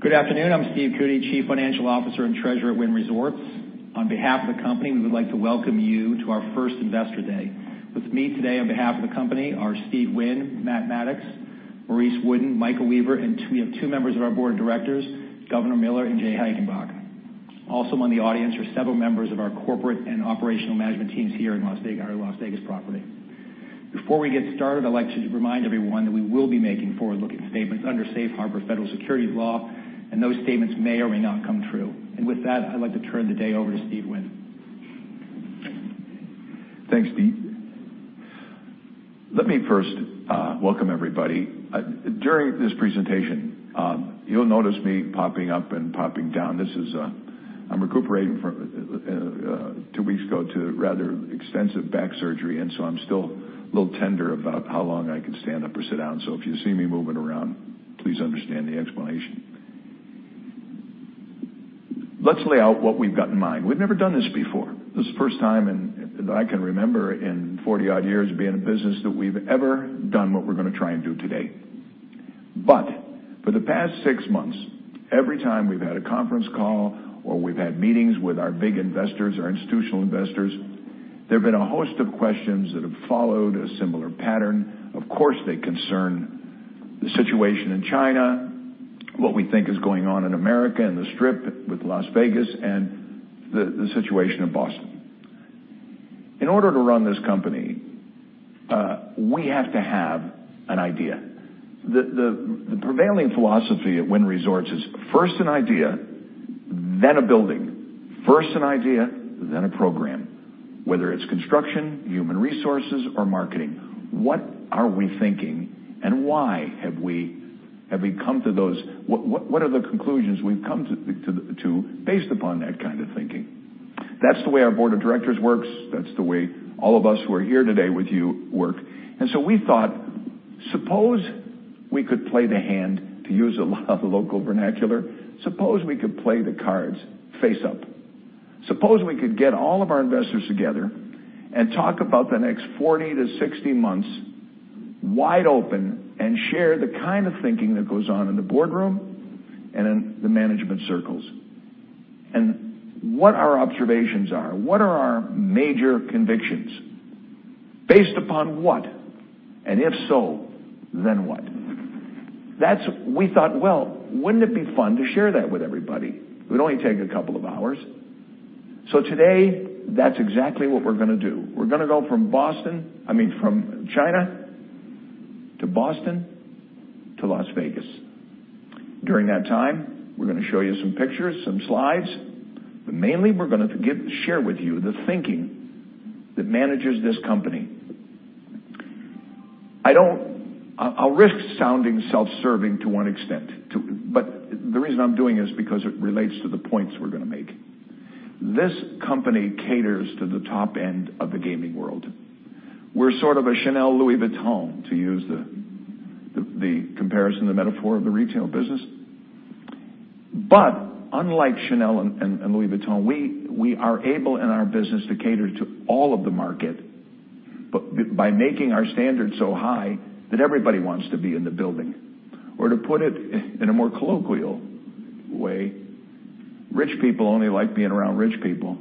Good afternoon. I'm Stephen Cootey, Chief Financial Officer and Treasurer at Wynn Resorts. On behalf of the company, we would like to welcome you to our first Investor Day. With me today on behalf of the company are Steve Wynn, Matt Maddox, Maurice Wooden, Michael Weaver, and we have two members of our board of directors, Governor Miller and Jay Hagenbuch. Also among the audience are several members of our corporate and operational management teams here in Las Vegas at our Las Vegas property. Before we get started, I'd like to remind everyone that we will be making forward-looking statements under Safe Harbor federal securities law, and those statements may or may not come true. With that, I'd like to turn the day over to Steve Wynn. Thanks, Steve. Let me first welcome everybody. During this presentation, you'll notice me popping up and popping down. I'm recuperating from, two weeks ago, to rather extensive back surgery, so I'm still a little tender about how long I can stand up or sit down. If you see me moving around, please understand the explanation. Let's lay out what we've got in mind. We've never done this before. This is the first time in that I can remember in 40-odd years of being in business that we've ever done what we're going to try and do today. For the past six months, every time we've had a conference call or we've had meetings with our big investors, our institutional investors, there have been a host of questions that have followed a similar pattern. Of course, they concern the situation in China, what we think is going on in America and the Strip with Las Vegas, and the situation in Boston. In order to run this company, we have to have an idea. The prevailing philosophy at Wynn Resorts is first an idea, then a building. First an idea, then a program. Whether it's construction, human resources, or marketing. What are the conclusions we've come to based upon that kind of thinking? That's the way our board of directors works. That's the way all of us who are here today with you work. We thought, suppose we could play the hand, to use a lot of local vernacular, suppose we could play the cards face up. Suppose we could get all of our investors together and talk about the next 40 to 60 months wide open and share the kind of thinking that goes on in the boardroom and in the management circles. What our observations are. What are our major convictions? Based upon what? If so, then what? We thought, well, wouldn't it be fun to share that with everybody? It would only take a couple of hours. Today, that's exactly what we're going to do. We're going to go from China to Boston to Las Vegas. During that time, we're going to show you some pictures, some slides. Mainly, we're going to share with you the thinking that manages this company. I'll risk sounding self-serving to one extent, but the reason I'm doing it is because it relates to the points we're going to make. This company caters to the top end of the gaming world. We're sort of a Chanel, Louis Vuitton, to use the comparison, the metaphor of the retail business. Unlike Chanel and Louis Vuitton, we are able in our business to cater to all of the market, but by making our standards so high that everybody wants to be in the building. To put it in a more colloquial way, rich people only like being around rich people.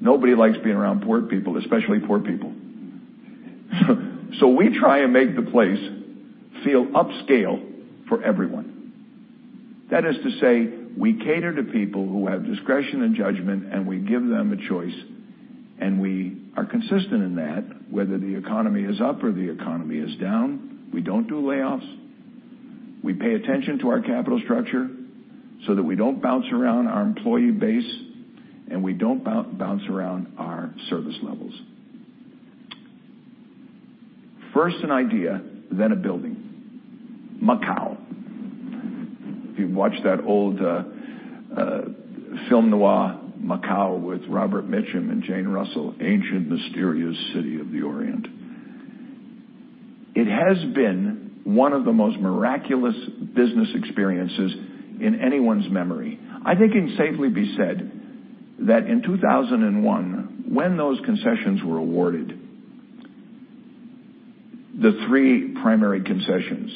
Nobody likes being around poor people, especially poor people. We try and make the place feel upscale for everyone. That is to say, we cater to people who have discretion and judgment, and we give them a choice and we are consistent in that. Whether the economy is up or the economy is down, we don't do layoffs. We pay attention to our capital structure so that we don't bounce around our employee base, and we don't bounce around our service levels. First an idea, then a building. Macau. If you watched that old film noir, Macau, with Robert Mitchum and Jane Russell, ancient, mysterious city of the Orient. It has been one of the most miraculous business experiences in anyone's memory. I think it can safely be said that in 2001, when those concessions were awarded, the three primary concessions,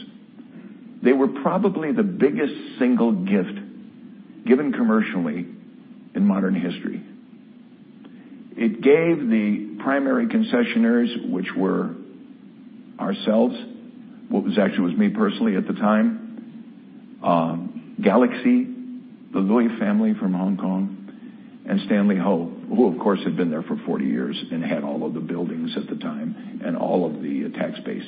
they were probably the biggest single gift given commercially in modern history. It gave the primary concessionaires, which were ourselves, well, actually, it was me personally at the time, Galaxy, the Lui family from Hong Kong, and Stanley Ho, who of course, had been there for 40 years and had all of the buildings at the time and all of the tax base.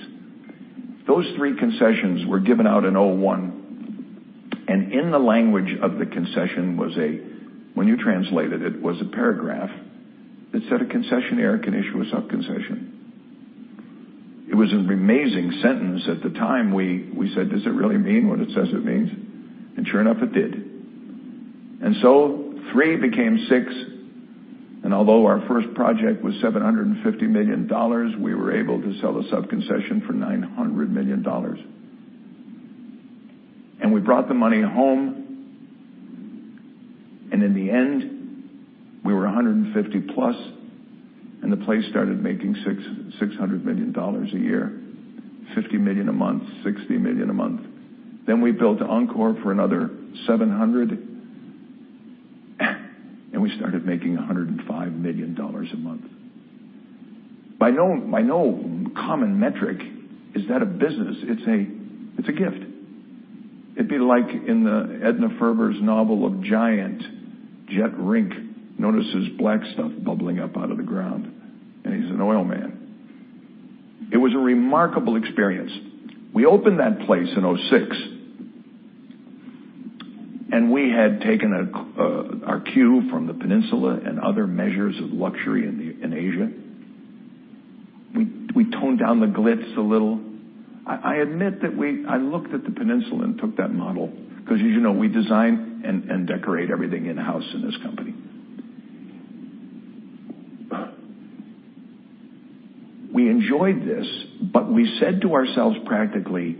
Those three concessions were given out in 2001. In the language of the concession was, when you translate it, a paragraph that said a concessionaire can issue a sub-concession. It was an amazing sentence. At the time, we said, "Does it really mean what it says it means?" Sure enough, it did. Three became six. Although our first project was $750 million, we were able to sell the sub-concession for $900 million. We brought the money home. In the end, we were $150 million plus, and the place started making $600 million a year, $50 million a month, $60 million a month. We built Encore for another $700 million, and we started making $105 million a month. By no common metric is that a business. It's a gift. It'd be like in the Edna Ferber's novel of Giant, Jett Rink notices black stuff bubbling up out of the ground, and he's an oil man. It was a remarkable experience. We opened that place in 2006, and we had taken our cue from The Peninsula and other measures of luxury in Asia. We toned down the glitz a little. I admit that I looked at The Peninsula and took that model because as you know, we design and decorate everything in-house in this company. We enjoyed this, we said to ourselves practically,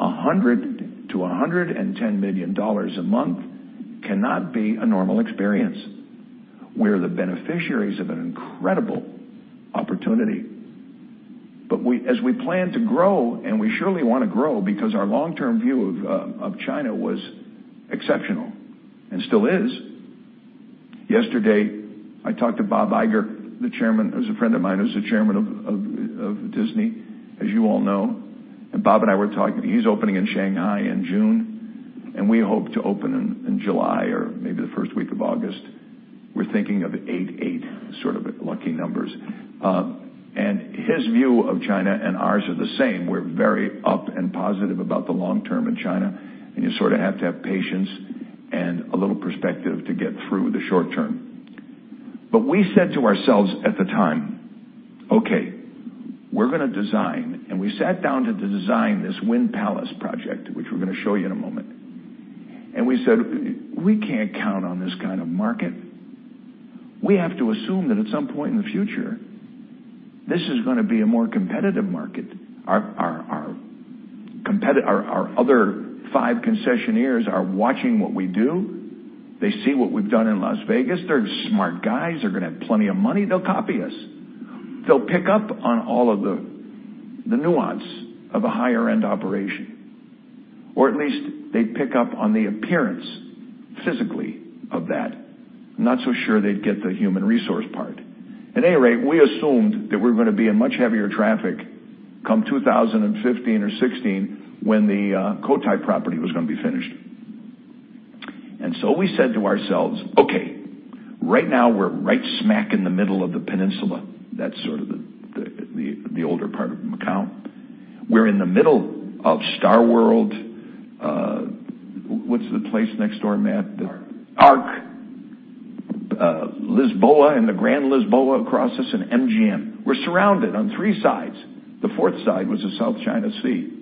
$100 million to $110 million a month cannot be a normal experience. We're the beneficiaries of an incredible opportunity. As we plan to grow, and we surely want to grow because our long-term view of China was exceptional and still is. Yesterday, I talked to Bob Iger, who's a friend of mine, who's the Chairman of Disney, as you all know. Bob and I were talking. He's opening in Shanghai in June, and we hope to open in July or maybe the first week of August. We're thinking of 8-8 sort of lucky numbers. His view of China and ours are the same. We're very up and positive about the long term in China, and you sort of have to have patience and a little perspective to get through the short term. We said to ourselves at the time, "Okay, we're going to design," and we sat down to design this Wynn Palace project, which we're going to show you in a moment. We said, "We can't count on this kind of market. We have to assume that at some point in the future, this is going to be a more competitive market. Our other five concessionaires are watching what we do. They see what we've done in Las Vegas. They're smart guys. They're going to have plenty of money. They'll copy us. They'll pick up on all of the nuance of a higher-end operation, or at least they'd pick up on the appearance physically of that. I'm not so sure they'd get the human resource part. At any rate, we assumed that we're going to be in much heavier traffic come 2015 or 2016 when the Cotai property was going to be finished. We said to ourselves, "Okay, right now we're right smack in the middle of the Peninsula." That's sort of the older part of Macau. We're in the middle of StarWorld Hotel. What's the place next door, Matt? ARC. ARC. Hotel Lisboa and the Grand Lisboa across us and MGM. We're surrounded on three sides. The fourth side was the South China Sea.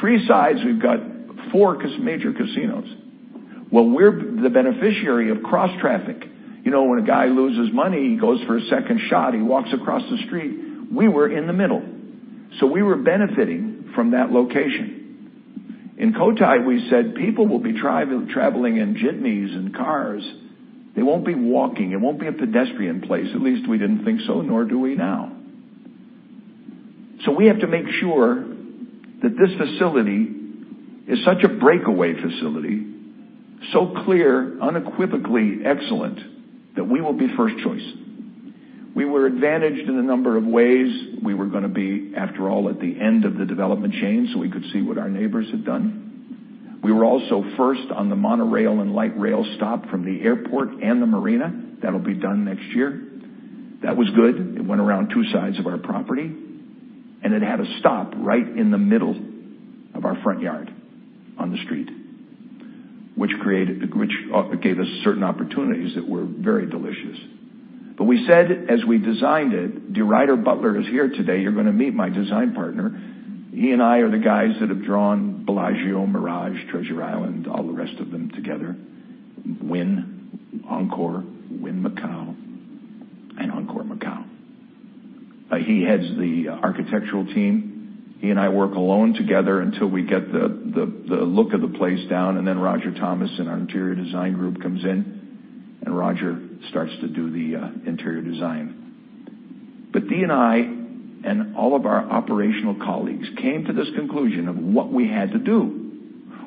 Three sides, we've got four major casinos. We're the beneficiary of cross-traffic. When a guy loses money, he goes for a second shot, he walks across the street. We were in the middle. We were benefiting from that location. In Cotai, we said people will be traveling in jitneys and cars. They won't be walking. It won't be a pedestrian place. At least we didn't think so, nor do we now. We have to make sure that this facility is such a breakaway facility, so clear, unequivocally excellent, that we will be first choice. We were advantaged in a number of ways. We were going to be, after all, at the end of the development chain, so we could see what our neighbors had done. We were also first on the monorail and light rail stop from the airport and the marina. That'll be done next year. That was good. It went around two sides of our property, and it had a stop right in the middle of our front yard on the street, which gave us certain opportunities that were very delicious. We said as we designed it, DeRuyter Butler is here today. You're going to meet my design partner. He and I are the guys that have drawn Bellagio, Mirage, Treasure Island, all the rest of them together, Wynn, Encore, Wynn Macau, and Encore Macau. He heads the architectural team. He and I work alone together until we get the look of the place down. Roger Thomas in our interior design group comes in, and Roger starts to do the interior design. He and I and all of our operational colleagues came to this conclusion of what we had to do.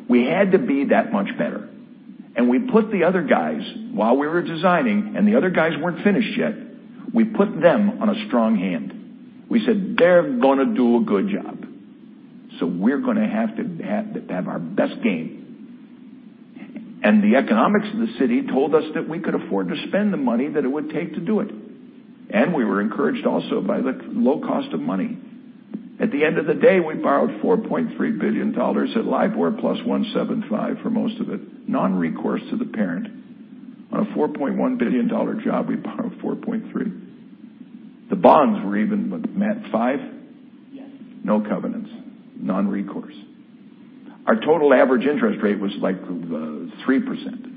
We had to be that much better. We put the other guys, while we were designing, and the other guys weren't finished yet, we put them on a strong hand. We said, "They're going to do a good job, so we're going to have to have our best game." The economics of the city told us that we could afford to spend the money that it would take to do it. We were encouraged also by the low cost of money. At the end of the day, we borrowed $4.3 billion at LIBOR plus 175 for most of it, non-recourse to the parent. On a $4.1 billion job, we borrowed $4.3 billion. The bonds were even, what, Matt, 5? Yes. No covenants, non-recourse. Our total average interest rate was like 3%,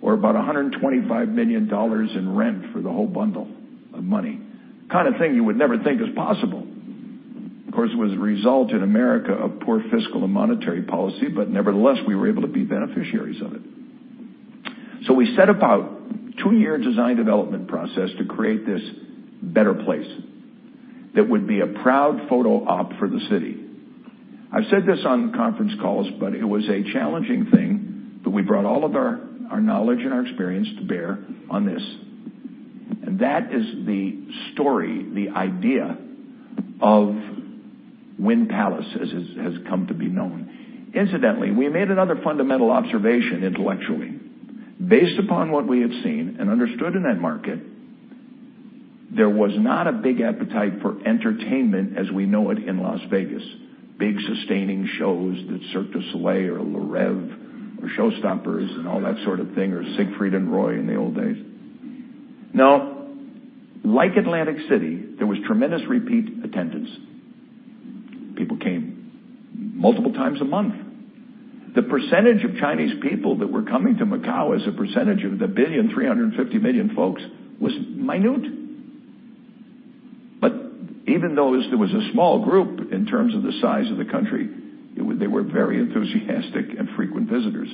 or about $125 million in rent for the whole bundle of money. Kind of thing you would never think is possible. Nevertheless, it was a result in America of poor fiscal and monetary policy, but we were able to be beneficiaries of it. We set about a 2-year design development process to create this better place that would be a proud photo op for the city. I've said this on conference calls, but it was a challenging thing that we brought all of our knowledge and our experience to bear on this. That is the story, the idea of Wynn Palace, as it has come to be known. Incidentally, we made another fundamental observation intellectually. Based upon what we had seen and understood in that market, there was not a big appetite for entertainment as we know it in Las Vegas, big sustaining shows like Cirque du Soleil or Le Rêve or ShowStoppers and all that sort of thing, or Siegfried and Roy in the old days. Now, like Atlantic City, there was tremendous repeat attendance. People came multiple times a month. The percentage of Chinese people that were coming to Macau as a percentage of the 1.35 billion folks was minute. Even though there was a small group in terms of the size of the country, they were very enthusiastic and frequent visitors.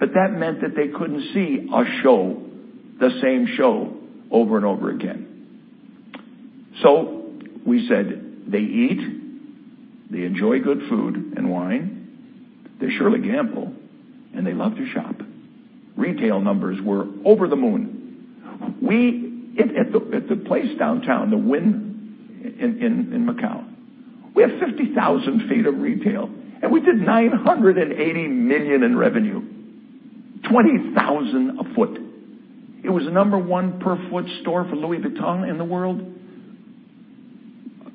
That meant that they couldn't see a show, the same show over and over again. We said they eat, they enjoy good food and wine, they surely gamble, they love to shop. Retail numbers were over the moon. At the place downtown, the Wynn Macau, we have 50,000 feet of retail, and we did $980 million in revenue, 20,000 a foot. It was the number 1 per foot store for Louis Vuitton in the world.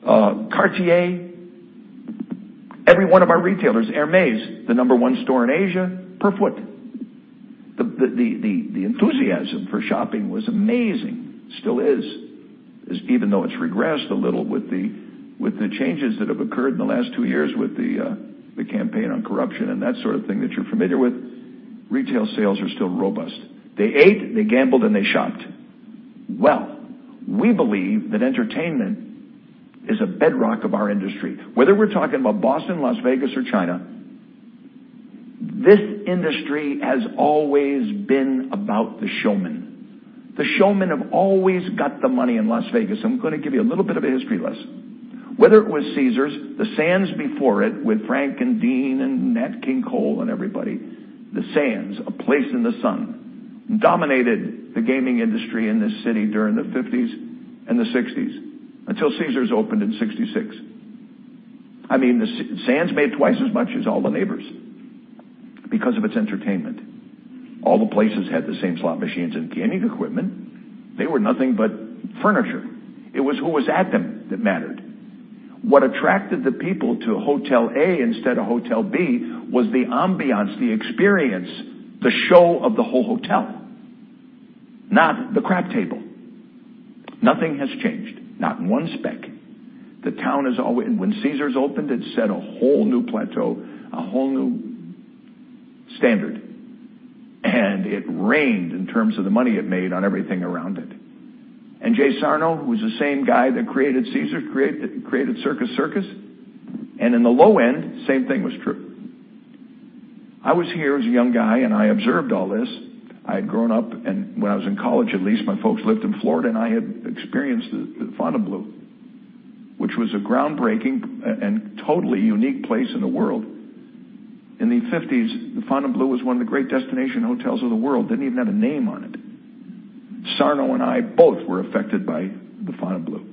Cartier, every one of our retailers, Hermès, the number 1 store in Asia per foot. The enthusiasm for shopping was amazing, still is, even though it's regressed a little with the changes that have occurred in the last 2 years with the campaign on corruption and that sort of thing that you're familiar with. Retail sales are still robust. They ate, they gambled, and they shopped. Well, we believe that entertainment is a bedrock of our industry. Whether we're talking about Boston, Las Vegas, or China, this industry has always been about the showmen. The showmen have always got the money in Las Vegas. I'm going to give you a little bit of a history lesson. Whether it was Caesars, the Sands before it with Frank and Dean and Nat King Cole and everybody, the Sands, a place in the sun, dominated the gaming industry in this city during the '50s and the '60s until Caesars opened in '66. Caesars made twice as much as all the neighbors because of its entertainment. All the places had the same slot machines and gaming equipment. They were nothing but furniture. It was who was at them that mattered. What attracted the people to Hotel A instead of Hotel B was the ambiance, the experience, the show of the whole hotel, not the crap table. Nothing has changed, not in one speck. When Caesars opened, it set a whole new plateau, a whole new standard, it rained in terms of the money it made on everything around it. Jay Sarno, who's the same guy that created Caesars, created Circus Circus. In the low end, same thing was true. I was here as a young guy, I observed all this. I had grown up, when I was in college, at least, my folks lived in Florida, and I had experienced the Fontainebleau, which was a groundbreaking and totally unique place in the world. In the '50s, the Fontainebleau was one of the great destination hotels of the world. Didn't even have a name on it. Sarno and I both were affected by the Fontainebleau.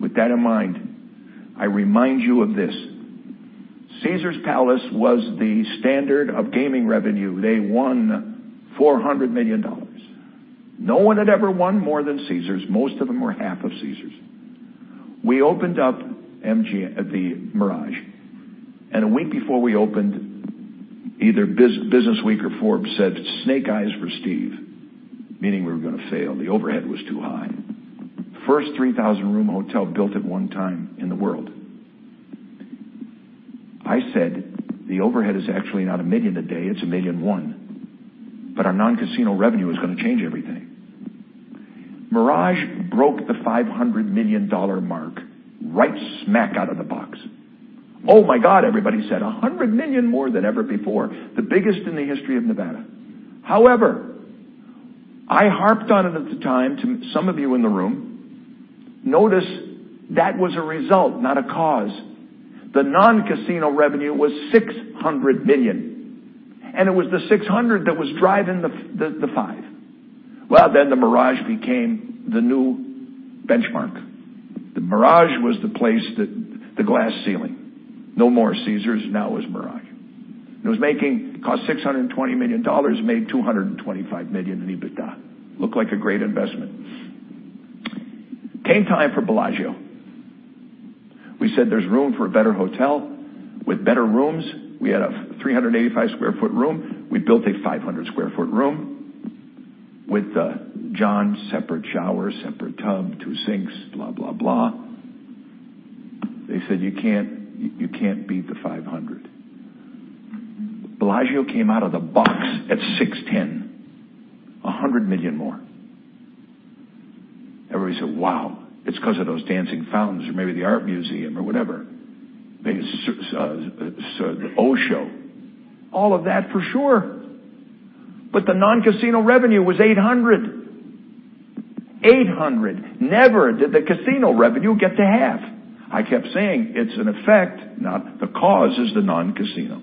With that in mind, I remind you of this. Caesars Palace was the standard of gaming revenue. They won $400 million. No one had ever won more than Caesars. Most of them were half of Caesars. We opened up The Mirage. A week before we opened, either Business Week or Forbes said, "Snake eyes for Steve," meaning we were going to fail. The overhead was too high. First 3,000-room hotel built at one time in the world. I said the overhead is actually not $1 million a day, it's $1 million and one, but our non-casino revenue is going to change everything. The Mirage broke the $500 million mark right smack out of the box. "Oh my God," everybody said, "$100 million more than ever before. The biggest in the history of Nevada." I harped on it at the time to some of you in the room. Notice that was a result, not a cause. The non-casino revenue was $600 million, it was the $600 million that was driving the $500 million. The Mirage became the new benchmark. The Mirage was the place that the glass ceiling. No more Caesars, now it's Mirage. It cost $620 million, made $225 million in EBITDA. Looked like a great investment. Came time for Bellagio. We said there's room for a better hotel with better rooms. We had a 385 sq ft room. We built a 500 sq ft room with the john, separate shower, separate tub, two sinks, blah, blah. They said, "You can't beat the 500." Bellagio came out of the box at $610 million, $100 million more. Everybody said, "Wow, it's because of those dancing fountains or maybe the art museum or whatever. Maybe it's the O show." All of that for sure. The non-casino revenue was $800 million. $800 million. Never did the casino revenue get to half. I kept saying it's an effect, not the cause, is the non-casino.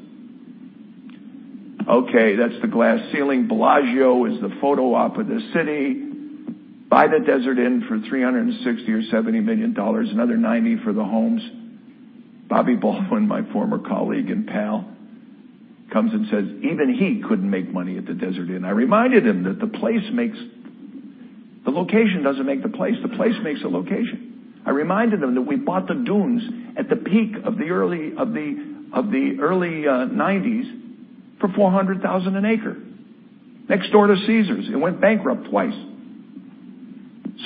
Okay, that's the glass ceiling. Bellagio is the photo op of the city. Buy the Desert Inn for $360 million or $370 million, another $90 million for the homes. Bobby Baldwin, my former colleague and pal, comes and says even he couldn't make money at the Desert Inn. I reminded him that the location doesn't make the place, the place makes the location. I reminded him that we bought the Dunes at the peak of the early 1990s for $400,000 an acre next door to Caesars. It went bankrupt twice.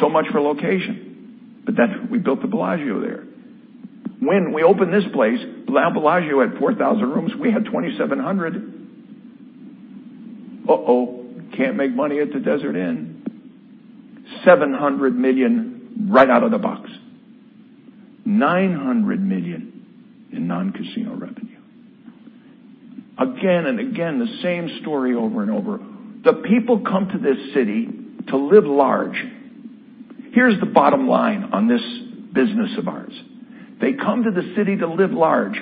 Much for location. We built the Bellagio there. When we opened this place, Bellagio had 4,000 rooms. We had 2,700. Uh-oh, can't make money at the Desert Inn. $700 million right out of the box. $900 million in non-casino revenue. Again and again, the same story over and over. The people come to this city to live large. Here's the bottom line on this business of ours. They come to the city to live large.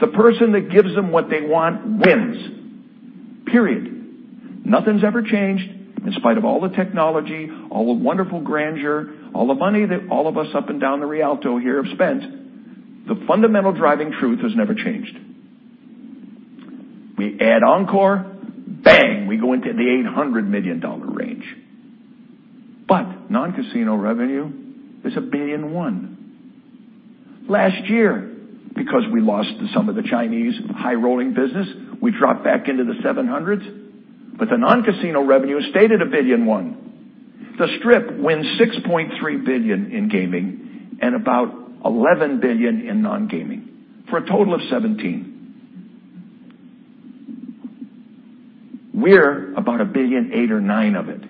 The person that gives them what they want wins, period. Nothing's ever changed, in spite of all the technology, all the wonderful grandeur, all the money that all of us up and down the Rialto here have spent. The fundamental driving truth has never changed. We add Encore, bang, we go into the $800 million range. Non-casino revenue is $1 billion and one. Last year, because we lost some of the Chinese high-rolling business, we dropped back into the 700s, but the non-casino revenue stayed at $1 billion and one. The Strip wins $6.3 billion in gaming and about $11 billion in non-gaming for a total of 17. We're about $1.8 billion or $1.9 billion of it.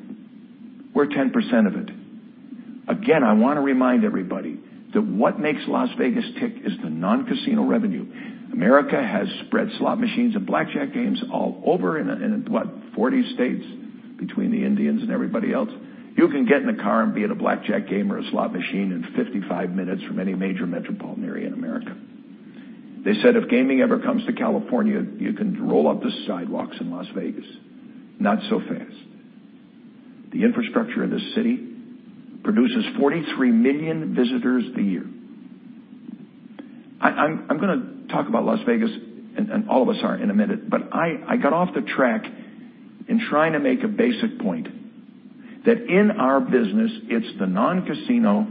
We're 10% of it. Again, I want to remind everybody that what makes Las Vegas tick is the non-casino revenue. America has spread slot machines and blackjack games all over in, what, 40 states between the Indians and everybody else? You can get in a car and be at a blackjack game or a slot machine in 55 minutes from any major metropolitan area in America. They said if gaming ever comes to California, you can roll up the sidewalks in Las Vegas. Not so fast. The infrastructure of this city produces 43 million visitors a year. I'm going to talk about Las Vegas and all of us are in a minute, but I got off the track in trying to make a basic point that in our business, it's the non-casino.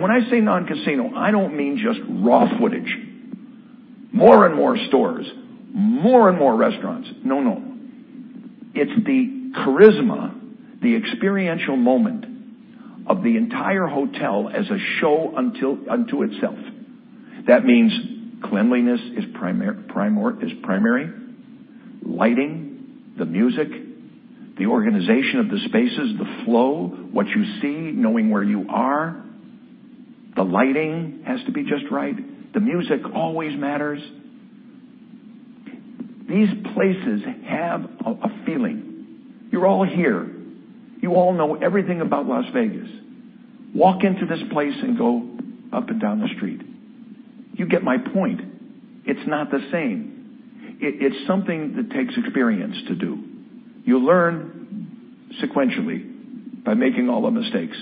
When I say non-casino, I don't mean just raw footage, more and more stores, more and more restaurants. No, no. It's the charisma, the experiential moment of the entire hotel as a show unto itself. That means cleanliness is primary. Lighting, the music, the organization of the spaces, the flow, what you see, knowing where you are. The lighting has to be just right. The music always matters. These places have a feeling. You're all here. You all know everything about Las Vegas. Walk into this place and go up and down the street. You get my point. It's not the same. It's something that takes experience to do. You learn sequentially by making all the mistakes.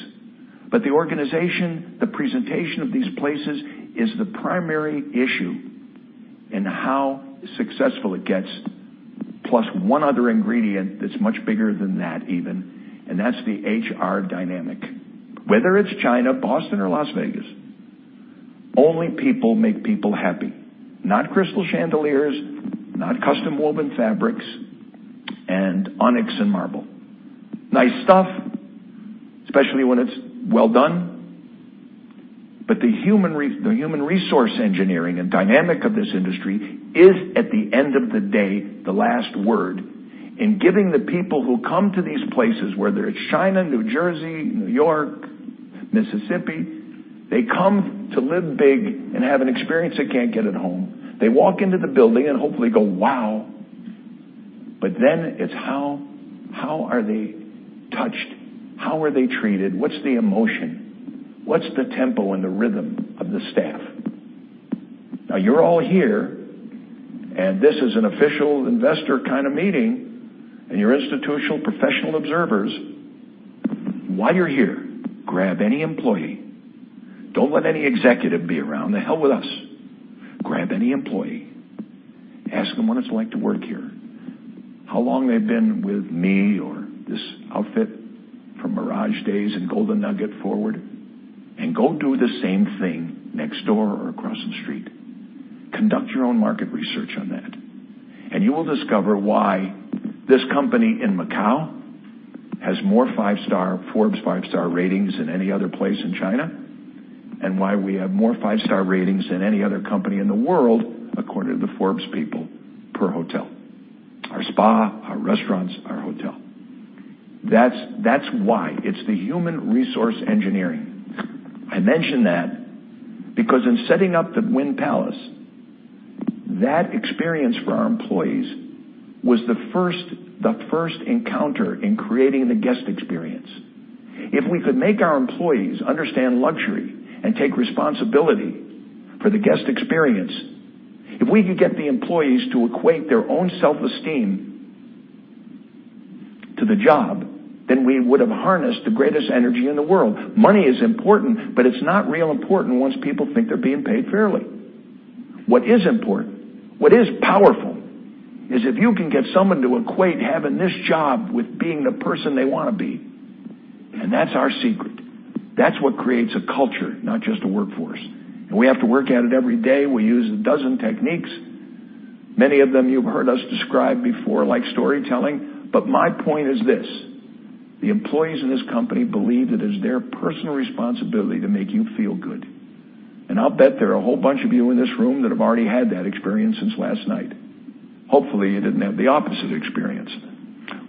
The organization, the presentation of these places is the primary issue in how successful it gets, plus one other ingredient that's much bigger than that even, and that's the HR dynamic. Whether it's China, Boston, or Las Vegas, only people make people happy. Not crystal chandeliers, not custom woven fabrics, and onyx and marble. Nice stuff, especially when it's well done, the human resource engineering and dynamic of this industry is, at the end of the day, the last word in giving the people who come to these places, whether it's China, New Jersey, New York, Mississippi, they come to live big and have an experience they can't get at home. They walk into the building and hopefully go, "Wow." It's how are they touched? How are they treated? What's the emotion? What's the tempo and the rhythm of the staff? You're all here, this is an official investor kind of meeting, you're institutional professional observers. While you're here, grab any employee. Don't let any executive be around. The hell with us. Grab any employee. Ask them what it's like to work here. How long they've been with me or this outfit from Mirage days and Golden Nugget forward, go do the same thing next door or across the street. Conduct your own market research on that, you will discover why this company in Macau has more Forbes five-star ratings than any other place in China, why we have more five-star ratings than any other company in the world, according to the Forbes people, per hotel. Our spa, our restaurants, our hotel. That's why. It's the human resource engineering. I mention that because in setting up the Wynn Palace, that experience for our employees was the first encounter in creating the guest experience. If we could make our employees understand luxury and take responsibility for the guest experience, if we could get the employees to equate their own self-esteem to the job, then we would have harnessed the greatest energy in the world. Money is important, it's not real important once people think they're being paid fairly. What is important, what is powerful, is if you can get someone to equate having this job with being the person they want to be. That's our secret. That's what creates a culture, not just a workforce. We have to work at it every day. We use a dozen techniques. Many of them you've heard us describe before, like storytelling. My point is this, the employees in this company believe it is their personal responsibility to make you feel good. I'll bet there are a whole bunch of you in this room that have already had that experience since last night. Hopefully, you didn't have the opposite experience.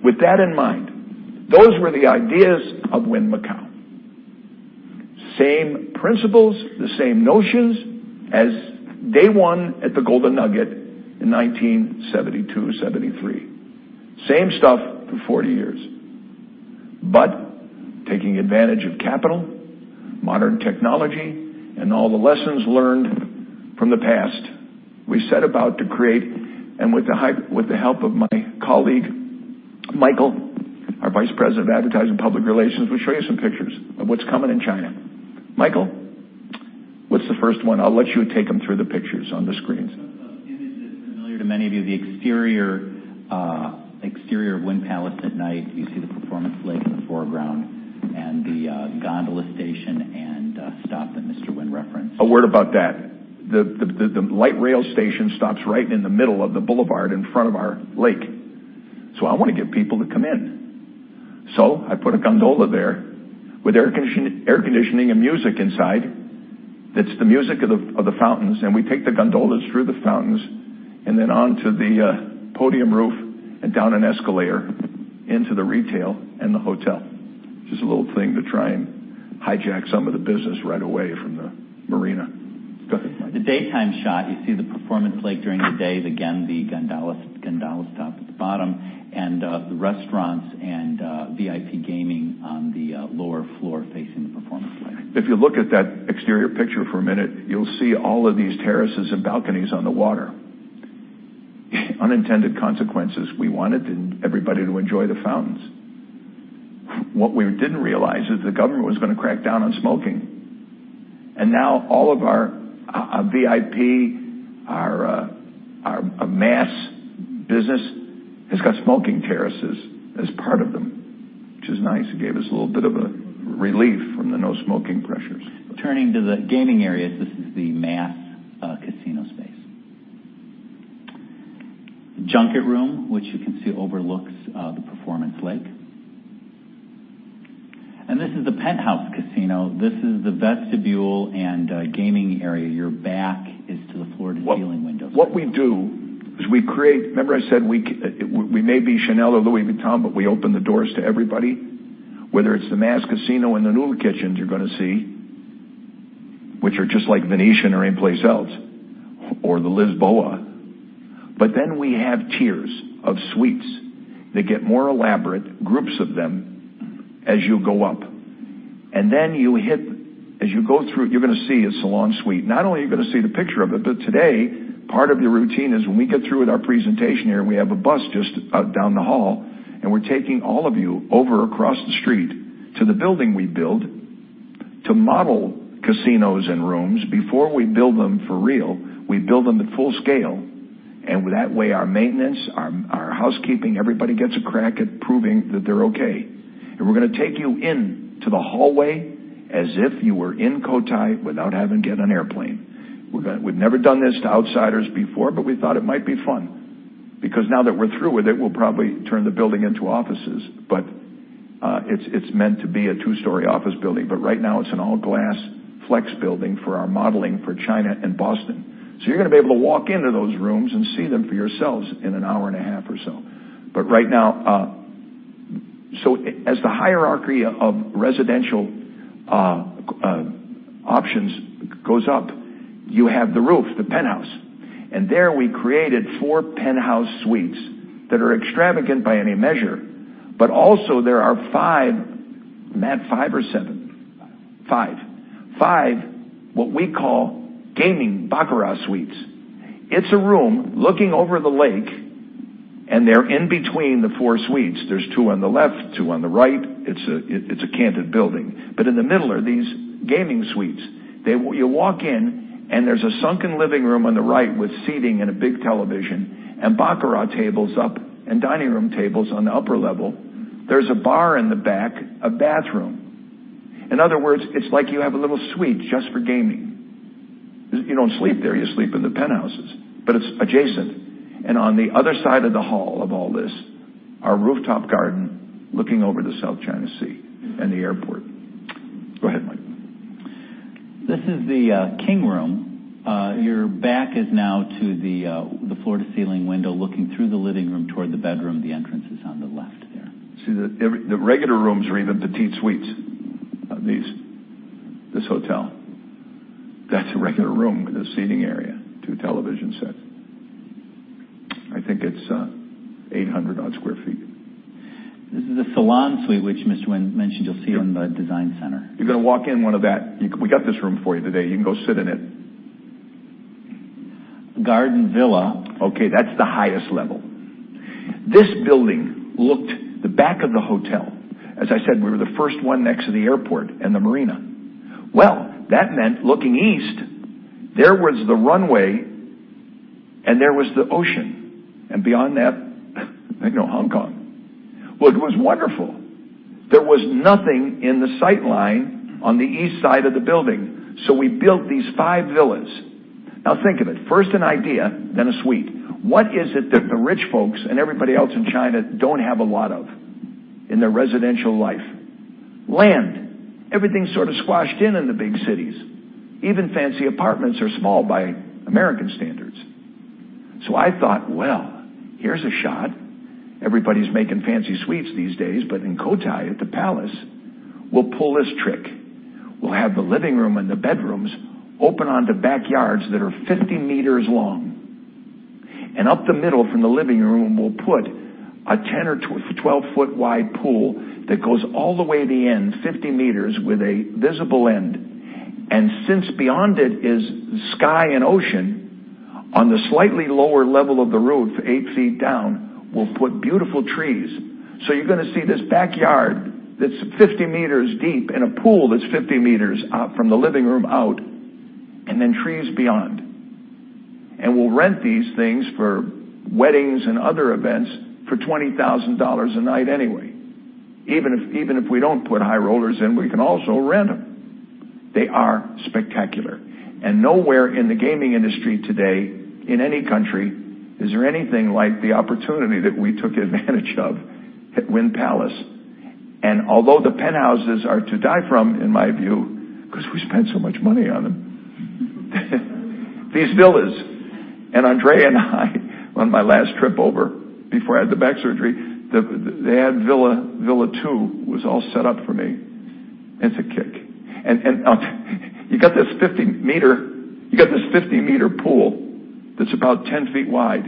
With that in mind, those were the ideas of Wynn Macau. Same principles, the same notions as day one at the Golden Nugget in 1972, 1973. Same stuff for 40 years. Taking advantage of capital, modern technology, and all the lessons learned from the past. We set about to create, with the help of my colleague, Michael, our Vice President of Advertising Public Relations, we'll show you some pictures of what's coming in China. Michael, what's the first one? I'll let you take them through the pictures on the screens. This is familiar to many of you, the exterior of Wynn Palace at night. You see the Performance Lake in the foreground and the gondola station and stop that Mr. Wynn referenced. A word about that. The light rail station stops right in the middle of the boulevard in front of our lake. I want to get people to come in. I put a gondola there with air conditioning and music inside. That's the music of the fountains. We take the gondolas through the fountains, then onto the podium roof and down an escalator into the retail and the hotel. Just a little thing to try and hijack some of the business right away from the marina. Go ahead, Michael. The daytime shot, you see the Performance Lake during the day. Again, the gondola stop at the bottom, the restaurants and VIP gaming on the lower floor facing the Performance Lake. If you look at that exterior picture for a minute, you'll see all of these terraces and balconies on the water. Unintended consequences. We wanted everybody to enjoy the fountains. What we didn't realize is the government was going to crack down on smoking. Now all of our VIP, our mass business has got smoking terraces as part of them, which is nice. It gave us a little bit of a relief from the no smoking pressures. Turning to the gaming areas, this is the mass casino space. The junket room, which you can see overlooks the Performance Lake. This is the penthouse casino. This is the vestibule and gaming area. Your back is to the floor-to-ceiling windows. What we do is we create. Remember I said, we may be Chanel or Louis Vuitton, but we open the doors to everybody, whether it's the mass casino in the noodle kitchens you're going to see, which are just like Venetian or anyplace else, or the Lisboa. We have tiers of suites that get more elaborate, groups of them, as you go up. As you go through, you're going to see a salon suite. Not only are you going to see the picture of it, but today, part of your routine is when we get through with our presentation here, we have a bus just down the hall, and we're taking all of you over across the street to the building we built to model casinos and rooms. Before we build them for real, we build them at full scale, that way, our maintenance, our housekeeping, everybody gets a crack at proving that they're okay. We're going to take you into the hallway as if you were in Cotai without having to get on an airplane. We've never done this to outsiders before, but we thought it might be fun. Now that we're through with it, we'll probably turn the building into offices. It's meant to be a two-story office building. Right now, it's an all-glass flex building for our modeling for China and Boston. You're going to be able to walk into those rooms and see them for yourselves in an hour and a half or so. As the hierarchy of residential options goes up, you have the roof, the penthouse. There we created four penthouse suites that are extravagant by any measure. Also there are, Matt, five or seven? Five. Five. Five, what we call gaming baccarat suites. It's a room looking over the lake, and they're in between the four suites. There's two on the left, two on the right. It's a candid building. In the middle are these gaming suites. You walk in, and there's a sunken living room on the right with seating and a big television, and baccarat tables up, and dining room tables on the upper level. There's a bar in the back, a bathroom. In other words, it's like you have a little suite just for gaming. You don't sleep there, you sleep in the penthouses. It's adjacent. On the other side of the hall of all this, our rooftop garden looking over the South China Sea and the airport. Go ahead, Mike. This is the king room. Your back is now to the floor-to-ceiling window looking through the living room toward the bedroom. The entrance is on the left there. See, the regular rooms are even petite suites, this hotel. That's a regular room with a seating area, two television sets. I think it's 800-odd sq ft. This is a salon suite, which Mr. Wynn mentioned you'll see in the design center. You're going to walk in one of that. We got this room for you today. You can go sit in it. Garden Villa. Okay. That's the highest level. This building looked the back of the hotel. As I said, we were the first one next to the airport and the marina. Well, that meant looking east, there was the runway, and there was the ocean, and beyond that, Hong Kong. Well, it was wonderful. There was nothing in the sight line on the east side of the building. We built these five villas. Think of it, first an idea, then a suite. What is it that the rich folks and everybody else in China don't have a lot of in their residential life? Land. Everything's sort of squashed in the big cities. Even fancy apartments are small by American standards. I thought, well, here's a shot. Everybody's making fancy suites these days, but in Cotai at the Palace, we'll pull this trick. We'll have the living room and the bedrooms open onto backyards that are 50 meters long. Up the middle from the living room, we'll put a 10 or 12-foot wide pool that goes all the way to the end, 50 meters, with a visible end. Since beyond it is sky and ocean, on the slightly lower level of the roof, eight feet down, we'll put beautiful trees. You're going to see this backyard that's 50 meters deep, and a pool that's 50 meters out from the living room out, and then trees beyond. We'll rent these things for weddings and other events for $20,000 a night anyway. Even if we don't put high rollers in, we can also rent them. They are spectacular. Nowhere in the gaming industry today, in any country, is there anything like the opportunity that we took advantage of at Wynn Palace. Although the penthouses are to die from, in my view, because we spent so much money on them, these villas, Andrea and I, on my last trip over, before I had the back surgery, they had Villa 2 was all set up for me. It's a kick. You got this 50 m pool that's about 10 ft wide,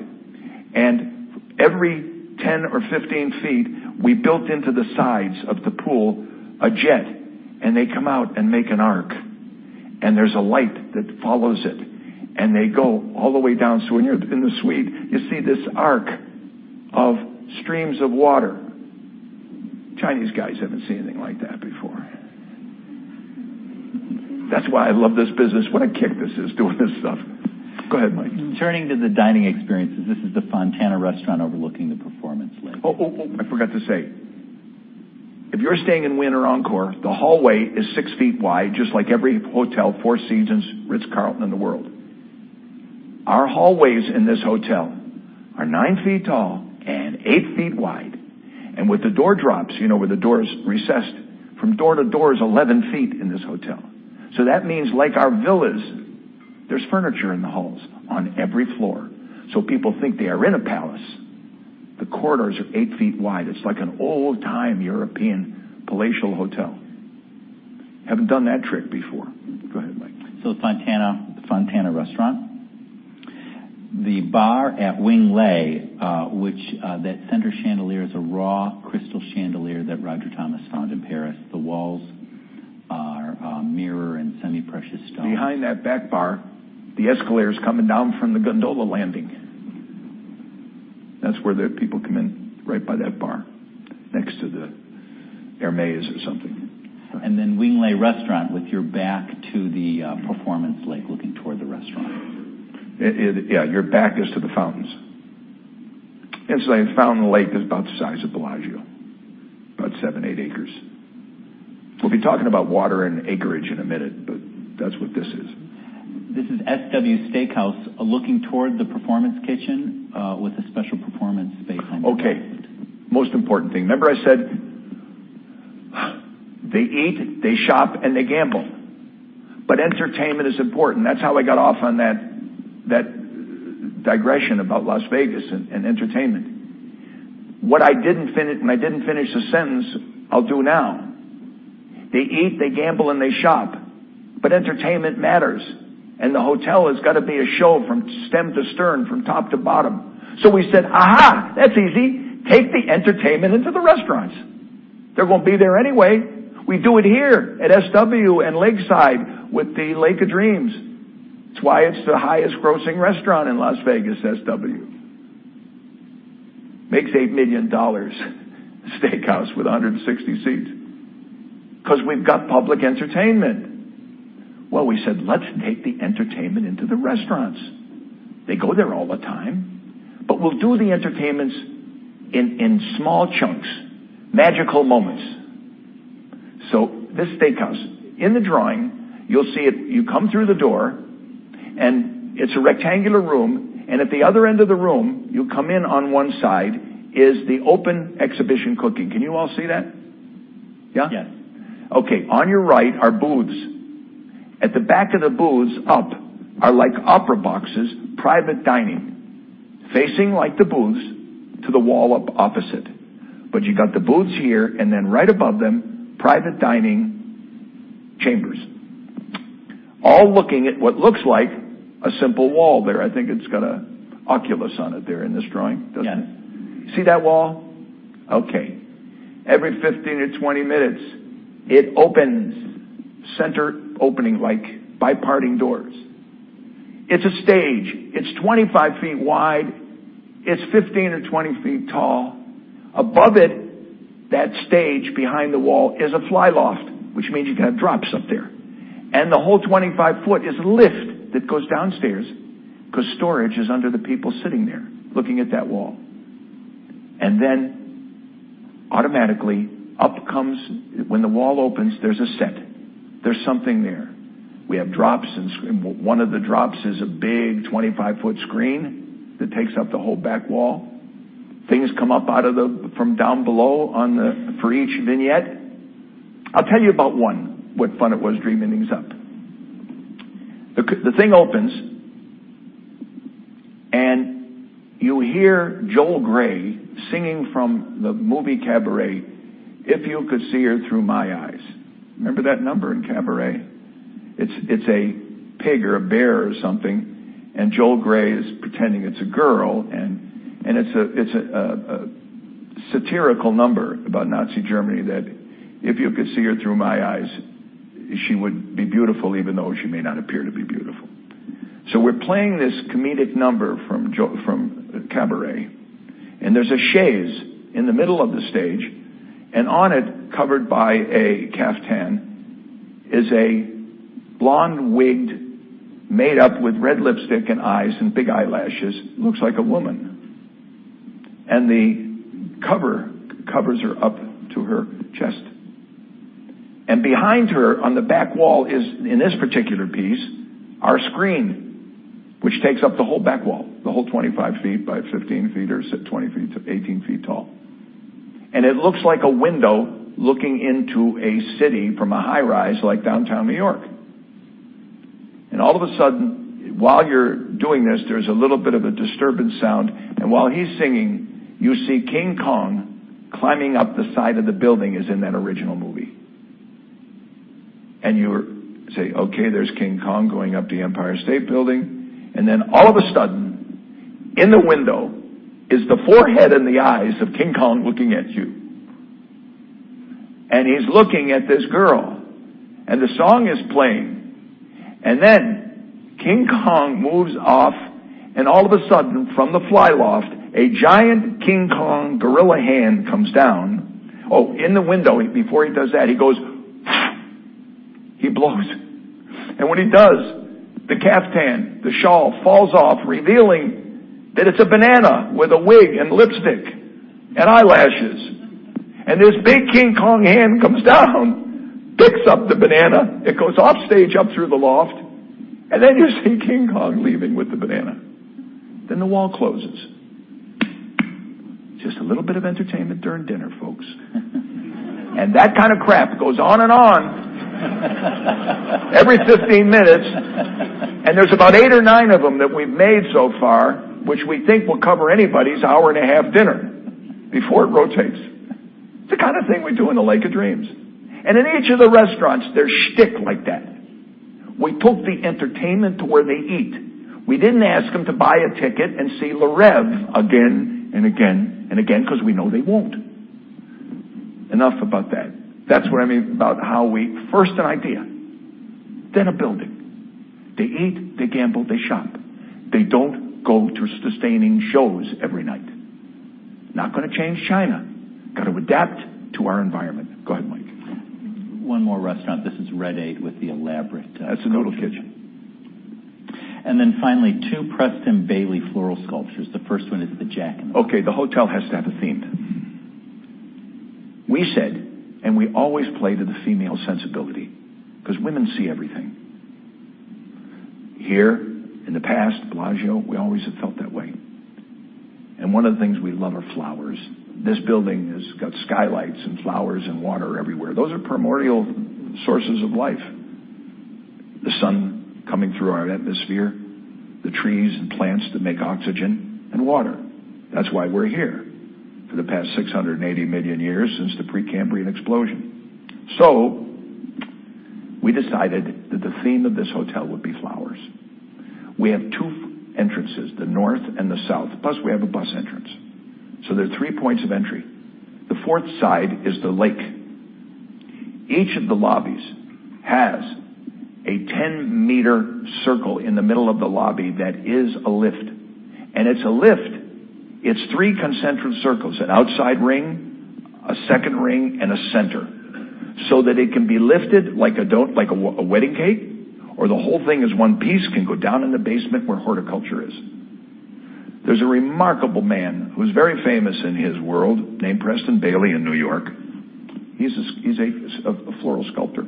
and every 10 or 15 ft, we built into the sides of the pool a jet, and they come out and make an arc. There's a light that follows it, and they go all the way down. When you're in the suite, you see this arc of streams of water. Chinese guys haven't seen anything like that before. That's why I love this business. What a kick this is, doing this stuff. Go ahead, Mike. Turning to the dining experiences, this is the Fontana Buffet overlooking the Performance Lake. I forgot to say. If you're staying in Wynn or Encore, the hallway is six feet wide, just like every hotel, Four Seasons, Ritz Carlton in the world. Our hallways in this hotel are nine feet tall and eight feet wide. With the door drops, where the door is recessed, from door to door is 11 ft in this hotel. That means like our villas, there's furniture in the halls on every floor. People think they are in a palace. The corridors are eight feet wide. It's like an old-time European palatial hotel. Haven't done that trick before. Go ahead, Mike. The Fontana Buffet. The bar at Wing Lei, that center chandelier is a raw crystal chandelier that Roger Thomas found in Paris. The walls are mirror and semi-precious stone. Behind that back bar, the escalators coming down from the gondola landing. That's where the people come in, right by that bar, next to the Hermès or something. Wing Lei Restaurant with your back to the Performance Lake, looking toward the restaurant. Yeah. Your back is to the fountains. The fountain lake is about the size of Bellagio, about seven, eight acres. We'll be talking about water and acreage in a minute, but that's what this is. This is SW Steakhouse, looking toward the performance kitchen, with a special performance space on the balcony. Most important thing. Remember I said, they eat, they shop, and they gamble. Entertainment is important. That's how I got off on that digression about Las Vegas and entertainment. What I didn't finish, and I didn't finish the sentence, I'll do now. They eat, they gamble, and they shop, but entertainment matters. The hotel has got to be a show from stem to stern, from top to bottom. We said, "Aha, that's easy. Take the entertainment into the restaurants. They're going to be there anyway. We do it here at SW and Lakeside with the Lake of Dreams." It's why it's the highest grossing restaurant in Las Vegas, SW. Makes $8 million, steakhouse with 160 seats, because we've got public entertainment. We said, "Let's take the entertainment into the restaurants. They go there all the time, we'll do the entertainments in small chunks, magical moments." This steakhouse, in the drawing, you'll see it. You come through the door, and it's a rectangular room, and at the other end of the room, you come in on one side, is the open exhibition cooking. Can you all see that? Yeah? Yes. On your right are booths. At the back of the booths, up, are like opera boxes, private dining, facing the booths to the wall opposite. You got the booths here, and then right above them, private dining chambers, all looking at what looks like a simple wall there. I think it's got an oculus on it there in this drawing, doesn't it? Yeah. See that wall? Okay. Every 15-20 minutes, it opens, center opening, like biparting doors. It's a stage. It's 25 feet wide. It's 15-20 feet tall. Above it, that stage behind the wall is a fly loft, which means you can have drops up there. The whole 25-foot is a lift that goes downstairs because storage is under the people sitting there looking at that wall. Then automatically, when the wall opens, there's a set. There's something there. We have drops, and one of the drops is a big 25-foot screen that takes up the whole back wall. Things come up from down below for each vignette. I'll tell you about one, what fun it was dreaming these up. The thing opens, you hear Joel Grey singing from the movie "Cabaret," "If You Could See Her Through My Eyes." Remember that number in Cabaret? It's a pig or a bear or something, Joel Grey is pretending it's a girl, it's a satirical number about Nazi Germany that if you could see her through my eyes, she would be beautiful, even though she may not appear to be beautiful. We're playing this comedic number from Cabaret, there's a chaise in the middle of the stage, on it, covered by a caftan, is a blonde wigged, made up with red lipstick and eyes and big eyelashes. Looks like a woman. The cover covers her up to her chest. Behind her on the back wall in this particular piece, our screen, which takes up the whole back wall, the whole 25 feet by 15 feet or 18 feet tall. It looks like a window looking into a city from a high rise like downtown New York. All of a sudden, while you're doing this, there's a little bit of a disturbance sound, while he's singing, you see King Kong climbing up the side of the building as in that original movie. You say, "Okay, there's King Kong going up the Empire State Building." All of a sudden, in the window is the forehead and the eyes of King Kong looking at you. He's looking at this girl, the song is playing. King Kong moves off, all of a sudden, from the fly loft, a giant King Kong gorilla hand comes down. Oh, in the window, before he does that, he goes, he blows. When he does, the caftan, the shawl falls off, revealing that it's a banana with a wig and lipstick and eyelashes. This big King Kong hand comes down, picks up the banana, it goes off stage, up through the loft, you see King Kong leaving with the banana. Then the wall closes. Just a little bit of entertainment during dinner, folks. That kind of crap goes on and on every 15 minutes, there's about eight or nine of them that we've made so far, which we think will cover anybody's hour-and-a-half dinner before it rotates. It's the kind of thing we do in the Lake of Dreams. In each of the restaurants, there's shtick like that. We took the entertainment to where they eat. We didn't ask them to buy a ticket and see Le Rêve again and again and again because we know they won't. Enough about that. That's what I mean about how we first an idea, then a building. They eat, they gamble, they shop. They don't go to sustaining shows every night. Not going to change China. Got to adapt to our environment. Go ahead, Mike. One more restaurant. That's a noodle kitchen. Finally, two Preston Bailey floral sculptures. Okay. The hotel has to have a theme. We said, we always play to the female sensibility because women see everything. Here, in the past, Bellagio, we always have felt that way. One of the things we love are flowers. This building has got skylights and flowers and water everywhere. Those are primordial sources of life. The sun coming through our atmosphere, the trees and plants that make oxygen, and water. That's why we're here for the past 680 million years since the Precambrian explosion. We decided that the theme of this hotel would be flowers. We have two entrances, the north and the south, plus we have a bus entrance. There are three points of entry. The fourth side is the lake. Each of the lobbies has a 10-meter circle in the middle of the lobby that is a lift. It's a lift. It's three concentric circles, an outside ring, a second ring, and a center, so that it can be lifted like a wedding cake, or the whole thing as one piece can go down in the basement where horticulture is. There's a remarkable man who's very famous in his world named Preston Bailey in New York. He's a floral sculptor.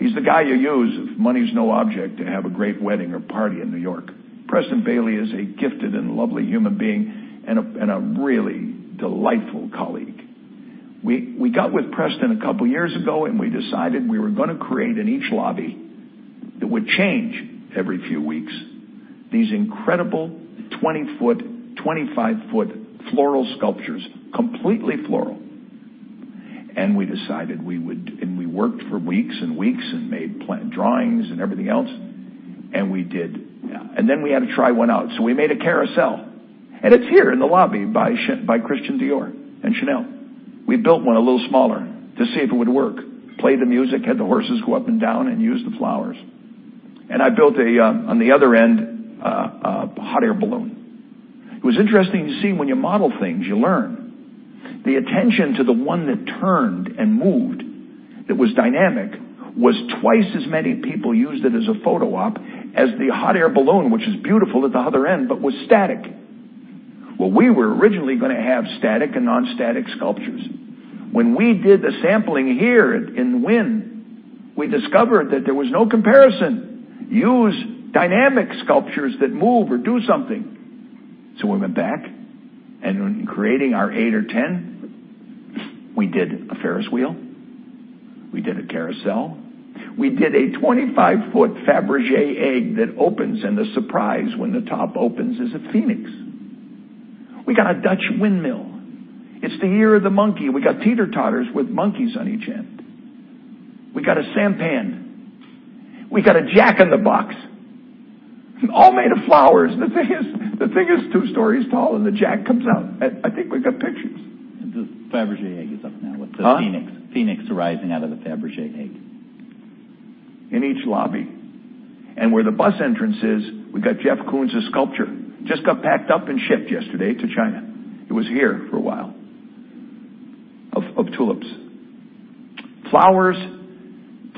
He's the guy you use if money's no object to have a great wedding or party in New York. Preston Bailey is a gifted and lovely human being and a really delightful colleague. We got with Preston a couple of years ago, we decided we were going to create in each lobby, that would change every few weeks, these incredible 20 foot, 25 foot floral sculptures, completely floral. We worked for weeks and weeks and made planned drawings and everything else. We had to try one out, we made a carousel, and it's here in the lobby by Christian Dior and Chanel. We built one a little smaller to see if it would work, play the music, have the horses go up and down, and use the flowers. I built, on the other end, a hot air balloon. It was interesting to see when you model things, you learn. The attention to the one that turned and moved, that was dynamic, was twice as many people used it as a photo op as the hot air balloon, which is beautiful at the other end, but was static. Well, we were originally going to have static and non-static sculptures. When we did the sampling here in Wynn, we discovered that there was no comparison. Use dynamic sculptures that move or do something. We went back and when creating our eight or 10, we did a Ferris wheel, we did a carousel, we did a 25-foot Fabergé egg that opens, and the surprise when the top opens is a phoenix. We got a Dutch windmill. It's the year of the monkey. We got teeter-totters with monkeys on each end. We got a sampan. We got a jack-in-the-box, all made of flowers. The thing is two stories tall, and the jack comes out. I think we've got pictures. The Fabergé egg is up now with the phoenix. Huh? Phoenix arising out of the Fabergé egg. In each lobby. Where the bus entrance is, we got Jeff Koons' sculpture. Just got packed up and shipped yesterday to China. It was here for a while, of tulips. Flowers,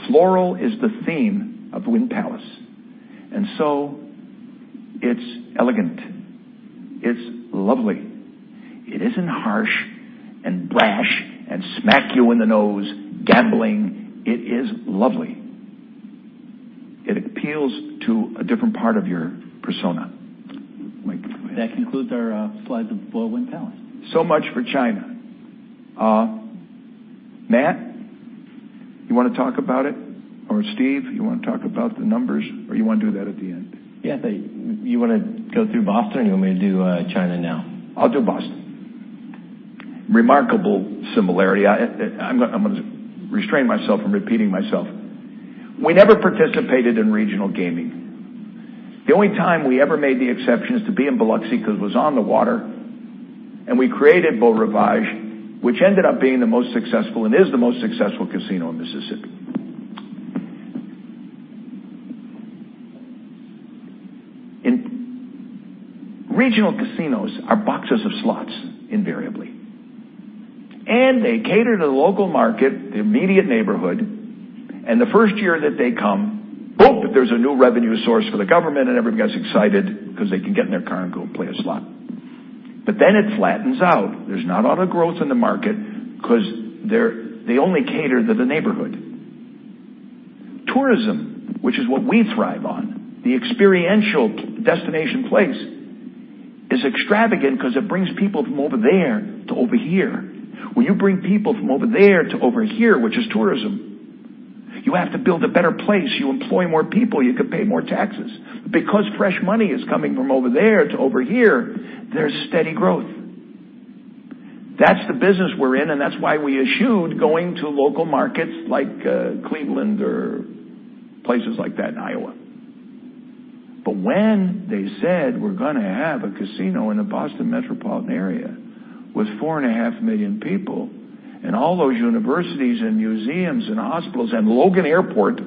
floral is the theme of Wynn Palace, so it's elegant. It's lovely. It isn't harsh and brash and smack you in the nose gambling. It is lovely. It appeals to a different part of your persona. Mike, go ahead. That concludes our slides of Wynn Palace. So much for China. Matt, you want to talk about it? Steve, you want to talk about the numbers, or you want to do that at the end? Yeah. You want to go through Boston, or you want me to do China now? I'll do Boston. Remarkable similarity. I'm going to restrain myself from repeating myself. We never participated in regional gaming. The only time we ever made the exception is to be in Biloxi because it was on the water, and we created Beau Rivage, which ended up being the most successful and is the most successful casino in Mississippi. Regional casinos are boxes of slots, invariably, and they cater to the local market, the immediate neighborhood. The first year that they come, boop, there's a new revenue source for the government, and everybody gets excited because they can get in their car and go play a slot. It flattens out. There's not a lot of growth in the market because they only cater to the neighborhood. Tourism, which is what we thrive on, the experiential destination place, is extravagant because it brings people from over there to over here. When you bring people from over there to over here, which is tourism, you have to build a better place. You employ more people, you could pay more taxes. Fresh money is coming from over there to over here, there's steady growth. That's the business we're in, that's why we eschewed going to local markets like Cleveland or places like that in Iowa. When they said we're going to have a casino in the Boston metropolitan area with four and a half million people and all those universities and museums and hospitals and Logan Airport,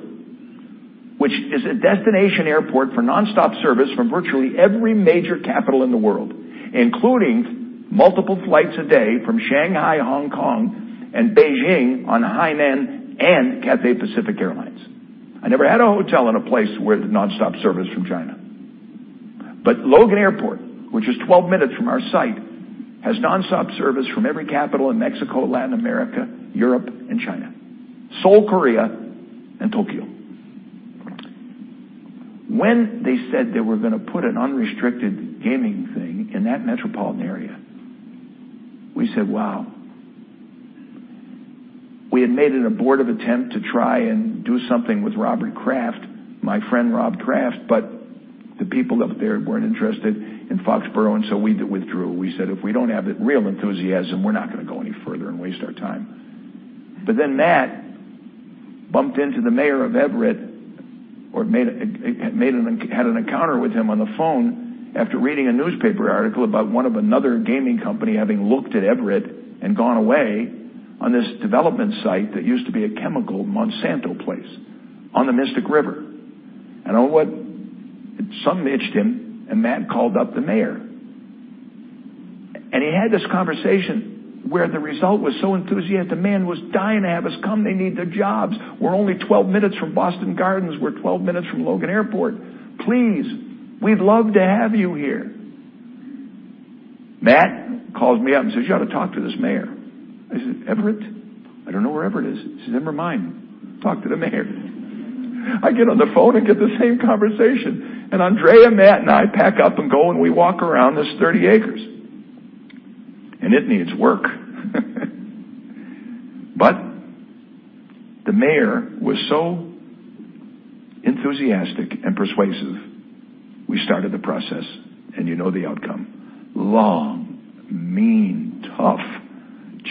which is a destination airport for nonstop service from virtually every major capital in the world, including multiple flights a day from Shanghai, Hong Kong, and Beijing on Hainan Airlines and Cathay Pacific Airways. I never had a hotel in a place with nonstop service from China. Logan Airport, which is 12 minutes from our site, has nonstop service from every capital in Mexico, Latin America, Europe, and China, Seoul, Korea, and Tokyo. When they said they were going to put an unrestricted gaming thing in that metropolitan area, we said, "Wow." We had made an abortive attempt to try and do something with Robert Kraft, my friend Robert Kraft, the people up there weren't interested in Foxborough, we withdrew. We said, "If we don't have the real enthusiasm, we're not going to go any further and waste our time." Matt bumped into the mayor of Everett or had an encounter with him on the phone after reading a newspaper article about one of another gaming company having looked at Everett and gone away on this development site that used to be a chemical Monsanto place on the Mystic River. Something itched him, Matt called up the mayor. He had this conversation where the result was so enthusiastic. The man was dying to have us come. "They need the jobs. We're only 12 minutes from Boston Gardens. We're 12 minutes from Logan Airport. Please, we'd love to have you here." Matt calls me up and says, "You ought to talk to this mayor." I said, "Everett? I don't know where Everett is." He says, "Never mind. Talk to the mayor." I get on the phone and get the same conversation. Andrea, Matt, and I pack up and go, and we walk around this 30 acres. It needs work. The mayor was so enthusiastic and persuasive, we started the process, and you know the outcome. Long, mean, tough,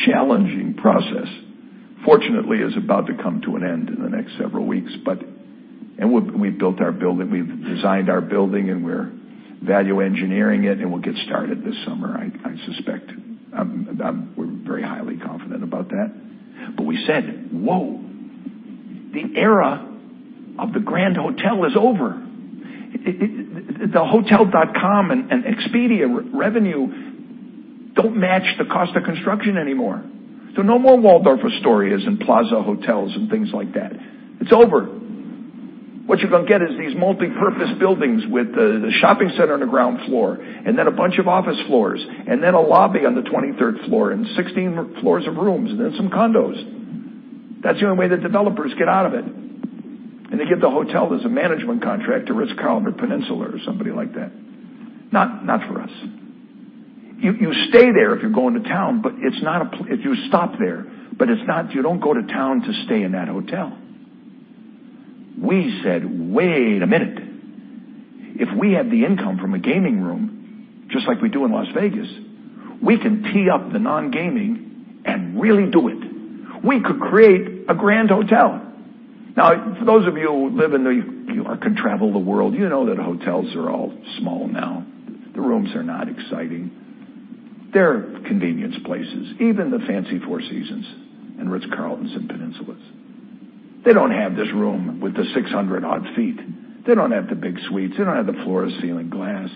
challenging process. Fortunately, it's about to come to an end in the next several weeks. We've designed our building, we're value engineering it, we'll get started this summer, I suspect. We're very highly confident about that. We said, "Whoa. The era of the grand hotel is over." The Hotels.com and Expedia revenue don't match the cost of construction anymore. No more Waldorf Astoria and Plaza Hotels and things like that. It's over. What you're going to get is these multipurpose buildings with the shopping center on the ground floor, then a bunch of office floors, then a lobby on the 23rd floor, and 16 floors of rooms, then some condos. That's the only way the developers get out of it. They give the hotel as a management contract to Ritz-Carlton, or Peninsula, or somebody like that. Not for us. You stay there if you're going to town. You stop there. You don't go to town to stay in that hotel. We said, "Wait a minute. If we had the income from a gaming room, just like we do in Las Vegas, we can tee up the non-gaming and really do it. We could create a grand hotel. For those of you who live in New York or travel the world, you know that hotels are all small now. The rooms are not exciting. They're convenience places, even the fancy Four Seasons and Ritz-Carltons and Peninsulas. They don't have this room with the 600-odd sq ft. They don't have the big suites. They don't have the floor-to-ceiling glass.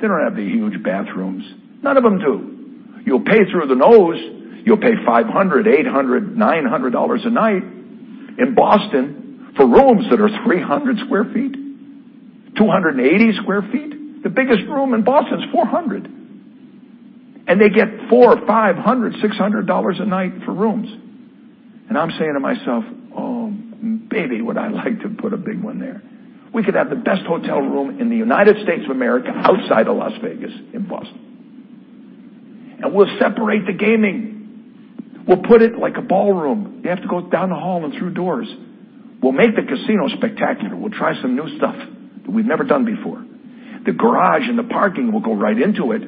They don't have the huge bathrooms. None of them do. You'll pay through the nose. You'll pay $500, $800, $900 a night in Boston for rooms that are 300 sq ft, 280 sq ft. The biggest room in Boston is 400 sq ft. They get $400, $500, $600 a night for rooms. I'm saying to myself, "Oh, baby, would I like to put a big one there." We could have the best hotel room in the U.S. outside of Las Vegas in Boston. We'll separate the gaming. We'll put it like a ballroom. You have to go down a hall and through doors. We'll make the casino spectacular. We'll try some new stuff that we've never done before. The garage and the parking will go right into it,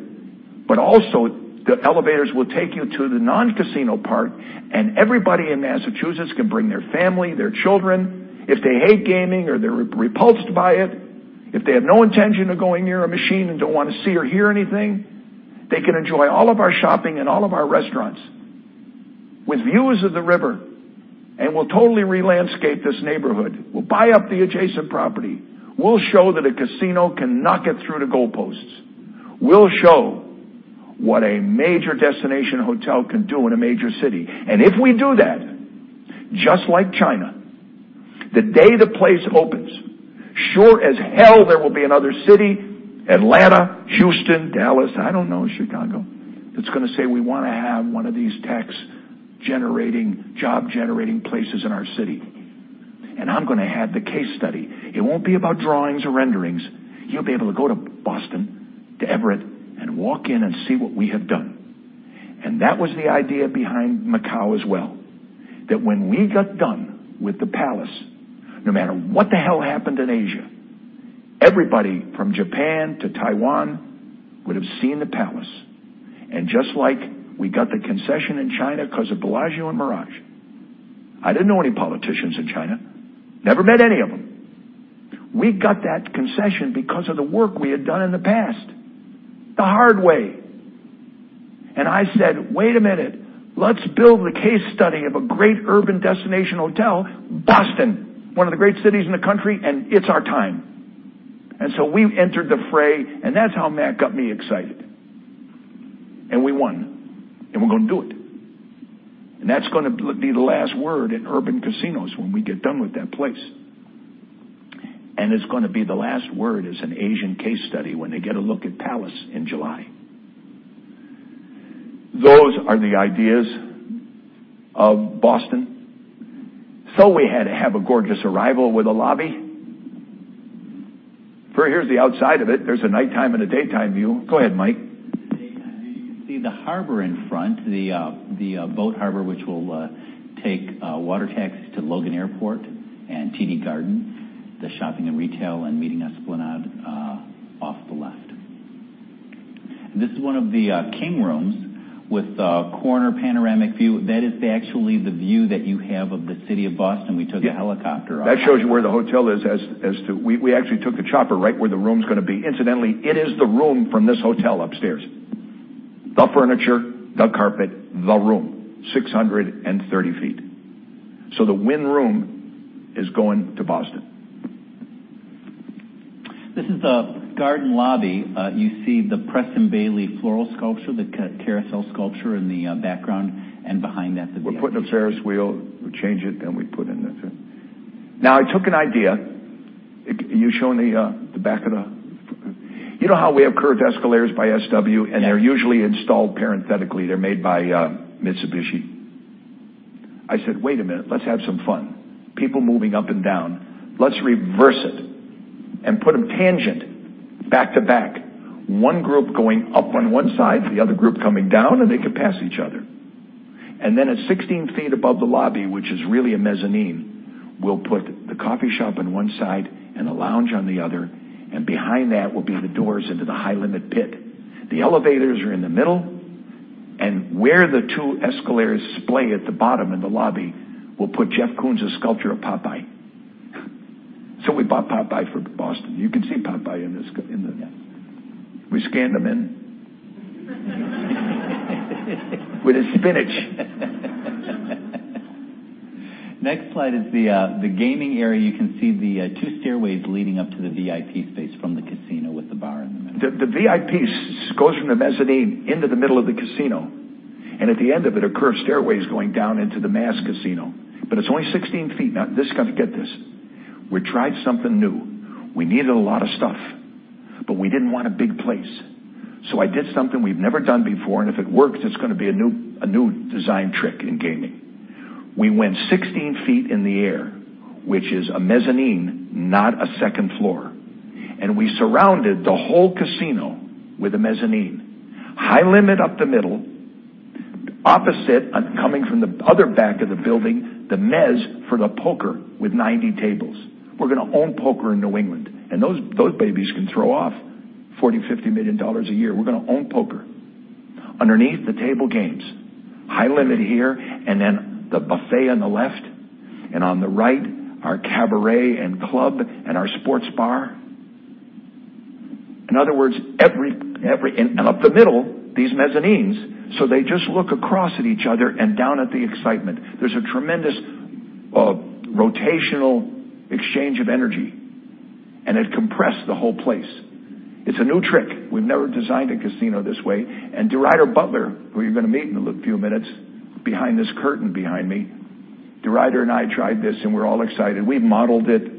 but also the elevators will take you to the non-casino part. Everybody in Massachusetts can bring their family, their children. If they hate gaming or they're repulsed by it, if they have no intention of going near a machine and don't want to see or hear anything, they can enjoy all of our shopping and all of our restaurants with views of the river. We'll totally re-landscape this neighborhood. We'll buy up the adjacent property. We'll show that a casino can knock it through the goalposts. We'll show what a major destination hotel can do in a major city. If we do that, just like China, the day the place opens, sure as hell there will be another city, Atlanta, Houston, Dallas, I don't know, Chicago, that's going to say, "We want to have one of these tax-generating, job-generating places in our city." I'm going to have the case study. It won't be about drawings or renderings. You'll be able to go to Boston, to Everett, and walk in and see what we have done. That was the idea behind Macau as well. That when we got done with Wynn Palace, no matter what the hell happened in Asia, everybody from Japan to Taiwan would've seen Wynn Palace. Just like we got the concession in China because of Bellagio and The Mirage. I didn't know any politicians in China. Never met any of them. We got that concession because of the work we had done in the past, the hard way. I said, "Wait a minute. Let's build the case study of a great urban destination hotel, Boston, one of the great cities in the country, and it's our time." We entered the fray, and that's how Matt got me excited. We won, and we're going to do it. That's going to be the last word in urban casinos when we get done with that place. It's going to be the last word as an Asian case study when they get a look at Wynn Palace in July. Those are the ideas of Boston. We had to have a gorgeous arrival with a lobby. Here's the outside of it. There's a nighttime and a daytime view. Go ahead, Mike. The daytime view. You can see the harbor in front, the boat harbor, which will take water taxis to Logan Airport and TD Garden, the shopping and retail, and Meeting Esplanade off the left. This is one of the king rooms with a corner panoramic view. That is actually the view that you have of the city of Boston. That shows you where the hotel is. We actually took the chopper right where the room's going to be. Incidentally, it is the room from this hotel upstairs. The furniture, the carpet, the room, 630 feet. The Wynn room is going to Boston. This is the Garden Lobby. You see the Preston Bailey floral sculpture, the carousel sculpture in the background, and behind that's the VIP space. We're putting a Ferris wheel. We change it. We put in this. I took an idea. You showing the back of the-- You know how we have curved escalators by SW. Yes They're usually installed parenthetically. They're made by Mitsubishi. I said, "Wait a minute. Let's have some fun." People moving up and down. Let's reverse it and put them tangent back to back. One group going up on one side, the other group coming down, and they can pass each other. Then at 16 feet above the lobby, which is really a mezzanine, we'll put the coffee shop on one side and a lounge on the other, and behind that will be the doors into the high limit pit. The elevators are in the middle, and where the two escalators splay at the bottom in the lobby, we'll put Jeff Koons' sculpture of Popeye. We bought Popeye for Boston. You can see Popeye in this. Yeah. We scanned him in. With his spinach. Next slide is the gaming area. You can see the two stairways leading up to the VIP space from the casino with the bar in the middle. The VIP goes from the mezzanine into the middle of the casino, at the end of it are curved stairways going down into the mass casino. It's only 16 feet. This, got to get this. We tried something new. We needed a lot of stuff, but we didn't want a big place. I did something we've never done before, and if it works, it's going to be a new design trick in gaming. We went 16 feet in the air, which is a mezzanine, not a second floor. We surrounded the whole casino with a mezzanine. High limit up the middle. Opposite, coming from the other back of the building, the mez for the poker with 90 tables. We're going to own poker in New England, those babies can throw off $40 million-$50 million a year. We're going to own poker. Underneath, the table games. High limit here, the buffet on the left, on the right, our Cabaret and club and our sports bar. In other words, up the middle, these mezzanines. They just look across at each other and down at the excitement. There's a tremendous rotational exchange of energy, it compressed the whole place. It's a new trick. We've never designed a casino this way. DeRuyter Butler, who you're going to meet in a few minutes behind this curtain behind me, DeRuyter and I tried this, we're all excited. We've modeled it,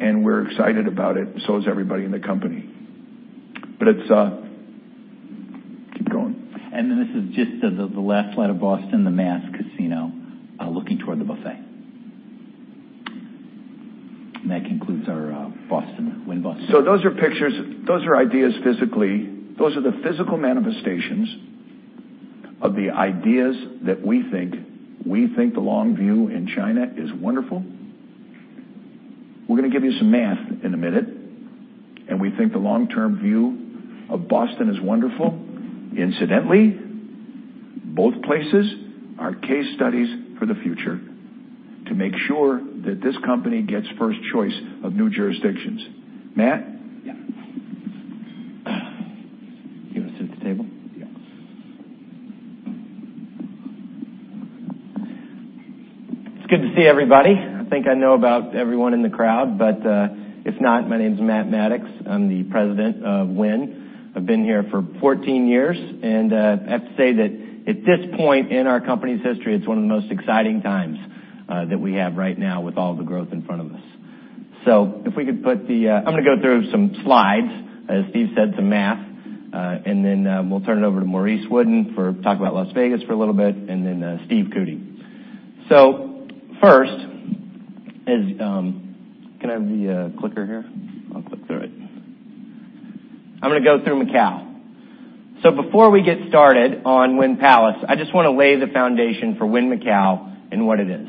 we're excited about it, so is everybody in the company. Keep going. This is just the last slide of Boston, the mass casino, looking toward the buffet. That concludes our Wynn Boston. Those are pictures. Those are ideas physically. Those are the physical manifestations of the ideas that we think the long view in China is wonderful. We're going to give you some math in a minute, we think the long-term view of Boston is wonderful. Incidentally, both places are case studies for the future to make sure that this company gets first choice of new jurisdictions. Matt? Yeah. You want to sit at the table? Yeah. It's good to see everybody. I think I know about everyone in the crowd, but if not, my name's Matt Maddox. I'm the President of Wynn. I've been here for 14 years, and I have to say that at this point in our company's history, it's one of the most exciting times that we have right now with all the growth in front of us. If we could put the-- I'm going to go through some slides, as Steve said, some math, and then we'll turn it over to Maurice Wooden to talk about Las Vegas for a little bit, and then Steve Cootey. First is-- Can I have the clicker here? I'll click through it. I'm going to go through Macau. Before we get started on Wynn Palace, I just want to lay the foundation for Wynn Macau and what it is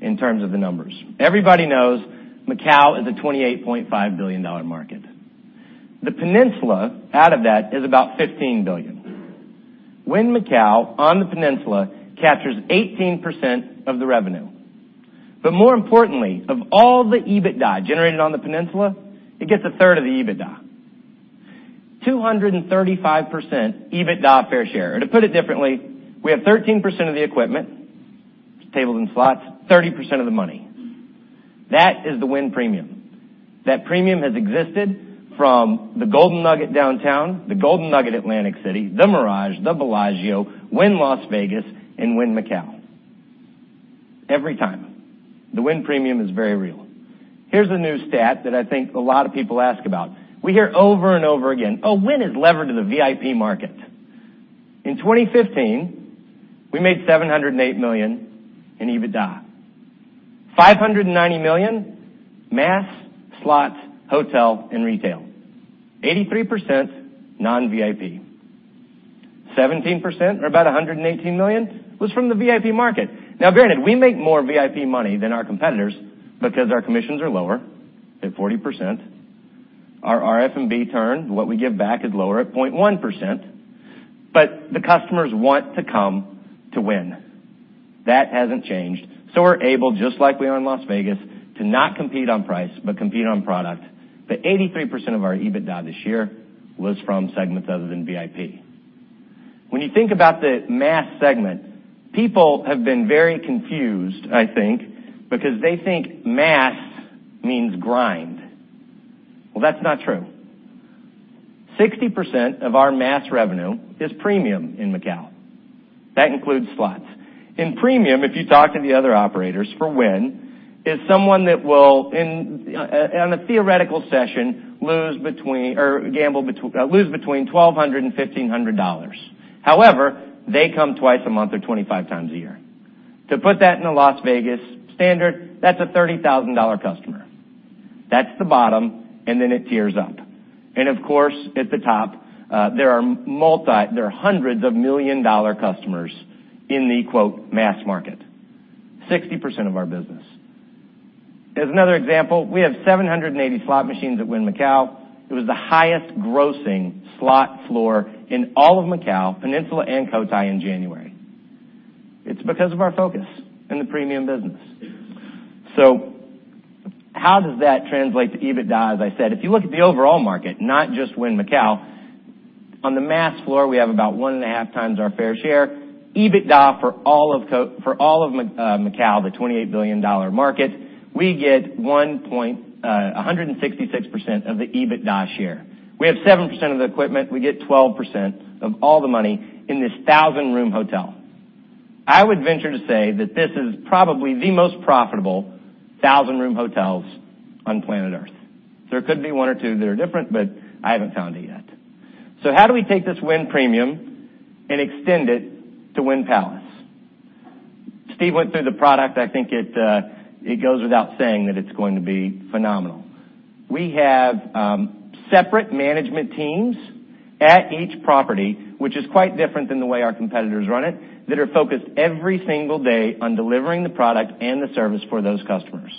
in terms of the numbers. Everybody knows Macau is a $28.5 billion market. The peninsula out of that is about $15 billion. Wynn Macau on the peninsula captures 18% of the revenue. More importantly, of all the EBITDA generated on the peninsula, it gets a third of the EBITDA. 235% EBITDA fair share. To put it differently, we have 13% of the equipment, tables, and slots, 30% of the money. That is the Wynn premium. That premium has existed from the Golden Nugget downtown, the Golden Nugget Atlantic City, The Mirage, the Bellagio, Wynn Las Vegas, and Wynn Macau. Every time. The Wynn premium is very real. Here's a new stat that I think a lot of people ask about. We hear over and over again, "Oh, Wynn is levered to the VIP market." In 2015, we made $708 million in EBITDA. $590 million, mass, slots, hotel, and retail. 83% non-VIP. 17%, or about $118 million, was from the VIP market. Now granted, we make more VIP money than our competitors because our commissions are lower, at 40%. Our RFB turn, what we give back is lower at 0.1%. The customers want to come to Wynn. That hasn't changed. We're able, just like we are in Las Vegas, to not compete on price, but compete on product, 83% of our EBITDA this year was from segments other than VIP. You think about the mass segment, people have been very confused, I think, because they think mass means grind. That's not true. 60% of our mass revenue is premium in Macau. That includes slots. In premium, if you talk to the other operators, for Wynn, is someone that will, on a theoretical session, lose between $1,200-$1,500. However, they come twice a month or 25 times a year. To put that into Las Vegas standard, that's a $30,000 customer. That's the bottom, and then it tiers up. Of course, at the top, there are hundreds of million-dollar customers in the, quote, "mass market". 60% of our business. As another example, we have 780 slot machines at Wynn Macau. It was the highest grossing slot floor in all of Macau, Peninsula and Cotai, in January. It's because of our focus in the premium business. How does that translate to EBITDA? As I said, if you look at the overall market, not just Wynn Macau, on the mass floor, we have about one and a half times our fair share. EBITDA for all of Macau, the $28 billion market, we get 166% of the EBITDA share. We have 7% of the equipment. We get 12% of all the money in this thousand-room hotel. I would venture to say that this is probably the most profitable thousand-room hotels on planet Earth. There could be one or two that are different, but I haven't found it yet. How do we take this Wynn premium and extend it to Wynn Palace? Steve went through the product. I think it goes without saying that it's going to be phenomenal. We have separate management teams at each property, which is quite different than the way our competitors run it, that are focused every single day on delivering the product and the service for those customers.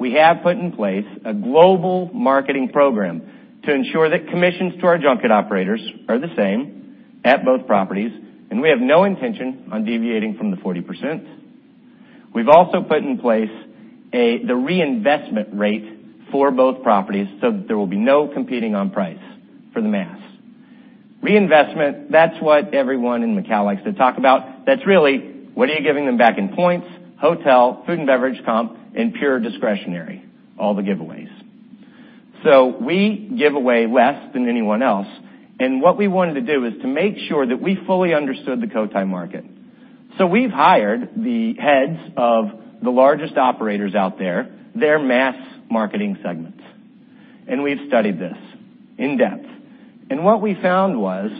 We have put in place a global marketing program to ensure that commissions to our junket operators are the same at both properties, and we have no intention on deviating from the 40%. We've also put in place the reinvestment rate for both properties so that there will be no competing on price for the mass. Reinvestment, that's what everyone in Macau likes to talk about. That's really, what are you giving them back in points, hotel, food and beverage comp, and pure discretionary, all the giveaways. We give away less than anyone else, and what we wanted to do is to make sure that we fully understood the Cotai market. We've hired the heads of the largest operators out there, their mass marketing segments. We've studied this in depth. What we found was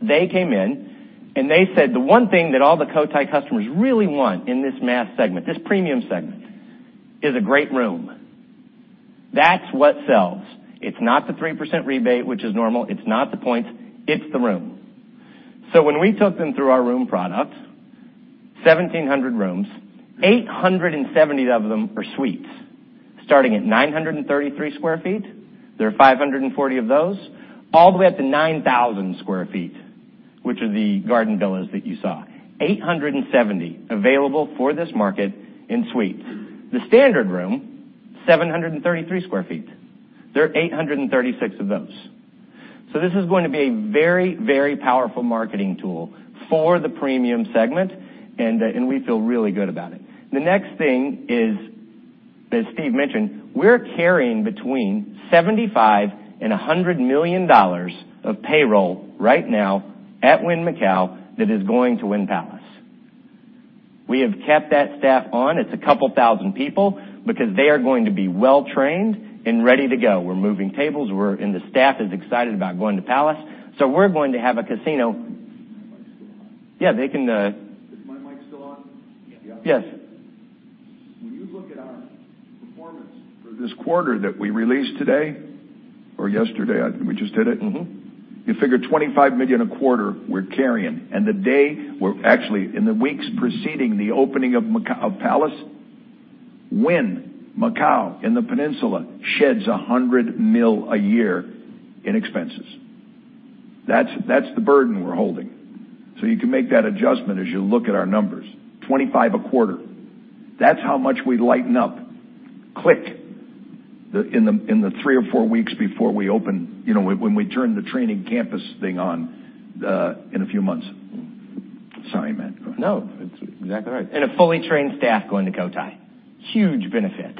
they came in, and they said the one thing that all the Cotai customers really want in this mass segment, this premium segment, is a great room. That's what sells. It's not the 3% rebate, which is normal. It's not the points. It's the room. When we took them through our room product, 1,700 rooms, 870 of them are suites, starting at 933 sq ft. There are 540 of those, all the way up to 9,000 sq ft, which are the garden villas that you saw. 870 available for this market in suites. The standard room, 733 sq ft. There are 836 of those. This is going to be a very, very powerful marketing tool for the premium segment, and we feel really good about it. The next thing is, as Steve mentioned, we're carrying between $75 and $100 million of payroll right now at Wynn Macau that is going to Wynn Palace. We have kept that staff on. It's a couple thousand people because they are going to be well-trained and ready to go. We're moving tables. The staff is excited about going to Palace. We're going to have a casino. Is my mic still on? Yeah, they can. Is my mic still on? Yes. When you look at our performance for this quarter that we released today or yesterday, we just did it. You figure $25 million a quarter we're carrying. The day we're actually, in the weeks preceding the opening of Palace, Wynn Macau in the Peninsula sheds $100 million a year in expenses. That's the burden we're holding. You can make that adjustment as you look at our numbers. $25 a quarter. That's how much we lighten up, click, in the three or four weeks before we open, when we turn the training campus thing on in a few months. Sorry, Matt, go ahead. No, that's exactly right. A fully trained staff going to Cotai. Huge benefit.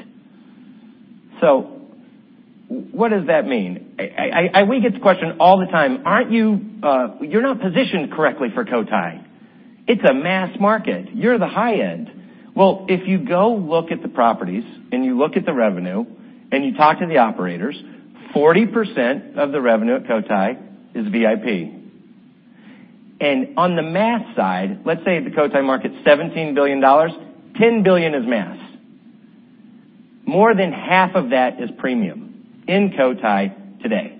What does that mean? We get the question all the time: aren't you're not positioned correctly for Cotai. It's a mass market. You're the high end. Well, if you go look at the properties and you look at the revenue and you talk to the operators, 40% of the revenue at Cotai is VIP. On the mass side, let's say the Cotai market's $17 billion, $10 billion is mass. More than half of that is premium in Cotai today.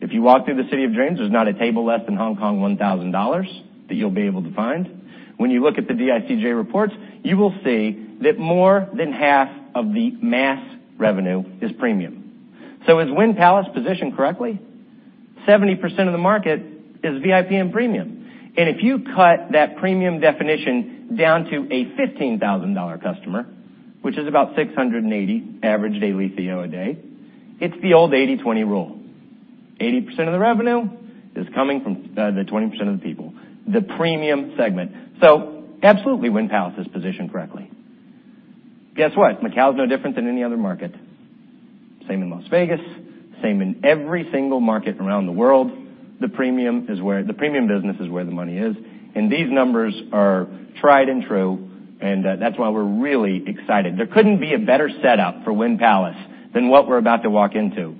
If you walk through the City of Dreams, there's not a table less than 1,000 Hong Kong dollars that you'll be able to find. When you look at the DICJ reports, you will see that more than half of the mass revenue is premium. Is Wynn Palace positioned correctly? 70% of the market is VIP and premium. If you cut that premium definition down to a $15,000 customer. Which is about $680 average daily theo a day. It's the old 80/20 rule. 80% of the revenue is coming from the 20% of the people, the premium segment. Absolutely, Wynn Palace is positioned correctly. Guess what? Macau is no different than any other market. Same in Las Vegas, same in every single market around the world. The premium business is where the money is, and these numbers are tried and true, and that's why we're really excited. There couldn't be a better setup for Wynn Palace than what we're about to walk into.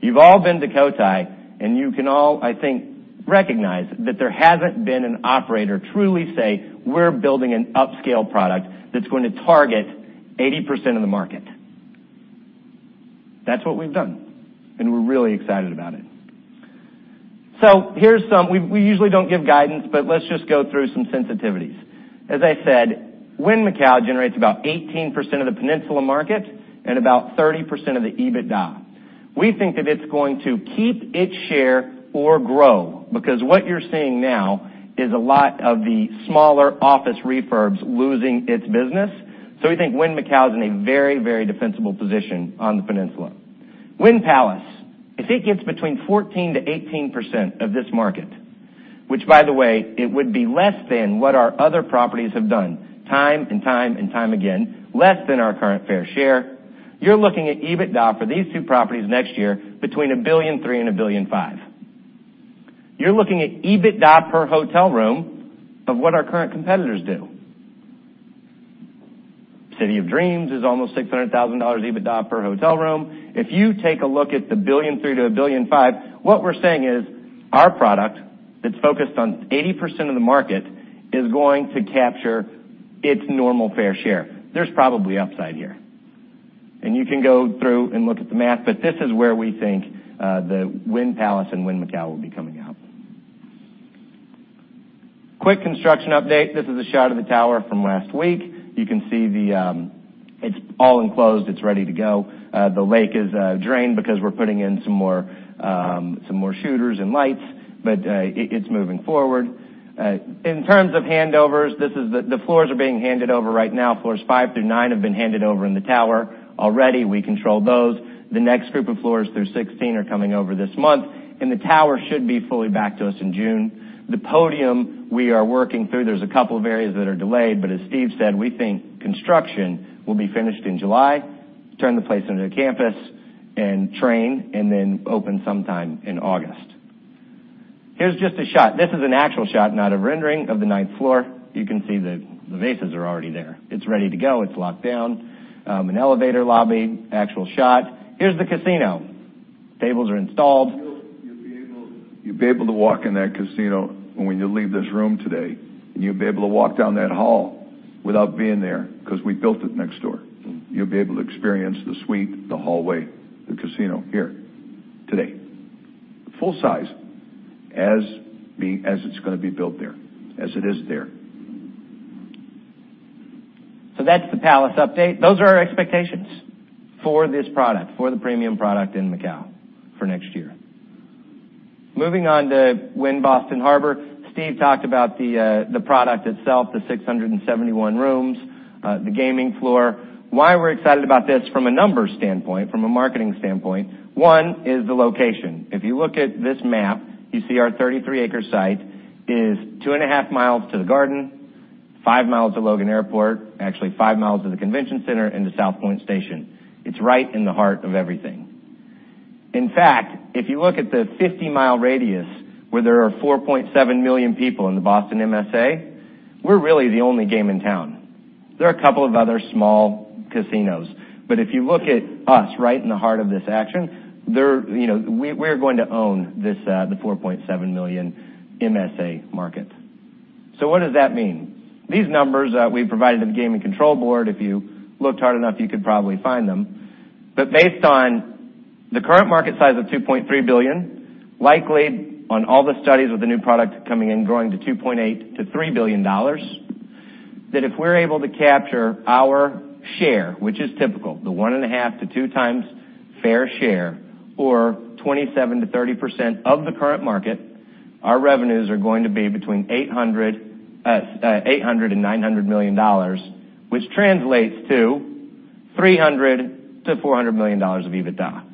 You've all been to Cotai, and you can all, I think, recognize that there hasn't been an operator truly say, "We're building an upscale product that's going to target 80% of the market." That's what we've done, and we're really excited about it. We usually don't give guidance, but let's just go through some sensitivities. As I said, Wynn Macau generates about 18% of the peninsula market and about 30% of the EBITDA. We think that it's going to keep its share or grow, because what you're seeing now is a lot of the smaller office refurbs losing its business. We think Wynn Macau is in a very defensible position on the peninsula. Wynn Palace, if it gets between 14%-18% of this market, which by the way, it would be less than what our other properties have done, time and time again, less than our current fair share. You're looking at EBITDA for these two properties next year between $1.3 billion and $1.5 billion. You're looking at EBITDA per hotel room of what our current competitors do. City of Dreams is almost $600,000 EBITDA per hotel room. If you take a look at the $1.3 billion to $1.5 billion, what we're saying is our product that's focused on 80% of the market is going to capture its normal fair share. There's probably upside here. You can go through and look at the math, but this is where we think the Wynn Palace and Wynn Macau will be coming out. Quick construction update. This is a shot of the tower from last week. You can see it's all enclosed. It's ready to go. The lake is drained because we're putting in some more shooters and lights, but it's moving forward. In terms of handovers, the floors are being handed over right now. Floors 5 through 9 have been handed over in the tower already. We control those. The next group of floors through 16 are coming over this month, and the tower should be fully back to us in June. The podium we are working through, there's a couple of areas that are delayed, but as Steve said, we think construction will be finished in July, turn the place into a campus and train, and then open sometime in August. Here's just a shot. This is an actual shot, not a rendering, of the 9th floor. You can see the vases are already there. It's ready to go. It's locked down. An elevator lobby, actual shot. Here's the casino. Tables are installed. You'll be able to walk in that casino when you leave this room today, you'll be able to walk down that hall without being there because we built it next door. You'll be able to experience the suite, the hallway, the casino here today. Full size as it's going to be built there, as it is there. That's the Palace update. Those are our expectations for this product, for the premium product in Macau for next year. Moving on to Wynn Boston Harbor. Steve talked about the product itself, the 671 rooms, the gaming floor. Why we're excited about this from a numbers standpoint, from a marketing standpoint, one is the location. If you look at this map, you see our 33-acre site is 2.5 miles to the garden, 5 miles to Logan Airport, actually 5 miles to the convention center, and to South Point Station. It's right in the heart of everything. In fact, if you look at the 50-mile radius where there are 4.7 million people in the Boston MSA, we're really the only game in town. There are a couple of other small casinos. If you look at us right in the heart of this action, we're going to own the 4.7 million MSA market. What does that mean? These numbers we provided to the Gaming Control Board, if you looked hard enough, you could probably find them. Based on the current market size of $2.3 billion, likely on all the studies with the new product coming in, growing to $2.8 billion-$3 billion, that if we're able to capture our share, which is typical, the 1.5 to 2 times fair share, or 27%-30% of the current market, our revenues are going to be between $800 million and $900 million, which translates to $300 million-$400 million of EBITDA.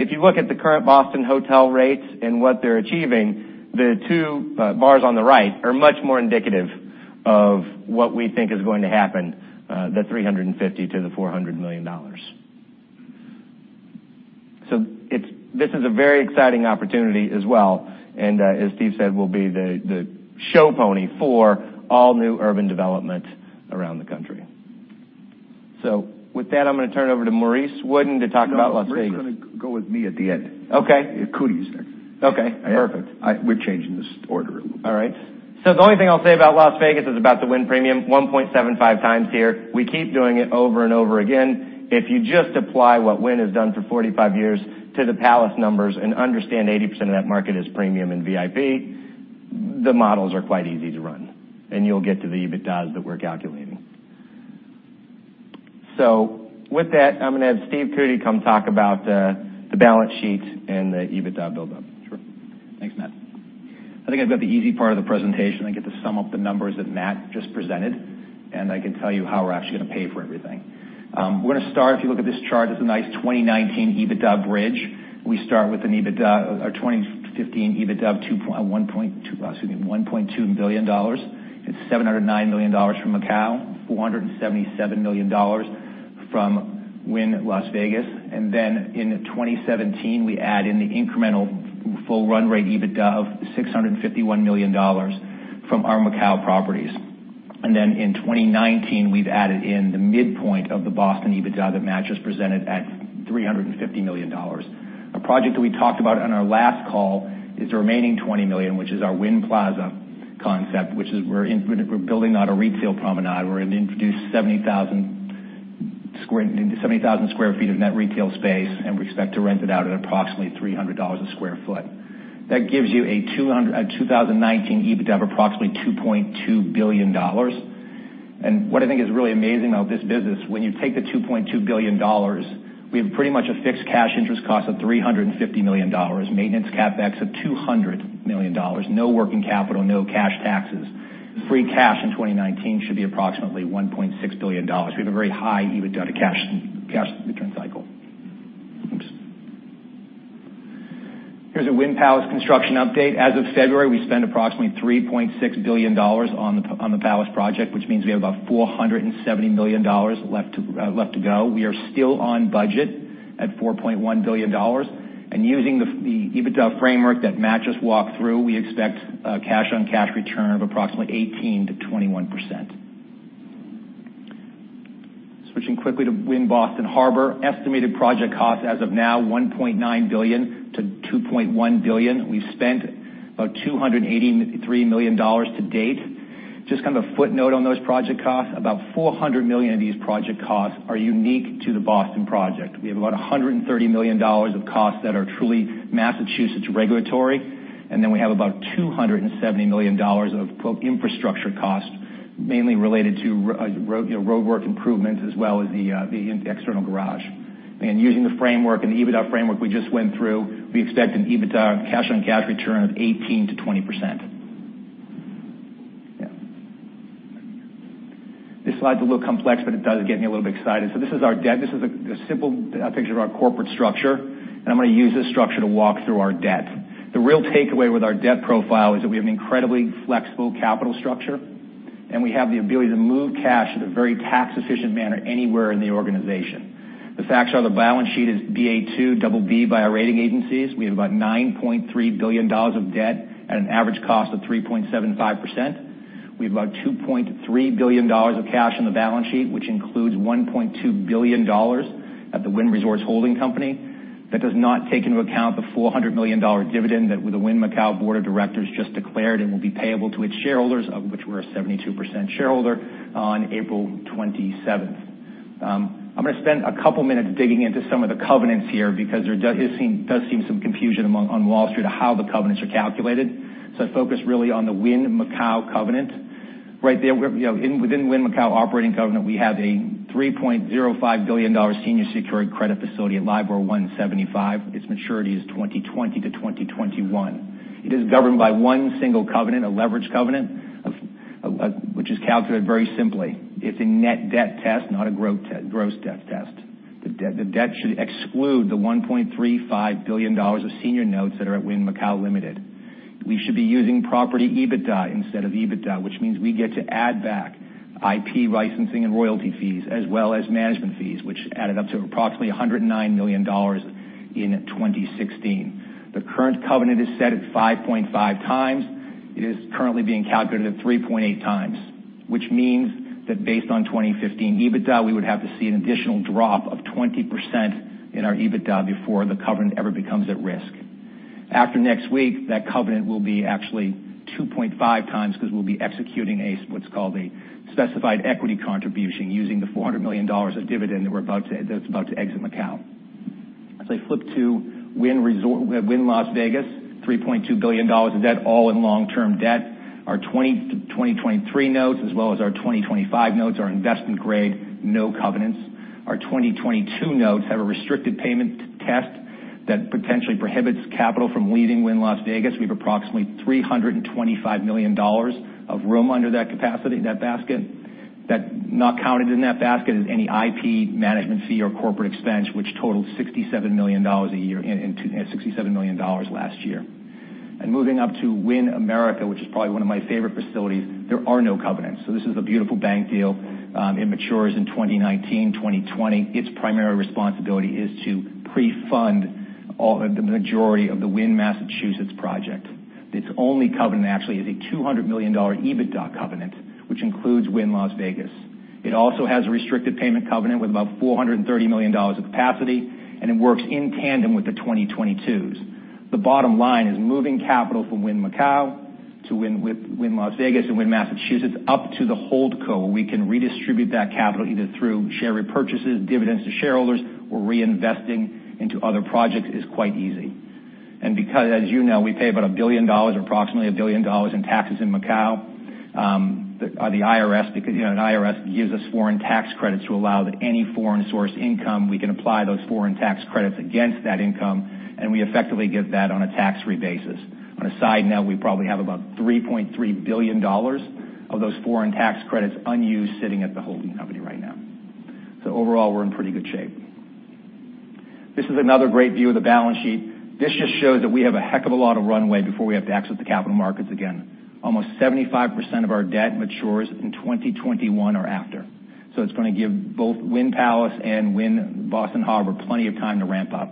If you look at the current Boston hotel rates and what they're achieving, the 2 bars on the right are much more indicative of what we think is going to happen, the $350 million-$400 million. This is a very exciting opportunity as well, and as Steve said, will be the show pony for all new urban development around the country. With that, I'm going to turn it over to Maurice Wooden to talk about Las Vegas. No, Maurice is going to go with me at the end. Okay. Cootey's next. Okay, perfect. We're changing this order a little bit. The only thing I'll say about Las Vegas is about the Wynn premium, 1.75 times here. We keep doing it over and over again. If you just apply what Wynn has done for 45 years to the Palace numbers and understand 80% of that market is premium and VIP, the models are quite easy to run, and you'll get to the EBITDA that we're calculating. With that, I'm going to have Stephen Cootey come talk about the balance sheet and the EBITDA buildup. Sure. Thanks, Matt. I think I've got the easy part of the presentation. I get to sum up the numbers that Matt just presented, and I can tell you how we're actually going to pay for everything. We're going to start, if you look at this chart, it's a nice 2019 EBITDA bridge. We start with our 2015 EBITDA of $1.2 billion. It's $709 million from Macau, $477 million from Wynn Las Vegas, and in 2017, we add in the incremental full run rate EBITDA of $651 million from our Macau properties. In 2019, we've added in the midpoint of the Boston EBITDA that Matt just presented at $350 million. A project that we talked about on our last call is the remaining $20 million, which is our Wynn Plaza concept, which we're building out a retail promenade. We're going to introduce 70,000 square feet of net retail space, and we expect to rent it out at approximately $300 a square foot. That gives you a 2019 EBITDA of approximately $2.2 billion. What I think is really amazing about this business, when you take the $2.2 billion, we have pretty much a fixed cash interest cost of $350 million, maintenance CapEx of $200 million, no working capital, no cash taxes. Free cash in 2019 should be approximately $1.6 billion. We have a very high EBITDA to cash return cycle. Here's a Wynn Palace construction update. As of February, we spent approximately $3.6 billion on the Palace project, which means we have about $470 million left to go. We are still on budget at $4.1 billion. Using the EBITDA framework that Matt just walked through, we expect a cash-on-cash return of approximately 18%-21%. Switching quickly to Wynn Boston Harbor, estimated project cost as of now, $1.9 billion-$2.1 billion. We've spent about $283 million to date. Just a footnote on those project costs, about $400 million of these project costs are unique to the Boston project. We have about $130 million of costs that are truly Massachusetts regulatory. We have about $270 million of "infrastructure costs," mainly related to roadwork improvements as well as the external garage. Using the framework and the EBITDA framework we just went through, we expect an EBITDA cash-on-cash return of 18%-20%. This slide's a little complex, but it does get me a little bit excited. This is our debt. This is a simple picture of our corporate structure, and I'm going to use this structure to walk through our debt. The real takeaway with our debt profile is that we have an incredibly flexible capital structure, and we have the ability to move cash in a very tax-efficient manner anywhere in the organization. The facts are the balance sheet is Ba2/BB by our rating agencies. We have about $9.3 billion of debt at an average cost of 3.75%. We have about $2.3 billion of cash on the balance sheet, which includes $1.2 billion at the Wynn Resorts holding company. That does not take into account the $400 million dividend that the Wynn Macau Board of Directors just declared and will be payable to its shareholders, of which we're a 72% shareholder, on April 27th. I'm going to spend a couple minutes digging into some of the covenants here because there does seem some confusion on Wall Street on how the covenants are calculated. Focus really on the Wynn Macau covenant. Right there, within the Wynn Macau operating covenant, we have a $3.05 billion senior secured credit facility at LIBOR 175. Its maturity is 2020-2021. It is governed by one single covenant, a leverage covenant, which is calculated very simply. It's a net debt test, not a gross debt test. The debt should exclude the $1.35 billion of senior notes that are at Wynn Macau, Limited. We should be using property EBITDA instead of EBITDA, which means we get to add back IP licensing and royalty fees, as well as management fees, which added up to approximately $109 million in 2016. The current covenant is set at 5.5 times. It is currently being calculated at 3.8 times, which means that based on 2015 EBITDA, we would have to see an additional drop of 20% in our EBITDA before the covenant ever becomes at risk. After next week, that covenant will be actually 2.5 times because we'll be executing what's called a specified equity contribution using the $400 million of dividend that's about to exit Macau. As I flip to Wynn Las Vegas, $3.2 billion of debt, all in long-term debt. Our 2023 notes as well as our 2025 notes are investment grade, no covenants. Our 2022 notes have a restricted payment test that potentially prohibits capital from leaving Wynn Las Vegas. We have approximately $325 million of room under that capacity, that basket. Not counted in that basket is any IP, management fee, or corporate expense, which totaled $67 million last year. Moving up to Wynn America, which is probably one of my favorite facilities, there are no covenants. This is a beautiful bank deal. It matures in 2019-2020. Its primary responsibility is to pre-fund the majority of the Wynn Massachusetts project. Its only covenant actually is a $200 million EBITDA covenant, which includes Wynn Las Vegas. It also has a restricted payment covenant with about $430 million of capacity, and it works in tandem with the 2022s. The bottom line is moving capital from Wynn Macau to Wynn Las Vegas and Wynn Massachusetts up to the hold co, where we can redistribute that capital either through share repurchases, dividends to shareholders, or reinvesting into other projects is quite easy. Because as you know, we pay about approximately $1 billion in taxes in Macau. The IRS gives us foreign tax credits to allow that any foreign source income, we can apply those foreign tax credits against that income, and we effectively get that on a tax-free basis. On a side note, we probably have about $3.3 billion of those foreign tax credits unused sitting at the holding company right now. Overall, we're in pretty good shape. This is another great view of the balance sheet. This just shows that we have a heck of a lot of runway before we have to access the capital markets again. Almost 75% of our debt matures in 2021 or after. It's going to give both Wynn Palace and Wynn Boston Harbor plenty of time to ramp up.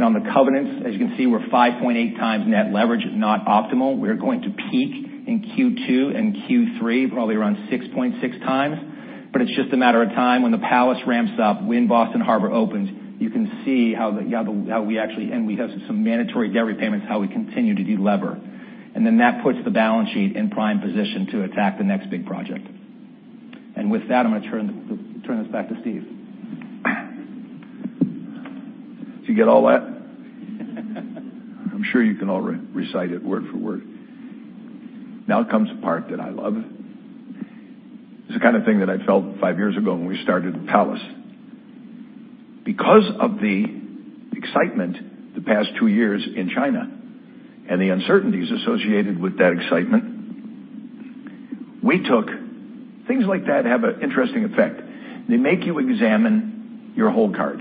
On the covenants, as you can see, we're 5.8 times net leverage, not optimal. We're going to peak in Q2 and Q3, probably around 6.6 times. It's just a matter of time when the Palace ramps up, Wynn Boston Harbor opens, you can see how we have some mandatory debt repayments, how we continue to delever. That puts the balance sheet in prime position to attack the next big project. With that, I'm going to turn this back to Steve. Did you get all that? I'm sure you can all recite it word for word. Now comes the part that I love. It's the kind of thing that I felt five years ago when we started the Palace. Because of the excitement the past two years in China and the uncertainties associated with that excitement, things like that have an interesting effect. They make you examine your whole card.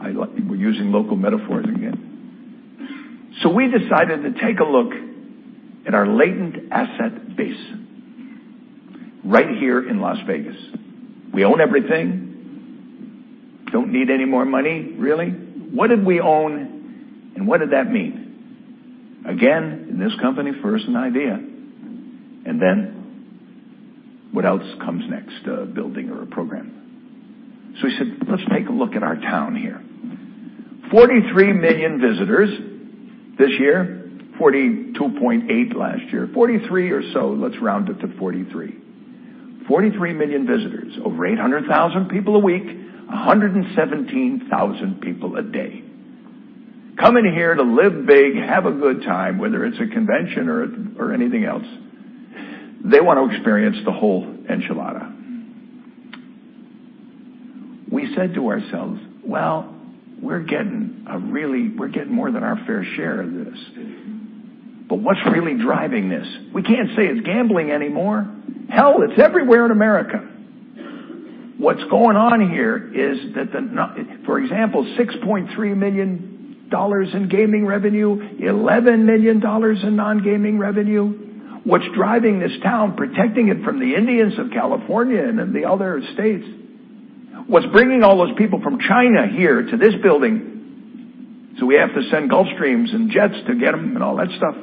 We're using local metaphors again. We decided to take a look at our latent asset base right here in Las Vegas. We own everything. Don't need any more money, really. What did we own, and what did that mean? Again, in this company, first an idea, and then what else comes next? A building or a program. We said, let's take a look at our town here. 43 million visitors this year, 42.8 last year, 43 or so. Let's round it to 43. 43 million visitors, over 800,000 people a week, 117,000 people a day. Coming here to live big, have a good time, whether it's a convention or anything else. They want to experience the whole enchilada. We said to ourselves, "Well, we're getting more than our fair share of this." What's really driving this? We can't say it's gambling anymore. Hell, it's everywhere in America. What's going on here is that, for example, $6.3 million in gaming revenue, $11 million in non-gaming revenue. What's driving this town, protecting it from the Indians of California and the other states. What's bringing all those people from China here to this building, so we have to send Gulfstream and jets to get them and all that stuff,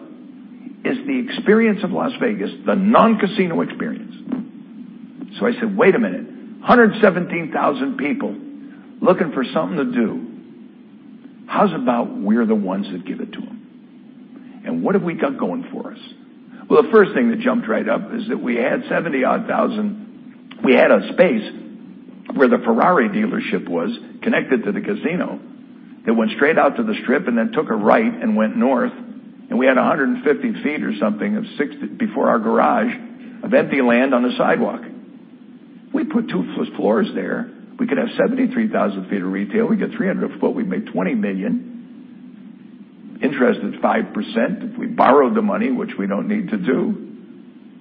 is the experience of Las Vegas, the non-casino experience. I said, "Wait a minute, 117,000 people looking for something to do. How's about we're the ones that give it to them?" What have we got going for us? Well, the first thing that jumped right up is that we had 70,000. We had a space where the Ferrari dealership was connected to the casino that went straight out to the strip and then took a right and went north, and we had 150 feet or something of 60 before our garage of empty land on the sidewalk. We put two floors there. We could have 73,000 feet of retail. We get 300 a foot. We make $20 million. Interest is 5%. If we borrowed the money, which we don't need to do,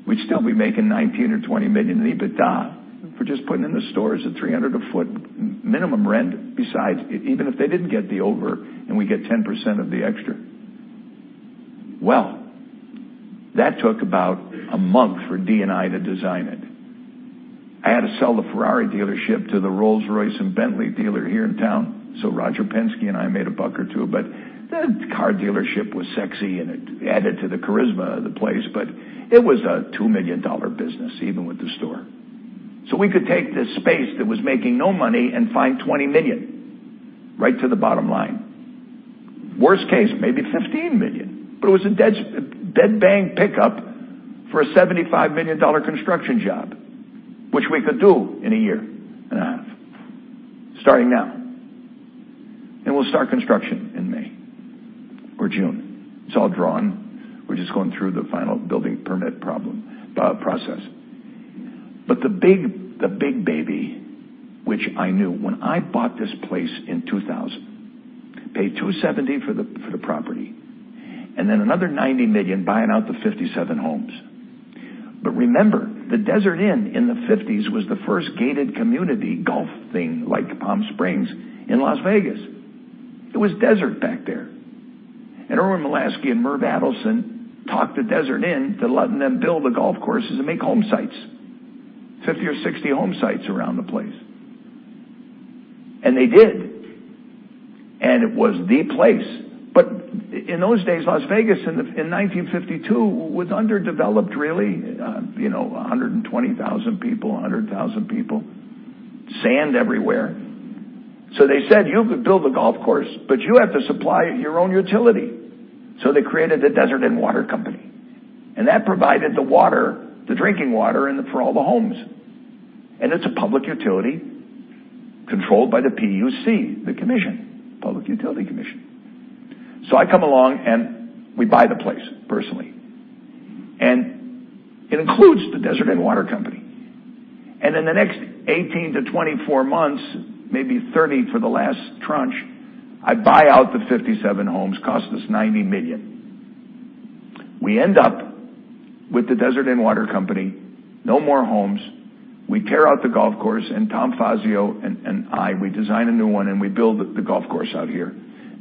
we'd still be making $19 or $20 million in EBITDA for just putting in the stores at 300 a foot minimum rent besides, even if they didn't get the over and we get 10% of the extra. Well, that took about a month for DNI to design it. I had to sell the Ferrari dealership to the Rolls-Royce and Bentley dealer here in town. Roger Penske and I made a buck or two, but the car dealership was sexy, and it added to the charisma of the place. It was a $2 million business, even with the store. We could take this space that was making no money and find $20 million right to the bottom line. Worst case, maybe $15 million. It was a dead bang pickup for a $75 million construction job, which we could do in a year and a half, starting now. We'll start construction in May or June. It's all drawn. We're just going through the final building permit process. The big baby, which I knew when I bought this place in 2000, paid $270 million for the property, and then another $90 million buying out the 57 homes. Remember, the Desert Inn in the '50s was the first gated community golf thing like Palm Springs in Las Vegas. It was desert back there. Irwin Molasky and Merv Adelson talked the Desert Inn to letting them build the golf courses and make home sites, 50 or 60 home sites around the place. They did. It was the place. In those days, Las Vegas in 1952 was underdeveloped, really, 120,000 people, 100,000 people. Sand everywhere. They said, "You could build a golf course, but you have to supply your own utility." They created the Desert Inn Water Company. That provided the water, the drinking water for all the homes. It's a public utility controlled by the PUC, the commission, Public Utility Commission. I come along and we buy the place personally, and it includes the Desert Inn Water Company. In the next 18 to 24 months, maybe 30 for the last tranche, I buy out the 57 homes, cost us $90 million. We end up with the Desert Inn Water Company, no more homes. We tear out the golf course, Tom Fazio and I, we design a new one, we build the golf course out here,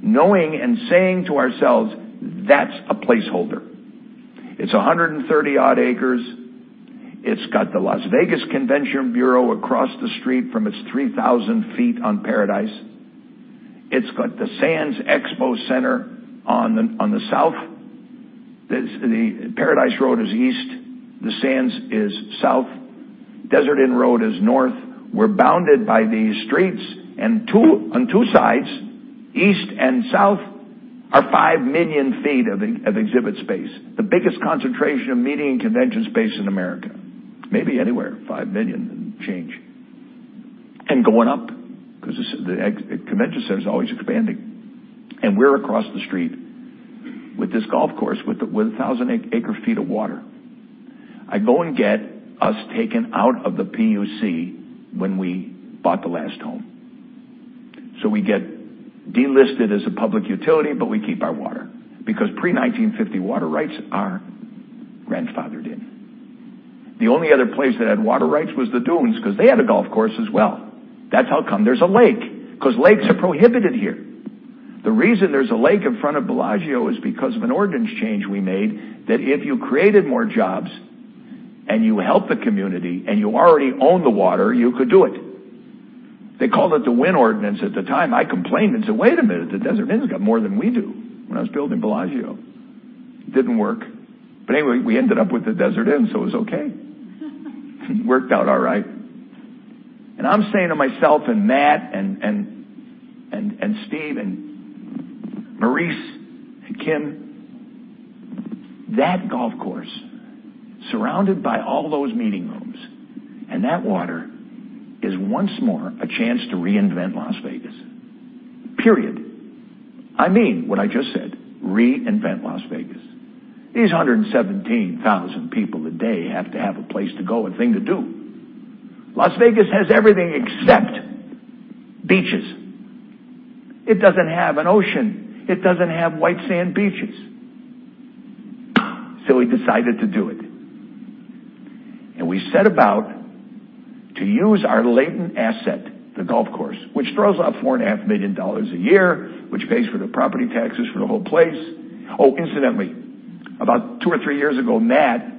knowing and saying to ourselves, "That's a placeholder." It's 130-odd acres. It's got the Las Vegas Convention Center across the street from its 3,000 feet on Paradise. It's got the Sands Expo Center on the south. Paradise Road is east. The Sands is south. Desert Inn Road is north. We're bounded by these streets, and on two sides, east and south, are 5 million feet of exhibit space. The biggest concentration of meeting and convention space in America. Maybe anywhere, 5 million and change. Going up, because the convention center is always expanding. We're across the street with this golf course, with 1,000 acre feet of water. I go and get us taken out of the PUC when we bought the last home. We get delisted as a public utility, but we keep our water because pre-1950 water rights are grandfathered in. The only other place that had water rights was the Dunes because they had a golf course as well. That's how come there's a lake, because lakes are prohibited here. The reason there's a lake in front of Bellagio is because of an ordinance change we made that if you created more jobs and you help the community and you already own the water, you could do it. They called it the Wynn ordinance at the time. I complained and said, "Wait a minute, the Desert Inn's got more than we do," when I was building Bellagio. Didn't work. But anyway, we ended up with the Desert Inn, it was okay. Worked out all right. I'm saying to myself and Matt and Steve and Maurice and Kim, that golf course, surrounded by all those meeting rooms and that water is once more a chance to reinvent Las Vegas. Period. I mean what I just said, reinvent Las Vegas. These 117,000 people a day have to have a place to go, a thing to do. Las Vegas has everything except beaches. It doesn't have an ocean. It doesn't have white sand beaches. We decided to do it. We set about to use our latent asset, the golf course, which throws off $4.5 million a year, which pays for the property taxes for the whole place. Oh, incidentally, about two or three years ago, Matt,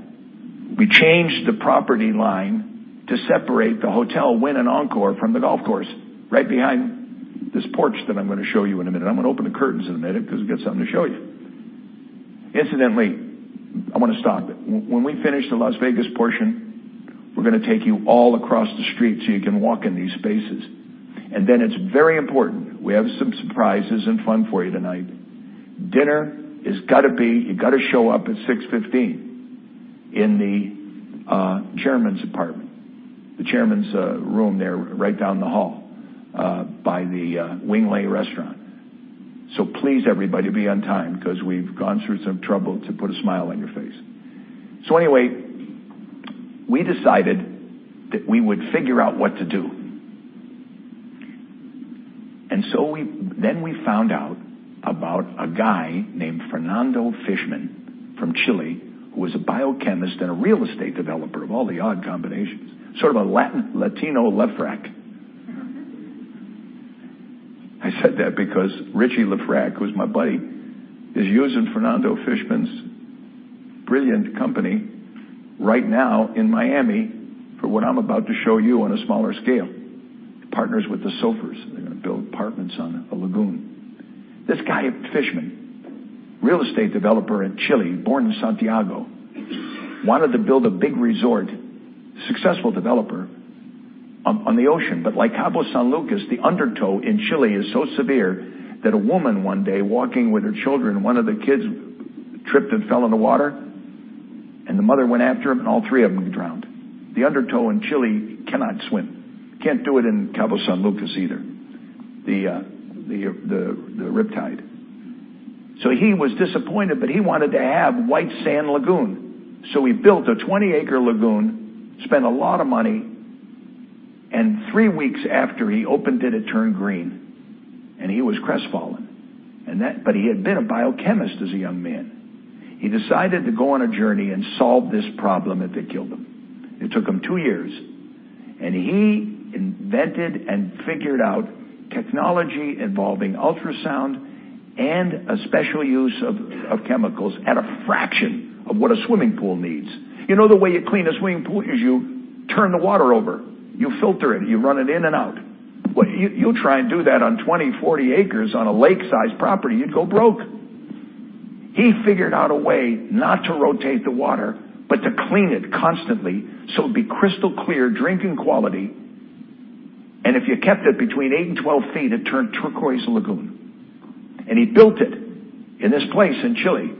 we changed the property line to separate the hotel Wynn and Encore from the golf course, right behind this porch that I'm going to show you in a minute. I'm going to open the curtains in a minute because I got something to show you. Incidentally, I want to stop. When we finish the Las Vegas portion, we're going to take you all across the street so you can walk in these spaces. Then it's very important, we have some surprises and fun for you tonight. Dinner is going to be. You got to show up at 6:15 P.M. in the chairman's apartment, the chairman's room there right down the hall by the Wing Lei restaurant. Please, everybody, be on time because we've gone through some trouble to put a smile on your face. Anyway, we decided that we would figure out what to do. We found out about a guy named Fernando Fischmann from Chile, who was a biochemist and a real estate developer of all the odd combinations, sort of a Latino LeFrak. I said that because Richie LeFrak, who's my buddy, is using Fernando Fischmann's brilliant company right now in Miami for what I'm about to show you on a smaller scale. Partners with the Soffer. They're going to build apartments on a lagoon. This guy, Fischmann, real estate developer in Chile, born in Santiago, wanted to build a big resort, successful developer, on the ocean. Like Cabo San Lucas, the undertow in Chile is so severe that a woman one day walking with her children, one of the kids tripped and fell in the water, and the mother went after him, and all three of them drowned. The undertow in Chile cannot swim. Can't do it in Cabo San Lucas either, the riptide. He was disappointed, but he wanted to have white sand lagoon. He built a 20-acre lagoon, spent a lot of money, and three weeks after he opened it turned green, and he was crestfallen. He had been a biochemist as a young man. He decided to go on a journey and solve this problem if it killed him. It took him two years, and he invented and figured out technology involving ultrasound and a special use of chemicals at a fraction of what a swimming pool needs. You know the way you clean a swimming pool is you turn the water over. You filter it. You run it in and out. You try and do that on 20, 40 acres on a lake-sized property, you'd go broke. He figured out a way not to rotate the water, but to clean it constantly, so it'd be crystal clear drinking quality. If you kept it between eight and 12 feet, it turned turquoise lagoon. He built it in this place in Chile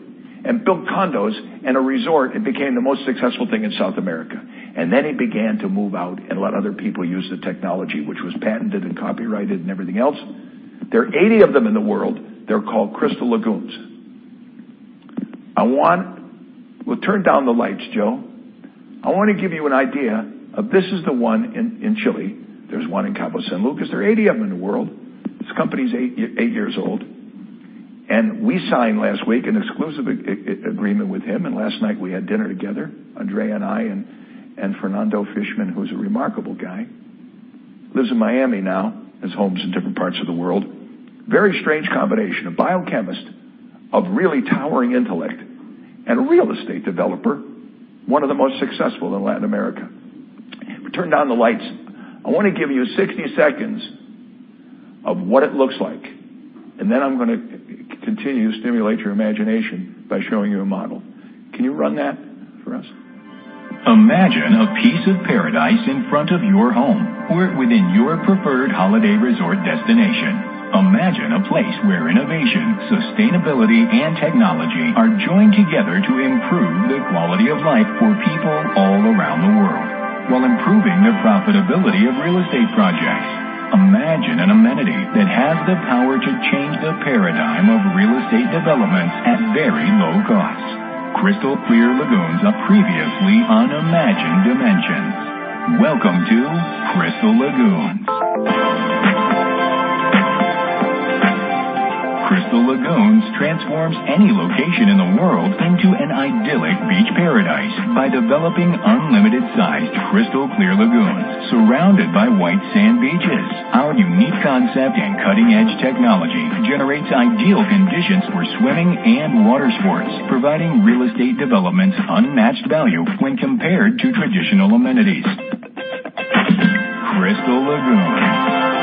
and built condos and a resort. It became the most successful thing in South America. He began to move out and let other people use the technology, which was patented and copyrighted and everything else. There are 80 of them in the world. They're called Crystal Lagoons. We'll turn down the lights, Joe. I want to give you an idea of this is the one in Chile. There's one in Cabo San Lucas. There are 80 of them in the world. This company's eight years old. We signed last week an exclusive agreement with him. Last night we had dinner together, Andre and I, and Fernando Fischmann, who's a remarkable guy. Lives in Miami now, has homes in different parts of the world. Very strange combination. A biochemist of really towering intellect and a real estate developer, one of the most successful in Latin America. We turn down the lights. I want to give you 60 seconds of what it looks like. I'm going to continue to stimulate your imagination by showing you a model. Can you run that for us? Imagine a piece of paradise in front of your home or within your preferred holiday resort destination. Imagine a place where innovation, sustainability, and technology are joined together to improve the quality of life for people all around the world while improving the profitability of real estate projects. Imagine an amenity that has the power to change the paradigm of real estate developments at very low costs. Crystal-clear lagoons of previously unimagined dimensions. Welcome to Crystal Lagoons. Crystal Lagoons transforms any location in the world into an idyllic beach paradise by developing unlimited sized crystal-clear lagoons surrounded by white sand beaches. Our unique concept and cutting-edge technology generates ideal conditions for swimming and water sports, providing real estate developments unmatched value when compared to traditional amenities. Crystal Lagoons.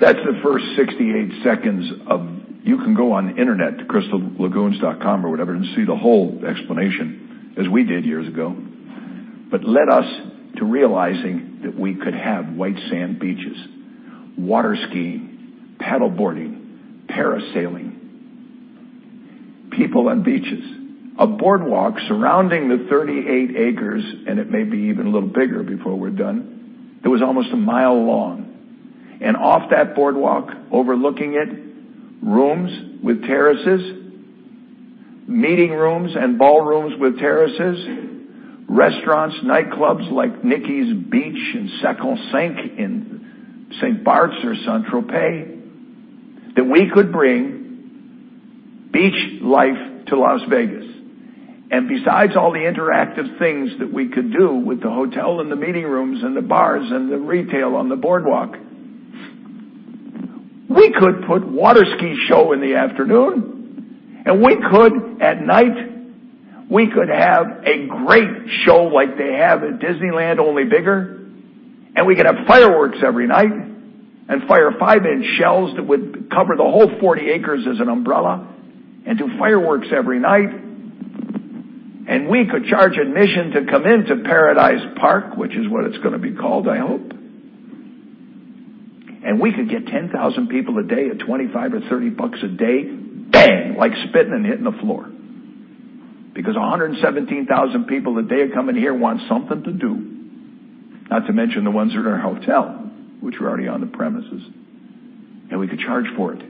That's the first 68 seconds of You can go on the internet to crystallagoons.com or whatever and see the whole explanation as we did years ago. Led us to realizing that we could have white sand beaches, water skiing, paddleboarding, parasailing, people on beaches, a boardwalk surrounding the 38 acres, and it may be even a little bigger before we're done, that was almost a mile long. Off that boardwalk, overlooking it, rooms with terraces, meeting rooms and ballrooms with terraces, restaurants, nightclubs like Nikki Beach and Sanctum Saint in Saint Barth or Saint-Tropez, that we could bring beach life to Las Vegas. Besides all the interactive things that we could do with the hotel and the meeting rooms and the bars and the retail on the boardwalk, we could put water ski show in the afternoon, we could, at night, we could have a great show like they have at Disneyland, only bigger. We could have fireworks every night and fire 5-inch shells that would cover the whole 40 acres as an umbrella and do fireworks every night. We could charge admission to come into Paradise Park, which is what it's going to be called, I hope. We could get 10,000 people a day at $25 or $30 a day. Bang, like spitting and hitting the floor. 117,000 people a day are coming here want something to do. Not to mention the ones that are in our hotel, which are already on the premises. We could charge for it.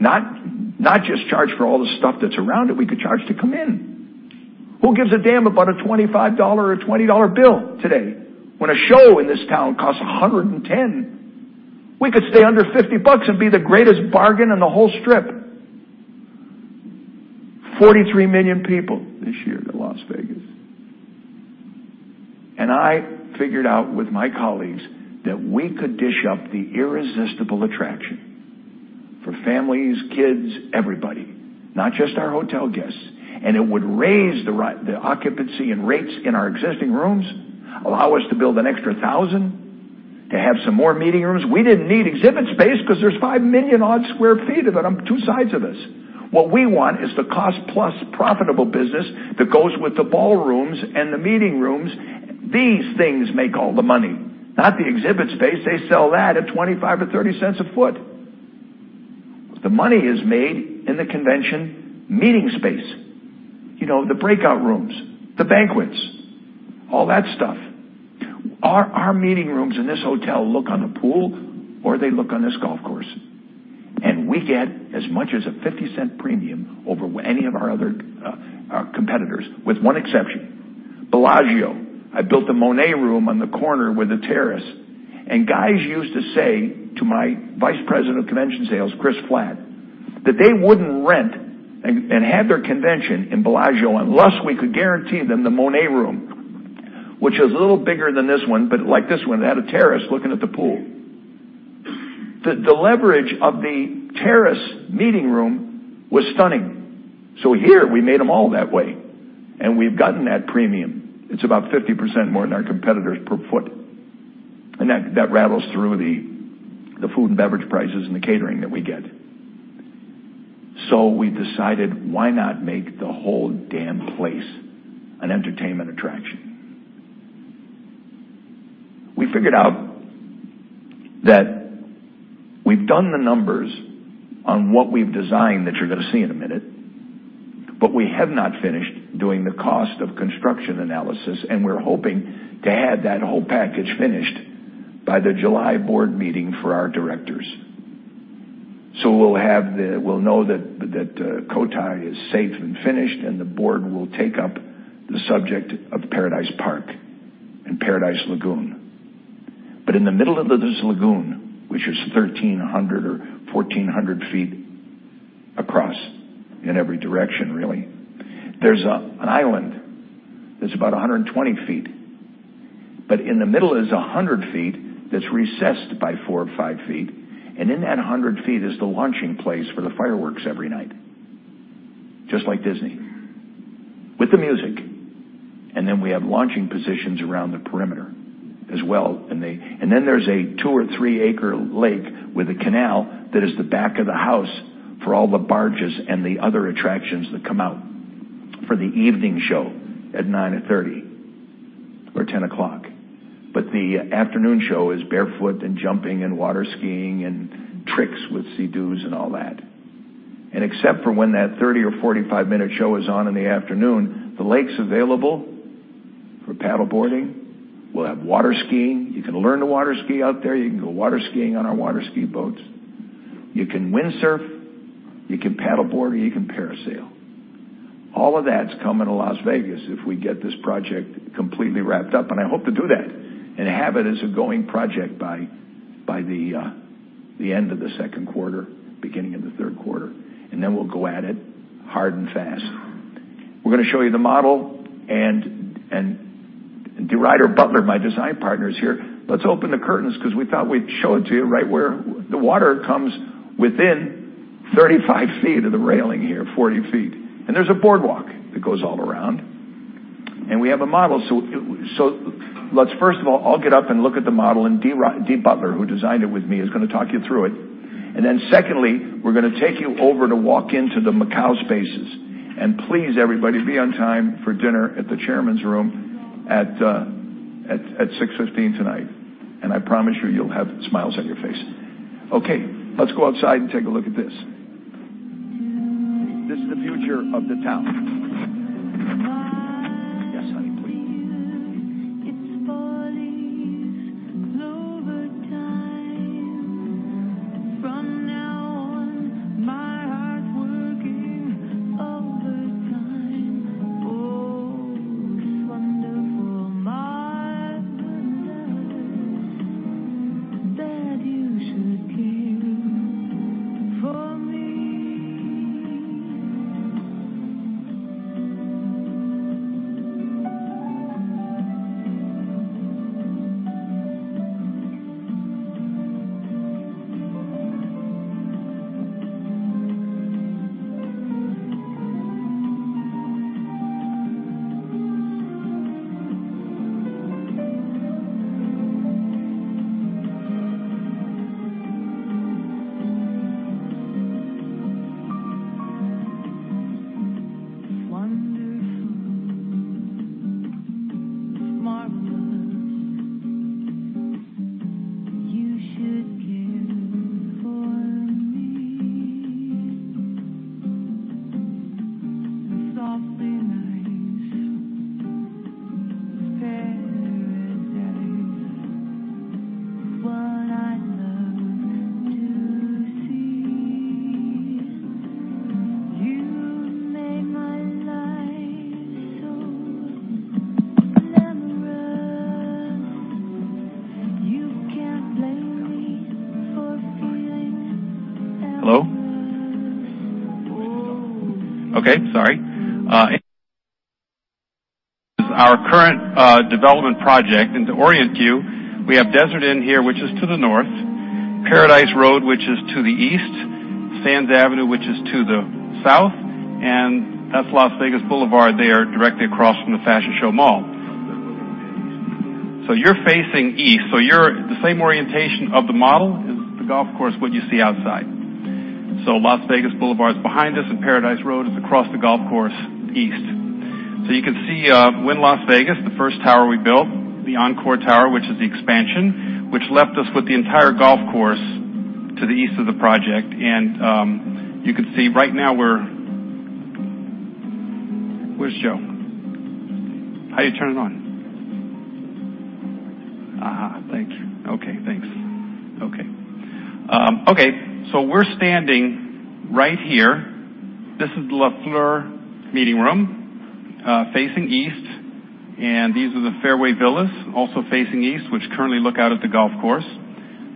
Not just charge for all the stuff that's around it, we could charge to come in. Who gives a damn about a $25 or a $20 bill today when a show in this town costs $110? We could stay under $50 and be the greatest bargain in the whole strip. 43 million people this year to Las Vegas. I figured out with my colleagues that we could dish up the irresistible attraction for families, kids, everybody, not just our hotel guests. It would raise the occupancy and rates in our existing rooms, allow us to build an extra 1,000 to have some more meeting rooms. We didn't need exhibit space because there's 5 million odd sq ft of it on two sides of us. What we want is the cost-plus profitable business that goes with the ballrooms and the meeting rooms. These things make all the money, not the exhibit space. They sell that at $0.25 to $0.30 a foot. The money is made in the convention meeting space. The breakout rooms, the banquets, all that stuff. Our meeting rooms in this hotel look on the pool, they look on this golf course. We get as much as a $0.50 premium over any of our other competitors, with one exception, Bellagio. I built the Monet room on the corner with a terrace, guys used to say to my executive vice president of hotel sales & marketing, Chris Flatt, that they wouldn't rent and have their convention in Bellagio unless we could guarantee them the Monet room, which is a little bigger than this one, but like this one, it had a terrace looking at the pool. The leverage of the terrace meeting room was stunning. Here we made them all that way, we've gotten that premium. It's about 50% more than our competitors per foot. That rattles through the food and beverage prices and the catering that we get. We decided why not make the whole damn place an entertainment attraction? We figured out that we've done the numbers on what we've designed that you're going to see in a minute, we have not finished doing the cost of construction analysis, we're hoping to have that whole package finished by the July board meeting for our directors. We'll know that Cotai is safe and finished, the board will take up the subject of Paradise Park and Paradise Lagoon. In the middle of this lagoon, which is 1,300 or 1,400 feet across in every direction really, there's an island that's about 120 feet. In the middle is 100 feet that's recessed by four or five feet, in that 100 feet is the launching place for the fireworks every night, just like Disney, with the music. We have launching positions around the perimeter as well. There's a two or three-acre lake with a canal that is the back of the house for all the barges and the other attractions that come out for the evening show at 9:30 or 10:00 P.M. The afternoon show is barefoot and jumping and water skiing and tricks with Sea-Doos and all that. Except for when that 30 or 45-minute show is on in the afternoon, the lake's available for paddleboarding. We'll have water skiing. You can learn to water ski out there. You can go water skiing on our water ski boats. You can windsurf. You can paddleboard, you can parasail. All of that's coming to Las Vegas if we get this project completely wrapped up, I hope to do that and have it as a going project by the end of the second quarter, beginning of the third quarter. We'll go at it hard and fast. We're going to show you the model, DeRuyter Butler, my design partner, is here. Let's open the curtains because we thought we'd show it to you right where the water comes within 35 feet of the railing here, 40 feet. There's a boardwalk that goes all around. We have a model. Let's first of all, I'll get up and look at the model, Dee Butler, who designed it with me, is going to talk you through it. Secondly, we're going to take you over to walk into the Macau spaces. Please, everybody, be on time for dinner at the chairman's room at 6:15 P.M. tonight. I promise you'll have smiles on your face. Let's go outside and take a look at this. This is the future of the town. Yes, honey, please. It's wonderful, marvelous that you should care for me. It's wonderful, marvelous you should care for me. The softly nights, the paradise, what I love to see. You make my life so glamorous. You can't blame me for feeling amorous. Hello? Oh. Sorry. Our current development project, to orient you, we have Desert Inn here, which is to the north, Paradise Road, which is to the east, Sands Avenue, which is to the south, and that's Las Vegas Boulevard there directly across from the Fashion Show Mall. You're facing east, the same orientation of the model is the golf course, what you see outside. Las Vegas Boulevard is behind us, and Paradise Road is across the golf course, east. You can see Wynn Las Vegas, the first tower we built, the Encore Tower, which is the expansion, which left us with the entire golf course to the east of the project. You can see right now Where's Joe? How do you turn it on? Thank you. This is the La Fleur meeting room, facing east, these are the fairway villas, also facing east, which currently look out at the golf course.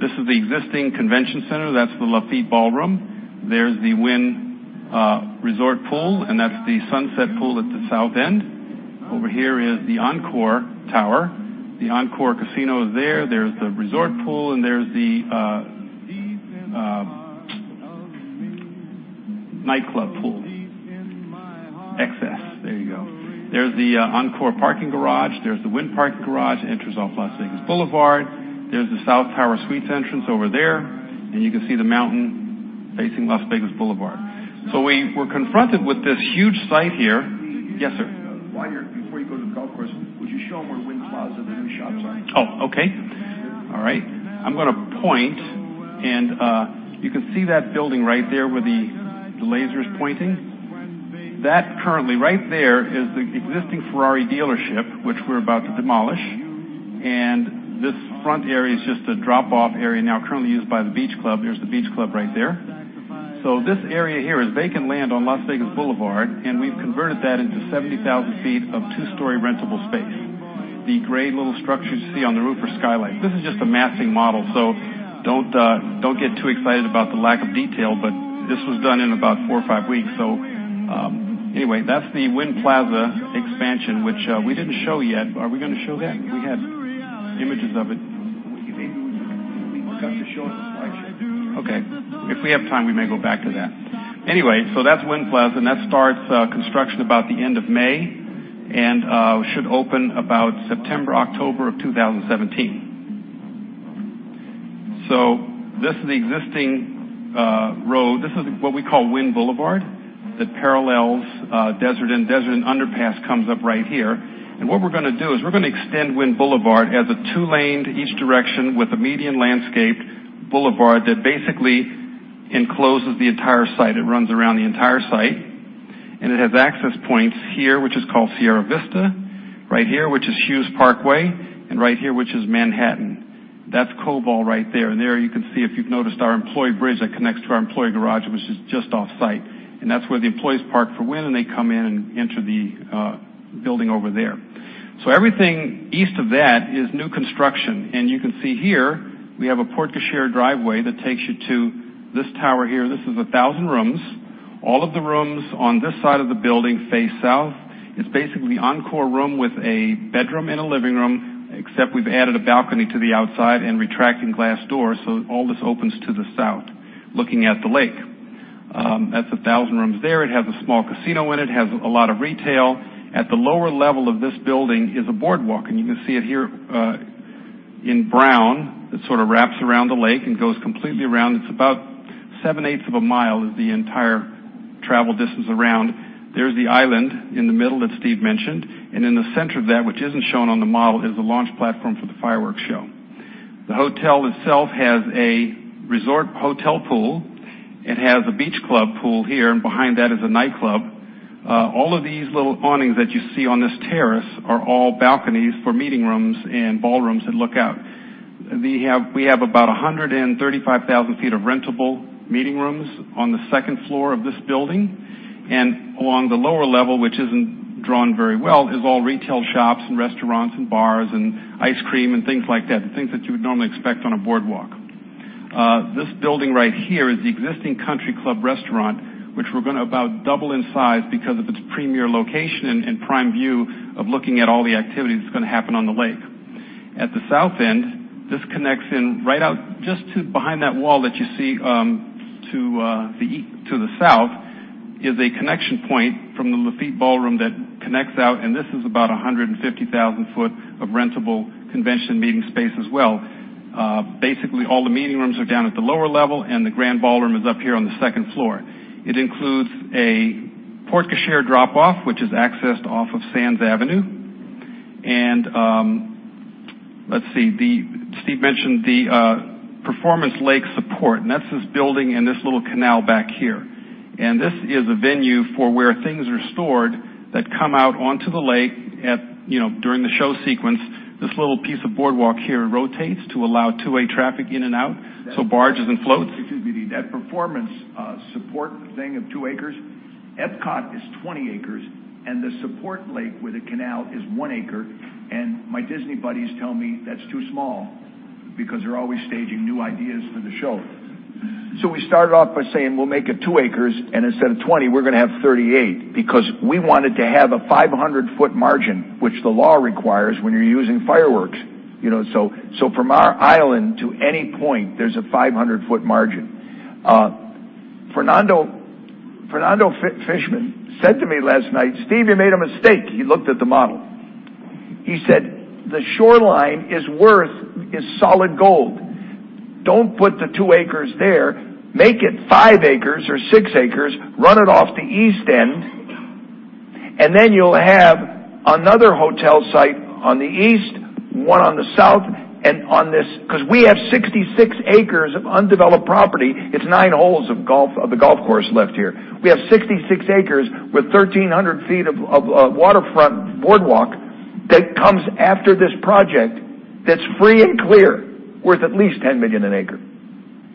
This is the existing convention center. That's the Lafite Ballroom. There's the Wynn resort pool, and that's the sunset pool at the south end. Over here is the Encore Tower. The Encore casino is there. There's the resort pool, and there's the nightclub pool. XS. There you go. There's the Encore parking garage. There's the Wynn parking garage entrance off Las Vegas Boulevard. There's the South Tower Suites entrance over there, and you can see the mountain facing Las Vegas Boulevard. We were confronted with this huge site here. Yes, sir. Before you go to the golf course, would you show them where Wynn Plaza, the new shops are? Oh, okay. All right. I'm going to point, and you can see that building right there where the laser's pointing. That currently, right there, is the existing Ferrari dealership, which we're about to demolish, and this front area is just a drop-off area now currently used by the beach club. There's the beach club right there. This area here is vacant land on Las Vegas Boulevard, and we've converted that into 70,000 feet of two-story rentable space. The gray little structures you see on the roof are skylights. This is just a mapping model, so don't get too excited about the lack of detail. This was done in about four or five weeks. Anyway, that's the Wynn Plaza expansion, which we didn't show yet. Are we going to show that? We had images of it. We could. We've got to show it in the slideshow. Okay. That's Wynn Plaza, and that starts construction about the end of May and should open about September, October of 2017. This is the existing road. This is what we call Wynn Boulevard that parallels Desert Inn. Desert Inn underpass comes up right here. What we're going to do is we're going to extend Wynn Boulevard as a two-lane each direction with a median landscaped boulevard that basically encloses the entire site. It runs around the entire site, and it has access points here, which is called Sierra Vista, right here, which is Hughes Parkway, and right here, which is Manhattan. That's Cobalt right there. There you can see, if you've noticed, our employee bridge that connects to our employee garage, which is just off-site. That's where the employees park for Wynn, and they come in and enter the building over there. Everything east of that is new construction, and you can see here we have a porte cochere driveway that takes you to this tower here. This is 1,000 rooms. All of the rooms on this side of the building face south. It's basically Encore room with a bedroom and a living room, except we've added a balcony to the outside and retracting glass doors. All this opens to the south, looking at the lake. That's 1,000 rooms there. It has a small casino in it, has a lot of retail. At the lower level of this building is a boardwalk, and you can see it here in brown. It sort of wraps around the lake and goes completely around. It's about seven-eighths of a mile is the entire travel distance around. There's the island in the middle that Steve mentioned. In the center of that, which isn't shown on the model, is the launch platform for the fireworks show. The hotel itself has a resort hotel pool. It has a beach club pool here, and behind that is a nightclub. All of these little awnings that you see on this terrace are all balconies for meeting rooms and ballrooms that look out. We have about 135,000 feet of rentable meeting rooms on the second floor of this building. Along the lower level, which isn't drawn very well, is all retail shops and restaurants and bars and ice cream and things like that, things that you would normally expect on a boardwalk. This building right here is the existing Country Club restaurant, which we're going to about double in size because of its premier location and prime view of looking at all the activity that's going to happen on the lake. At the south end, this connects in right out just to behind that wall that you see to the south is a connection point from the Lafite Ballroom that connects out, and this is about 150,000 foot of rentable convention meeting space as well. Basically, all the meeting rooms are down at the lower level, and the grand ballroom is up here on the second floor. It includes a porte cochere drop-off, which is accessed off of Sands Avenue. Let's see. Steve mentioned the performance lake support, and that's this building and this little canal back here. This is a venue for where things are stored that come out onto the lake during the show sequence. This little piece of boardwalk here rotates to allow two-way traffic in and out, so barges and floats. Excuse me. That performance support thing of two acres, Epcot is 20 acres, and the support lake with a canal is one acre. My Disney buddies tell me that's too small because they're always staging new ideas for the show. We started off by saying we'll make it two acres, and instead of 20, we're going to have 38 because we wanted to have a 500-foot margin, which the law requires when you're using fireworks. From our island to any point, there's a 500-foot margin. Fernando Fischmann said to me last night, "Steve, you made a mistake." He looked at the model. He said, "The shoreline is worth is solid gold. Don't put the two acres there. Make it five acres or six acres. Run it off the east end, and then you'll have another hotel site on the east, one on the south, and on this" Because we have 66 acres of undeveloped property. It's nine holes of the golf course left here. We have 66 acres with 1,300 feet of waterfront boardwalk that comes after this project that's free and clear, worth at least $10 million an acre.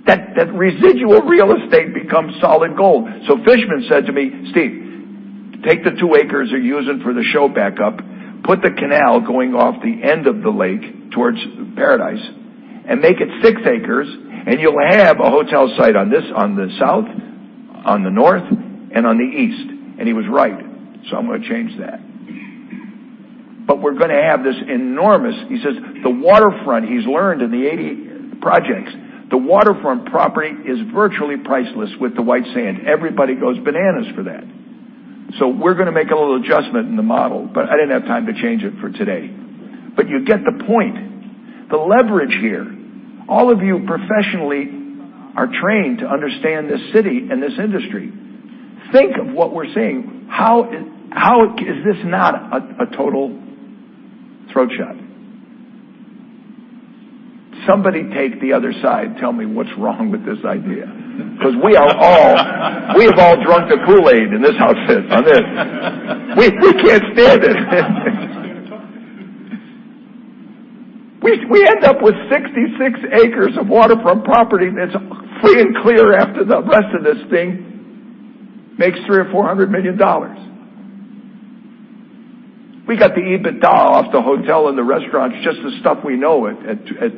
That residual real estate becomes solid gold. Fischmann said to me, "Steve, take the two acres you're using for the show backup, put the canal going off the end of the lake towards Paradise, and make it six acres, and you'll have a hotel site on the south, on the north, and on the east." He was right. I'm going to change that. We're going to have this enormous. He says the waterfront, he's learned in the 80 projects, the waterfront property is virtually priceless with the white sand. Everybody goes bananas for that. We're going to make a little adjustment in the model, but I didn't have time to change it for today. You get the point. The leverage here, all of you professionally are trained to understand this city and this industry. Think of what we're saying. How is this not a total throat shot? Somebody take the other side, tell me what's wrong with this idea. Because we have all drunk the Kool-Aid in this house on this. We can't stand it. We end up with 66 acres of waterfront property that's free and clear after the rest of this thing makes $300 million or $400 million. We got the EBITDA off the hotel and the restaurants, just the stuff we know at 200,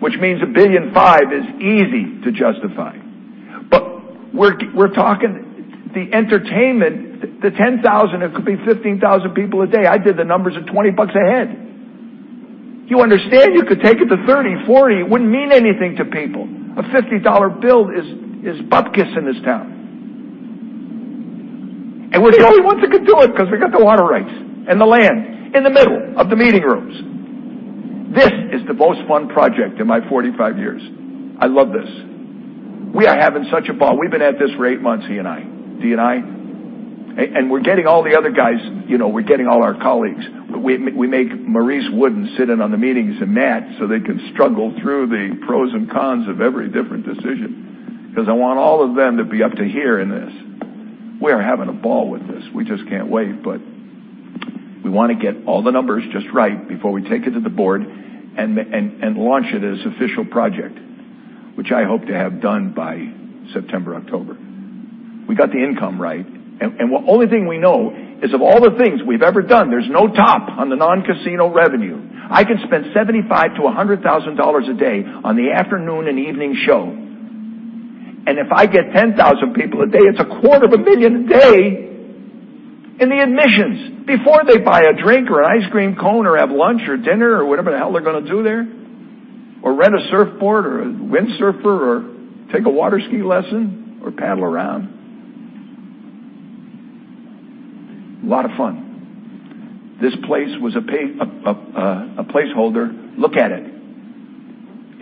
which means $1.5 billion is easy to justify. We're talking the entertainment, the 10,000, it could be 15,000 people a day. I did the numbers at $20 a head. You understand you could take it to 30, 40, it wouldn't mean anything to people. A $50 bill is bupkis in this town. We're the only ones that could do it because we got the water rights and the land in the middle of the meeting rooms. This is the most fun project in my 45 years. I love this. We are having such a ball. We've been at this for eight months, he and I, Dee and I. We're getting all the other guys, we're getting all our colleagues. We make Maurice Wooden sit in on the meetings, and Matt, so they can struggle through the pros and cons of every different decision, because I want all of them to be up to here in this. We are having a ball with this. We just can't wait, but we want to get all the numbers just right before we take it to the board and launch it as official project, which I hope to have done by September, October. We got the income right. The only thing we know is of all the things we've ever done, there's no top on the non-casino revenue. I could spend $75,000 to $100,000 a day on the afternoon and evening show, and if I get 10,000 people a day, it's a quarter of a million a day in the admissions before they buy a drink or an ice cream cone or have lunch or dinner or whatever the hell they're going to do there, or rent a surfboard or a windsurfer or take a water ski lesson or paddle around. Lot of fun. This place was a placeholder. Look at it.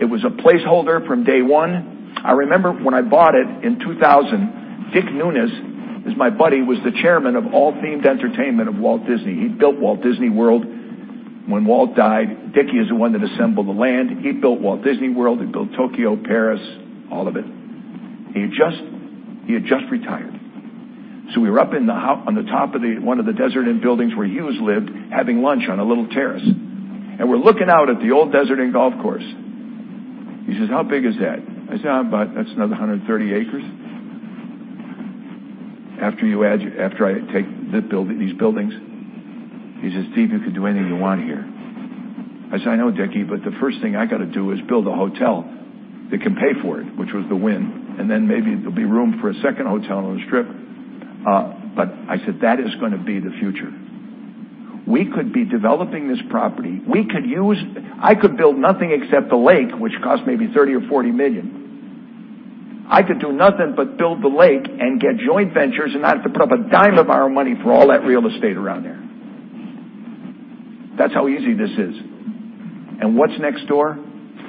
It was a placeholder from day one. I remember when I bought it in 2000, Dick Nunis is my buddy, was the chairman of all themed entertainment of Walt Disney. He built Walt Disney World. When Walt died, Dickie is the one that assembled the land. He built Walt Disney World. He built Tokyo, Paris, all of it. He had just retired. We were up on the top of one of the Desert Inn buildings where he used to live, having lunch on a little terrace. We're looking out at the old Desert Inn Golf Course. He says, "How big is that?" I said, "About, that's another 130 acres after I take these buildings." He says, "Steve, you could do anything you want here." I said, "I know, Dickie, but the first thing I got to do is build a hotel that can pay for it," which was the Wynn, and then maybe there'll be room for a second hotel on the strip. I said, "That is going to be the future." We could be developing this property. I could build nothing except the lake, which cost maybe $30 million or $40 million. I could do nothing but build the lake and get joint ventures and not have to put up a dime of our money for all that real estate around there. That's how easy this is. What's next door?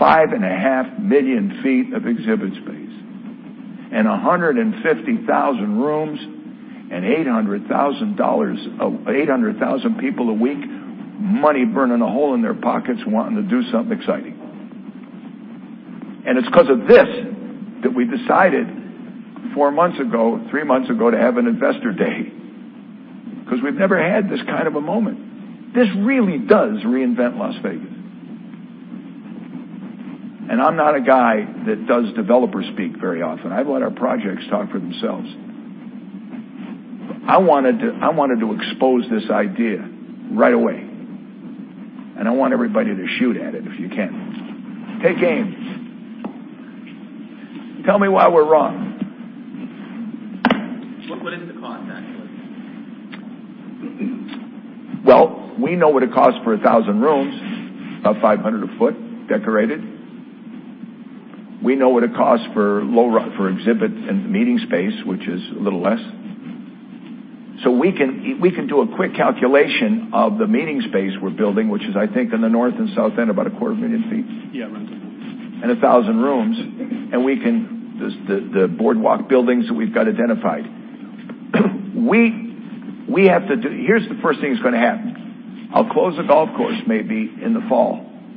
5.5 million feet of exhibit space and 150,000 rooms and 800,000 people a week, money burning a hole in their pockets wanting to do something exciting. It's because of this that we decided four months ago, three months ago, to have an investor day, because we've never had this kind of a moment. This really does reinvent Las Vegas. I'm not a guy that does developer speak very often. I let our projects talk for themselves. I wanted to expose this idea right away, and I want everybody to shoot at it if you can. Hey, James. Tell me why we're wrong. What is the cost, actually? Well, we know what it costs per 1,000 rooms, about 500 a foot, decorated. We know what it costs for exhibit and meeting space, which is a little less. We can do a quick calculation of the meeting space we're building, which is I think in the north and south end, about a quarter of a million feet. Yeah, around there. 1,000 rooms. The boardwalk buildings that we've got identified. Here's the first thing that's going to happen. I'll close the golf course maybe in the fall,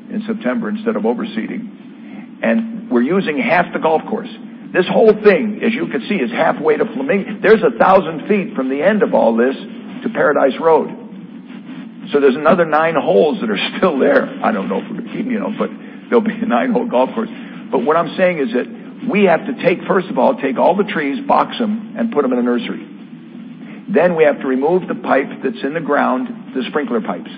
in September, instead of overseeding, and we're using half the golf course. This whole thing, as you can see, is halfway to Flamingo. There's 1,000 feet from the end of all this to Paradise Road. There's another nine holes that are still there. I don't know if we're going to keep, there'll be a nine-hole golf course. What I'm saying is that we have to, first of all, take all the trees, box them, and put them in a nursery. We have to remove the pipe that's in the ground, the sprinkler pipes.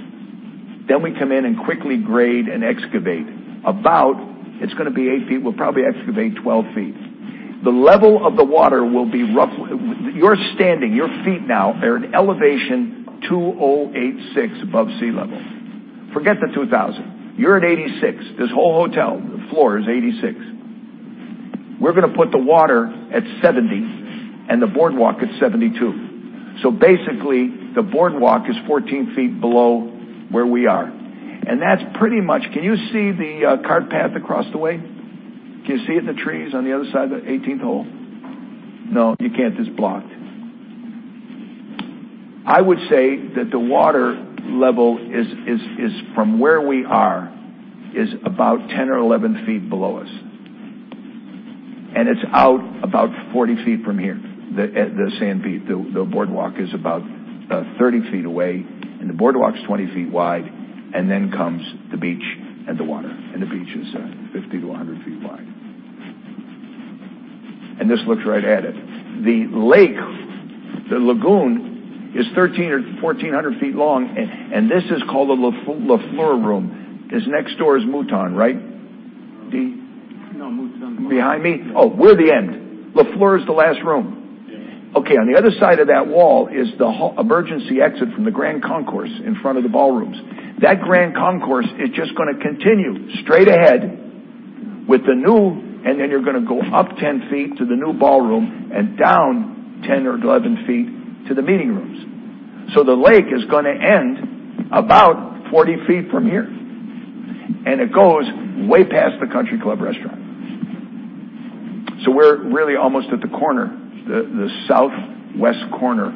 Then we come in and quickly grade and excavate about It's going to be eight feet. We'll probably excavate 12 feet. The level of the water will be roughly. You're standing, your feet now are at elevation 2,086 above sea level. Forget the 2,000. You're at 86. This whole hotel floor is 86. We're going to put the water at 70 and the boardwalk at 72. Basically, the boardwalk is 14 feet below where we are, and that's pretty much. Can you see the cart path across the way? Can you see it, the trees on the other side of the 18th hole? No, you can't. It's blocked. I would say that the water level, from where we are, is about 10 or 11 feet below us, and it's out about 40 feet from here. The sand pit, the boardwalk is about 30 feet away, and the boardwalk's 20 feet wide, and then comes the beach and the water. The beach is 50 to 100 feet wide. This looks right at it. The lake, the lagoon is 1,300 or 1,400 feet long, and this is called the Lafite Room, because next door is Mouton, right? No. No, Mouton's more. Behind me? Oh, we're the end. Lafite is the last room. Yeah. Okay. On the other side of that wall is the emergency exit from the Grand Concourse in front of the ballrooms. That Grand Concourse is just going to continue straight ahead with the new, you're going to go up 10 feet to the new ballroom and down 10 or 11 feet to the meeting rooms. The lake is going to end about 40 feet from here, and it goes way past the Country Club restaurant. We're really almost at the corner, the southwest corner.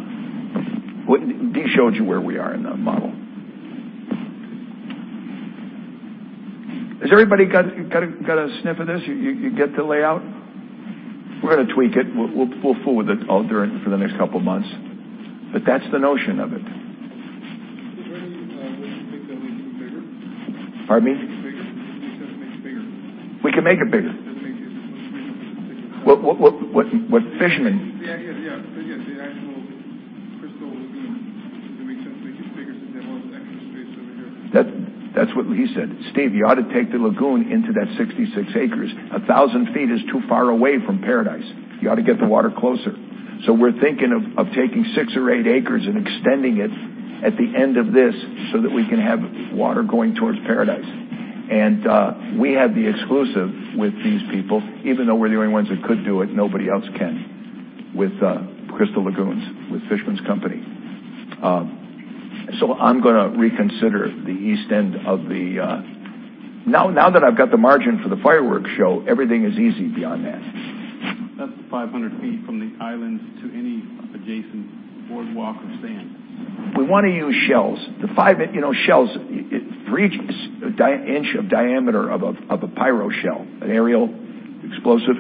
Dee showed you where we are in the model. Has everybody got a sniff of this? You get the layout? We're going to tweak it. We'll fool with it all during for the next couple of months, but that's the notion of it. Is there any way you think that we can make it bigger? Pardon me? Make it bigger. We just make it bigger. We can make it bigger. It doesn't make a difference. We can make it bigger. What, Fischmann? Yeah. Does the actual Crystal Lagoon make sense to make it bigger since we have all the extra space over here? That's what he said. "Steve, you ought to take the lagoon into that 66 acres. 1,000 feet is too far away from Paradise. You ought to get the water closer." We're thinking of taking 6 or 8 acres and extending it at the end of this so that we can have water going towards Paradise. We have the exclusive with these people. Even though we're the only ones that could do it, nobody else can with Crystal Lagoons, with Fischmann's company. I'm going to reconsider the east end. Now that I've got the margin for the fireworks show, everything is easy beyond that. That's 500 feet from the islands to any adjacent boardwalk or sand. We want to use shells. Shells, 3-inch of diameter of a pyro shell, an aerial explosive.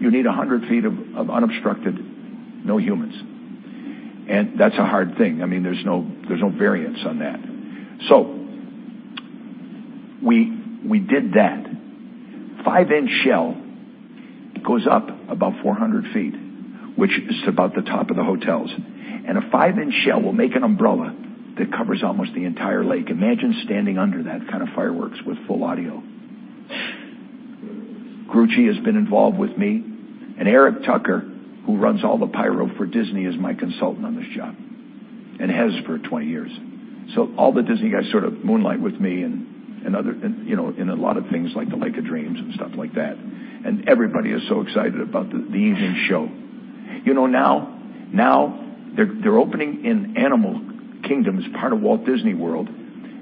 You need 100 feet of unobstructed, no humans. That's a hard thing. There's no variance on that. We did that. A 5-inch shell goes up about 400 feet, which is about the top of the hotels. A 5-inch shell will make an umbrella that covers almost the entire lake. Imagine standing under that kind of fireworks with full audio. Grucci has been involved with me, Eric Tucker, who runs all the pyro for Disney, is my consultant on this job, and has for 20 years. All the Disney guys sort of moonlight with me in a lot of things like the Lake of Dreams and stuff like that. Everybody is so excited about the evening show. Now they're opening in Animal Kingdom as part of Walt Disney World.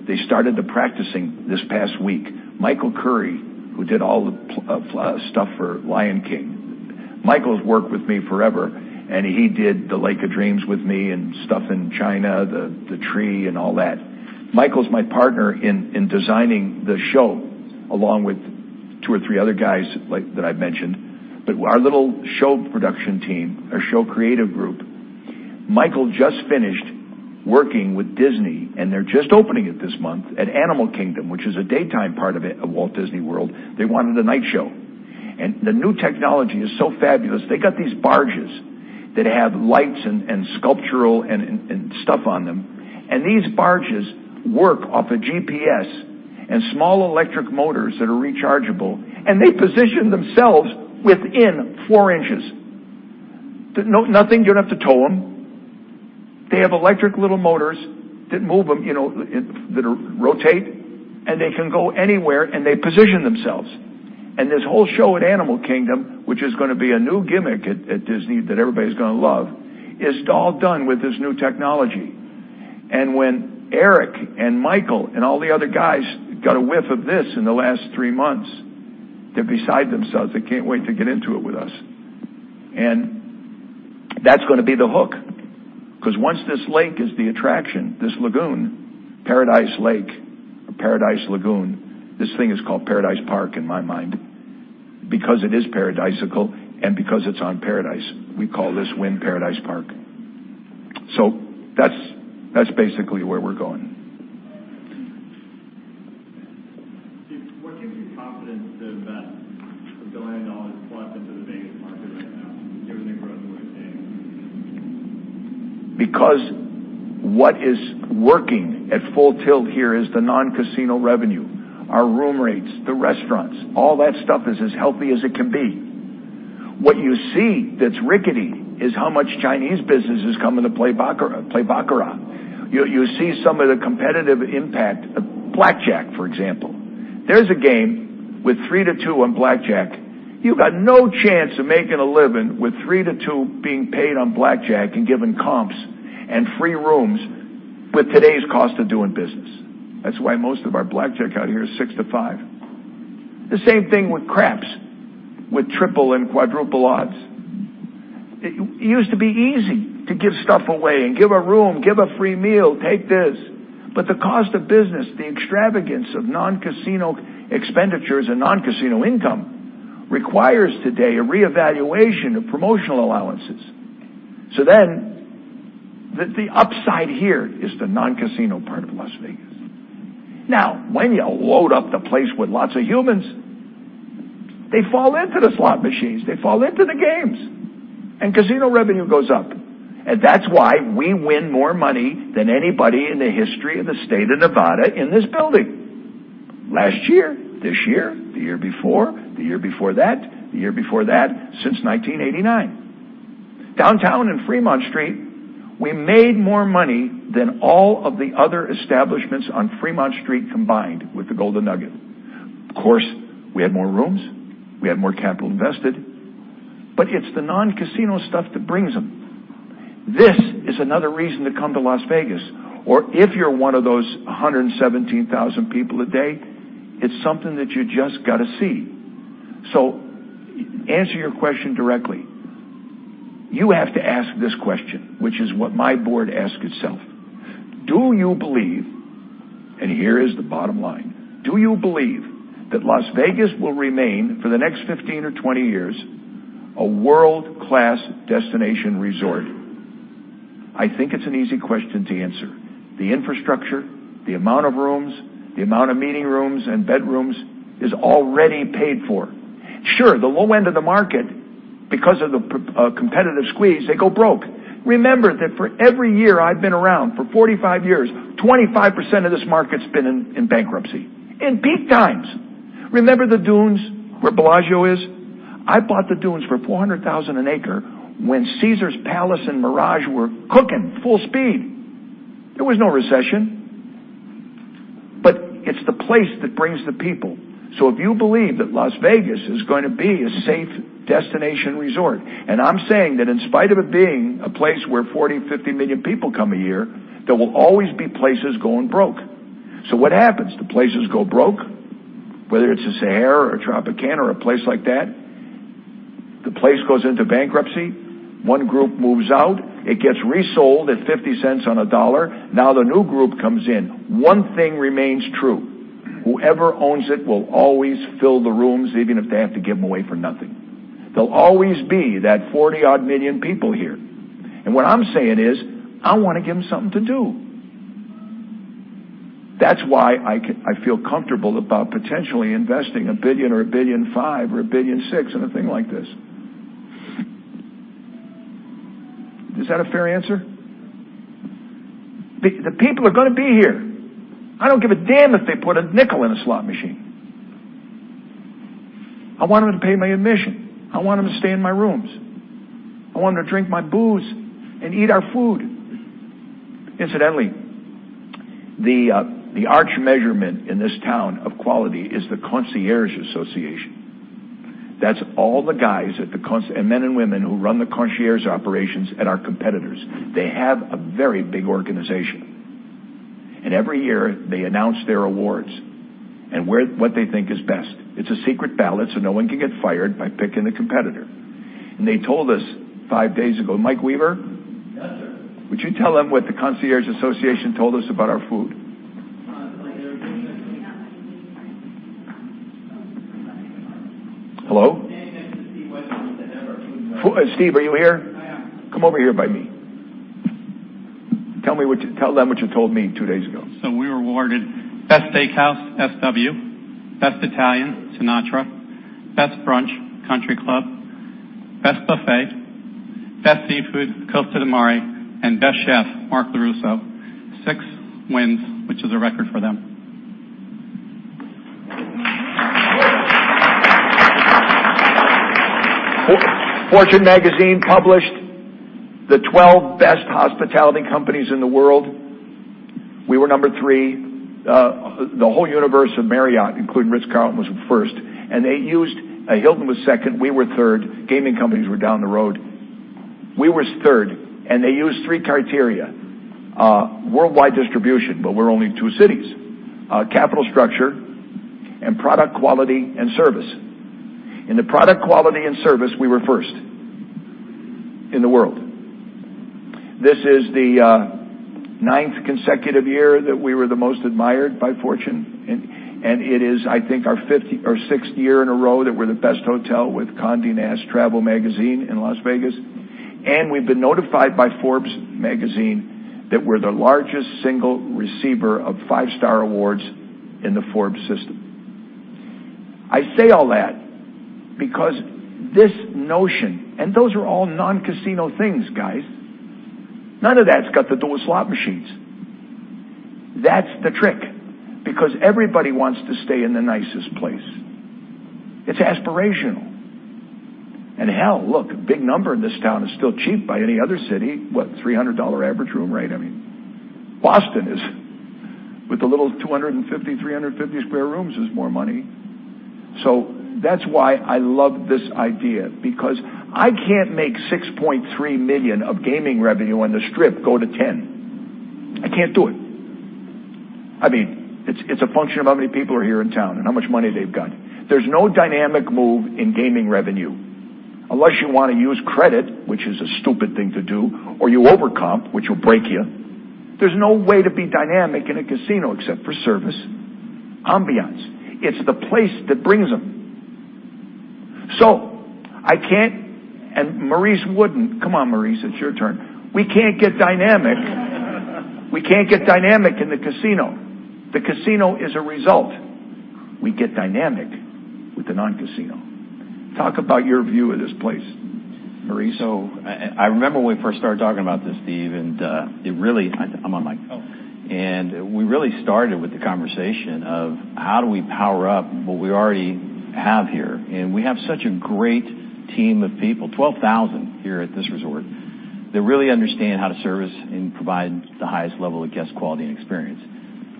They started the practicing this past week. Michael Curry, who did all the stuff for "The Lion King." Michael's worked with me forever, and he did the Lake of Dreams with me and stuff in China, the tree and all that. Michael's my partner in designing the show, along with two or three other guys that I've mentioned. Our little show production team, our show creative group. Michael just finished working with Disney, and they're just opening it this month at Animal Kingdom, which is a daytime part of Walt Disney World. They wanted a night show. The new technology is so fabulous. They got these barges that have lights and sculptural and stuff on them. These barges work off a GPS and small electric motors that are rechargeable, and they position themselves within four inches. Nothing. You don't have to tow them. They have electric little motors that move them, that rotate, and they can go anywhere, and they position themselves. This whole show at Animal Kingdom, which is going to be a new gimmick at Disney that everybody's going to love, is all done with this new technology. When Eric and Michael and all the other guys got a whiff of this in the last three months, they're beside themselves. They can't wait to get into it with us. That's going to be the hook, because once this lake is the attraction, this lagoon, Paradise Lake or Paradise Lagoon, this thing is called Paradise Park in my mind because it is paradisiacal and because it's on Paradise. We call this Wynn Paradise Park. That's basically where we're going. Steve, what gives you confidence to invest $1 billion plus into the Vegas market right now, given the growth we're seeing? What is working at full tilt here is the non-casino revenue. Our room rates, the restaurants, all that stuff is as healthy as it can be. What you see that's rickety is how much Chinese business is coming to play baccarat. You see some of the competitive impact. Blackjack, for example. There's a game with three to two on blackjack. You got no chance of making a living with three to two being paid on blackjack and given comps and free rooms with today's cost of doing business. That's why most of our blackjack out here is six to five. The same thing with craps, with triple and quadruple odds. It used to be easy to give stuff away and give a room, give a free meal, take this. The cost of business, the extravagance of non-casino expenditures and non-casino income, requires today a reevaluation of promotional allowances. The upside here is the non-casino part of Las Vegas. When you load up the place with lots of humans, they fall into the slot machines, they fall into the games, and casino revenue goes up. That's why we win more money than anybody in the history of the state of Nevada in this building. Last year, this year, the year before, the year before that, the year before that, since 1989. Downtown in Fremont Street, we made more money than all of the other establishments on Fremont Street combined with the Golden Nugget. We had more rooms, we had more capital invested, but it's the non-casino stuff that brings them. This is another reason to come to Las Vegas. If you're one of those 117,000 people a day, it's something that you just got to see. Answer your question directly. You have to ask this question, which is what my board asks itself. Do you believe, here is the bottom line, do you believe that Las Vegas will remain, for the next 15 or 20 years, a world-class destination resort? I think it's an easy question to answer. The infrastructure, the amount of rooms, the amount of meeting rooms and bedrooms is already paid for. The low end of the market, because of the competitive squeeze, they go broke. For every year I've been around, for 45 years, 25% of this market's been in bankruptcy, in peak times. The Dunes where Bellagio is? I bought the Dunes for $400,000 an acre when Caesars Palace and Mirage were cooking full speed. There was no recession. It's the place that brings the people. If you believe that Las Vegas is going to be a safe destination resort, I'm saying that in spite of it being a place where 40, 50 million people come a year, there will always be places going broke. What happens? The places go broke, whether it's a Sahara or Tropicana or a place like that. The place goes into bankruptcy. One group moves out, it gets resold at $0.50 on a dollar. The new group comes in. One thing remains true. Whoever owns it will always fill the rooms, even if they have to give them away for nothing. There'll always be that 40 odd million people here. What I'm saying is, I want to give them something to do. That's why I feel comfortable about potentially investing $1 billion or $1.5 billion or $1.6 billion in a thing like this. Is that a fair answer? The people are going to be here. I don't give a damn if they put a nickel in a slot machine. I want them to pay my admission. I want them to stay in my rooms. I want them to drink my booze and eat our food. The arch measurement in this town of quality is the Concierge Association. That's all the guys and men and women who run the concierge operations at our competitors. They have a very big organization. Every year, they announce their awards and what they think is best. It's a secret ballot, so no one can get fired by picking the competitor. They told us five days ago, Mike Weaver? Yes, sir. Would you tell them what the Concierge Association told us about our food? Hello? Standing next to Steve Wynn is where they have our food. Steve, are you here? I am. Come over here by me. Tell them what you told me two days ago. We were awarded best steakhouse, SW. Best Italian, Sinatra. Best brunch, Country Club. Best buffet, best seafood, Costa di Mare, and best chef, Mark LoRusso. six wins, which is a record for them. Fortune published the 12 best hospitality companies in the world. We were number three. The whole universe of Marriott, including The Ritz-Carlton, was first. Hilton was second, we were third. Gaming companies were down the road. We was third, and they used three criteria: worldwide distribution, but we're only two cities, capital structure, and product quality and service. In the product quality and service, we were first in the world. This is the ninth consecutive year that we were the most admired by Fortune, and it is, I think, our sixth year in a row that we're the best hotel with Condé Nast Traveler in Las Vegas. We've been notified by Forbes that we're the largest single receiver of five-star awards in the Forbes system. I say all that because this notion, and those are all non-casino things, guys. None of that's got to do with slot machines. That's the trick, because everybody wants to stay in the nicest place. It's aspirational. Hell, look, a big number in this town is still cheap by any other city. What, $300 average room rate, I mean. Boston is, with the little 250, 350 square rooms, is more money. That's why I love this idea, because I can't make $6.3 million of gaming revenue on the Strip go to 10. I can't do it. It's a function of how many people are here in town and how much money they've got. There's no dynamic move in gaming revenue. Unless you want to use credit, which is a stupid thing to do, or you overcomp, which will break you. There's no way to be dynamic in a casino except for service, ambiance. It's the place that brings them. I can't, and Maurice wouldn't. Come on, Maurice, it's your turn. We can't get dynamic. We can't get dynamic in the casino. The casino is a result. We get dynamic with the non-casino. Talk about your view of this place, Maurice. I remember when we first started talking about this, Steve. I'm on mic. Oh. We really started with the conversation of how do we power up what we already have here? We have such a great team of people, 12,000 here at this resort, that really understand how to service and provide the highest level of guest quality and experience.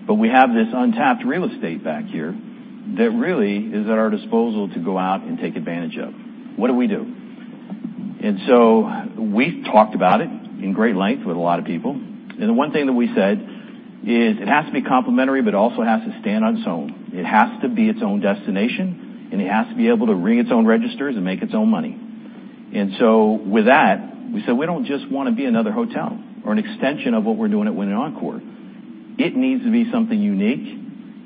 We have this untapped real estate back here that really is at our disposal to go out and take advantage of. What do we do? We've talked about it in great length with a lot of people, and the one thing that we said is it has to be complementary, but also has to stand on its own. It has to be its own destination, and it has to be able to ring its own registers and make its own money. With that, we said, we don't just want to be another hotel or an extension of what we're doing at Wynn and Encore. It needs to be something unique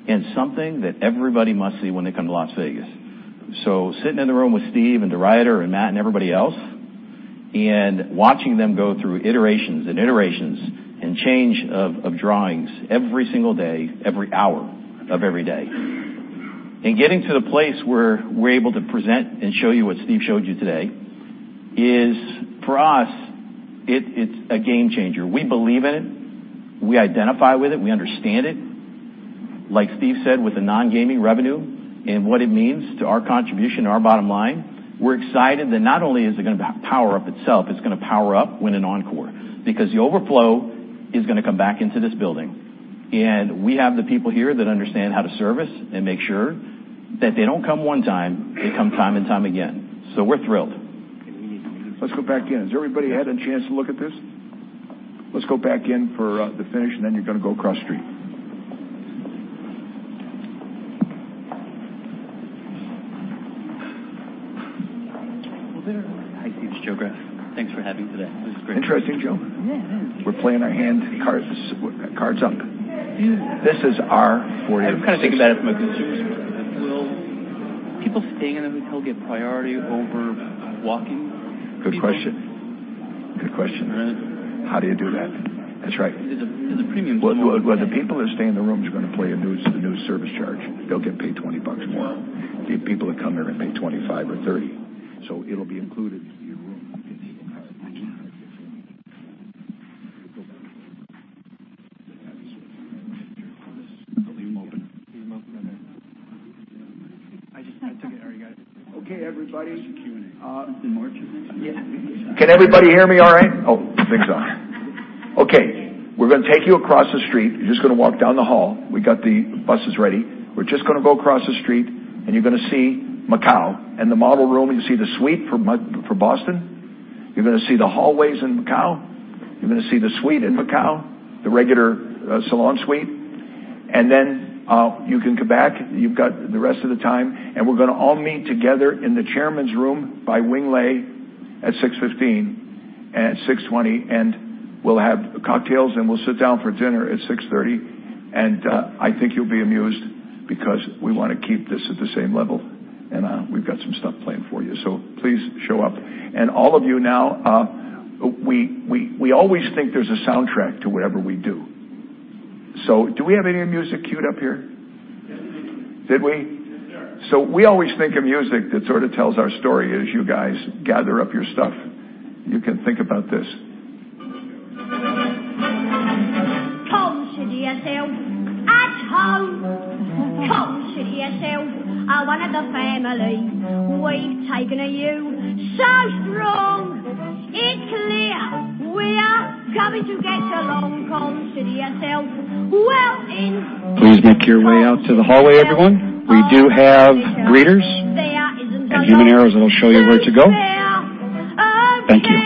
and something that everybody must see when they come to Las Vegas. Sitting in the room with Steve and DeRuyter and Matt and everybody else, and watching them go through iterations and iterations and change of drawings every single day, every hour of every day. Getting to the place where we're able to present and show you what Steve showed you today is, for us, it's a game changer. We believe in it. We identify with it. We understand it. Like Steve said, with the non-gaming revenue and what it means to our contribution and our bottom line, we're excited that not only is it going to power up itself, it's going to power up Wynn and Encore because the overflow is going to come back into this building. We have the people here that understand how to service and make sure that they don't come one time, they come time and time again. We're thrilled. Let's go back in. Has everybody had a chance to look at this? Let's go back in for the finish. Then you're going to go across the street. Hi, Steve, it's Joseph Greff. Thanks for having me today. This is great. Interesting, Joe. Yeah, man. We're playing our hand, cards up. I kind of think about it from a consumer's perspective. Will people staying in a hotel get priority over walk-ins? Good question. Good question. Right. How do you do that? That's right. There's a premium- The people that stay in the rooms are going to pay the new service charge. They'll get paid $20 more. The people that come here and pay $25 or $30. It'll be included in your room. Leave them open. Okay, everybody. Can everybody hear me all right? Oh, this thing's on. Okay. We're going to take you across the street. You're just going to walk down the hall. We got the buses ready. We're just going to go across the street, and you're going to see Macau and the model room. You're going to see the suite for Boston. You're going to see the hallways in Macau. You're going to see the suite in Macau, the regular salon suite. Then you can come back. You've got the rest of the time. We're going to all meet together in the Chairman's Room by Wing Lei at 6:15, at 6:20, and we'll have cocktails, and we'll sit down for dinner at 6:30. I think you'll be amused because we want to keep this at the same level. We've got some stuff planned for you, so please show up. All of you now, we always think there's a soundtrack to whatever we do. Do we have any music cued up here? Yes, we do. Did we? Yes, sir. We always think of music that sort of tells our story as you guys gather up your stuff. You can think about this. Please make your way out to the hallway, everyone. We do have greeters and human arrows that'll show you where to go. Thank you.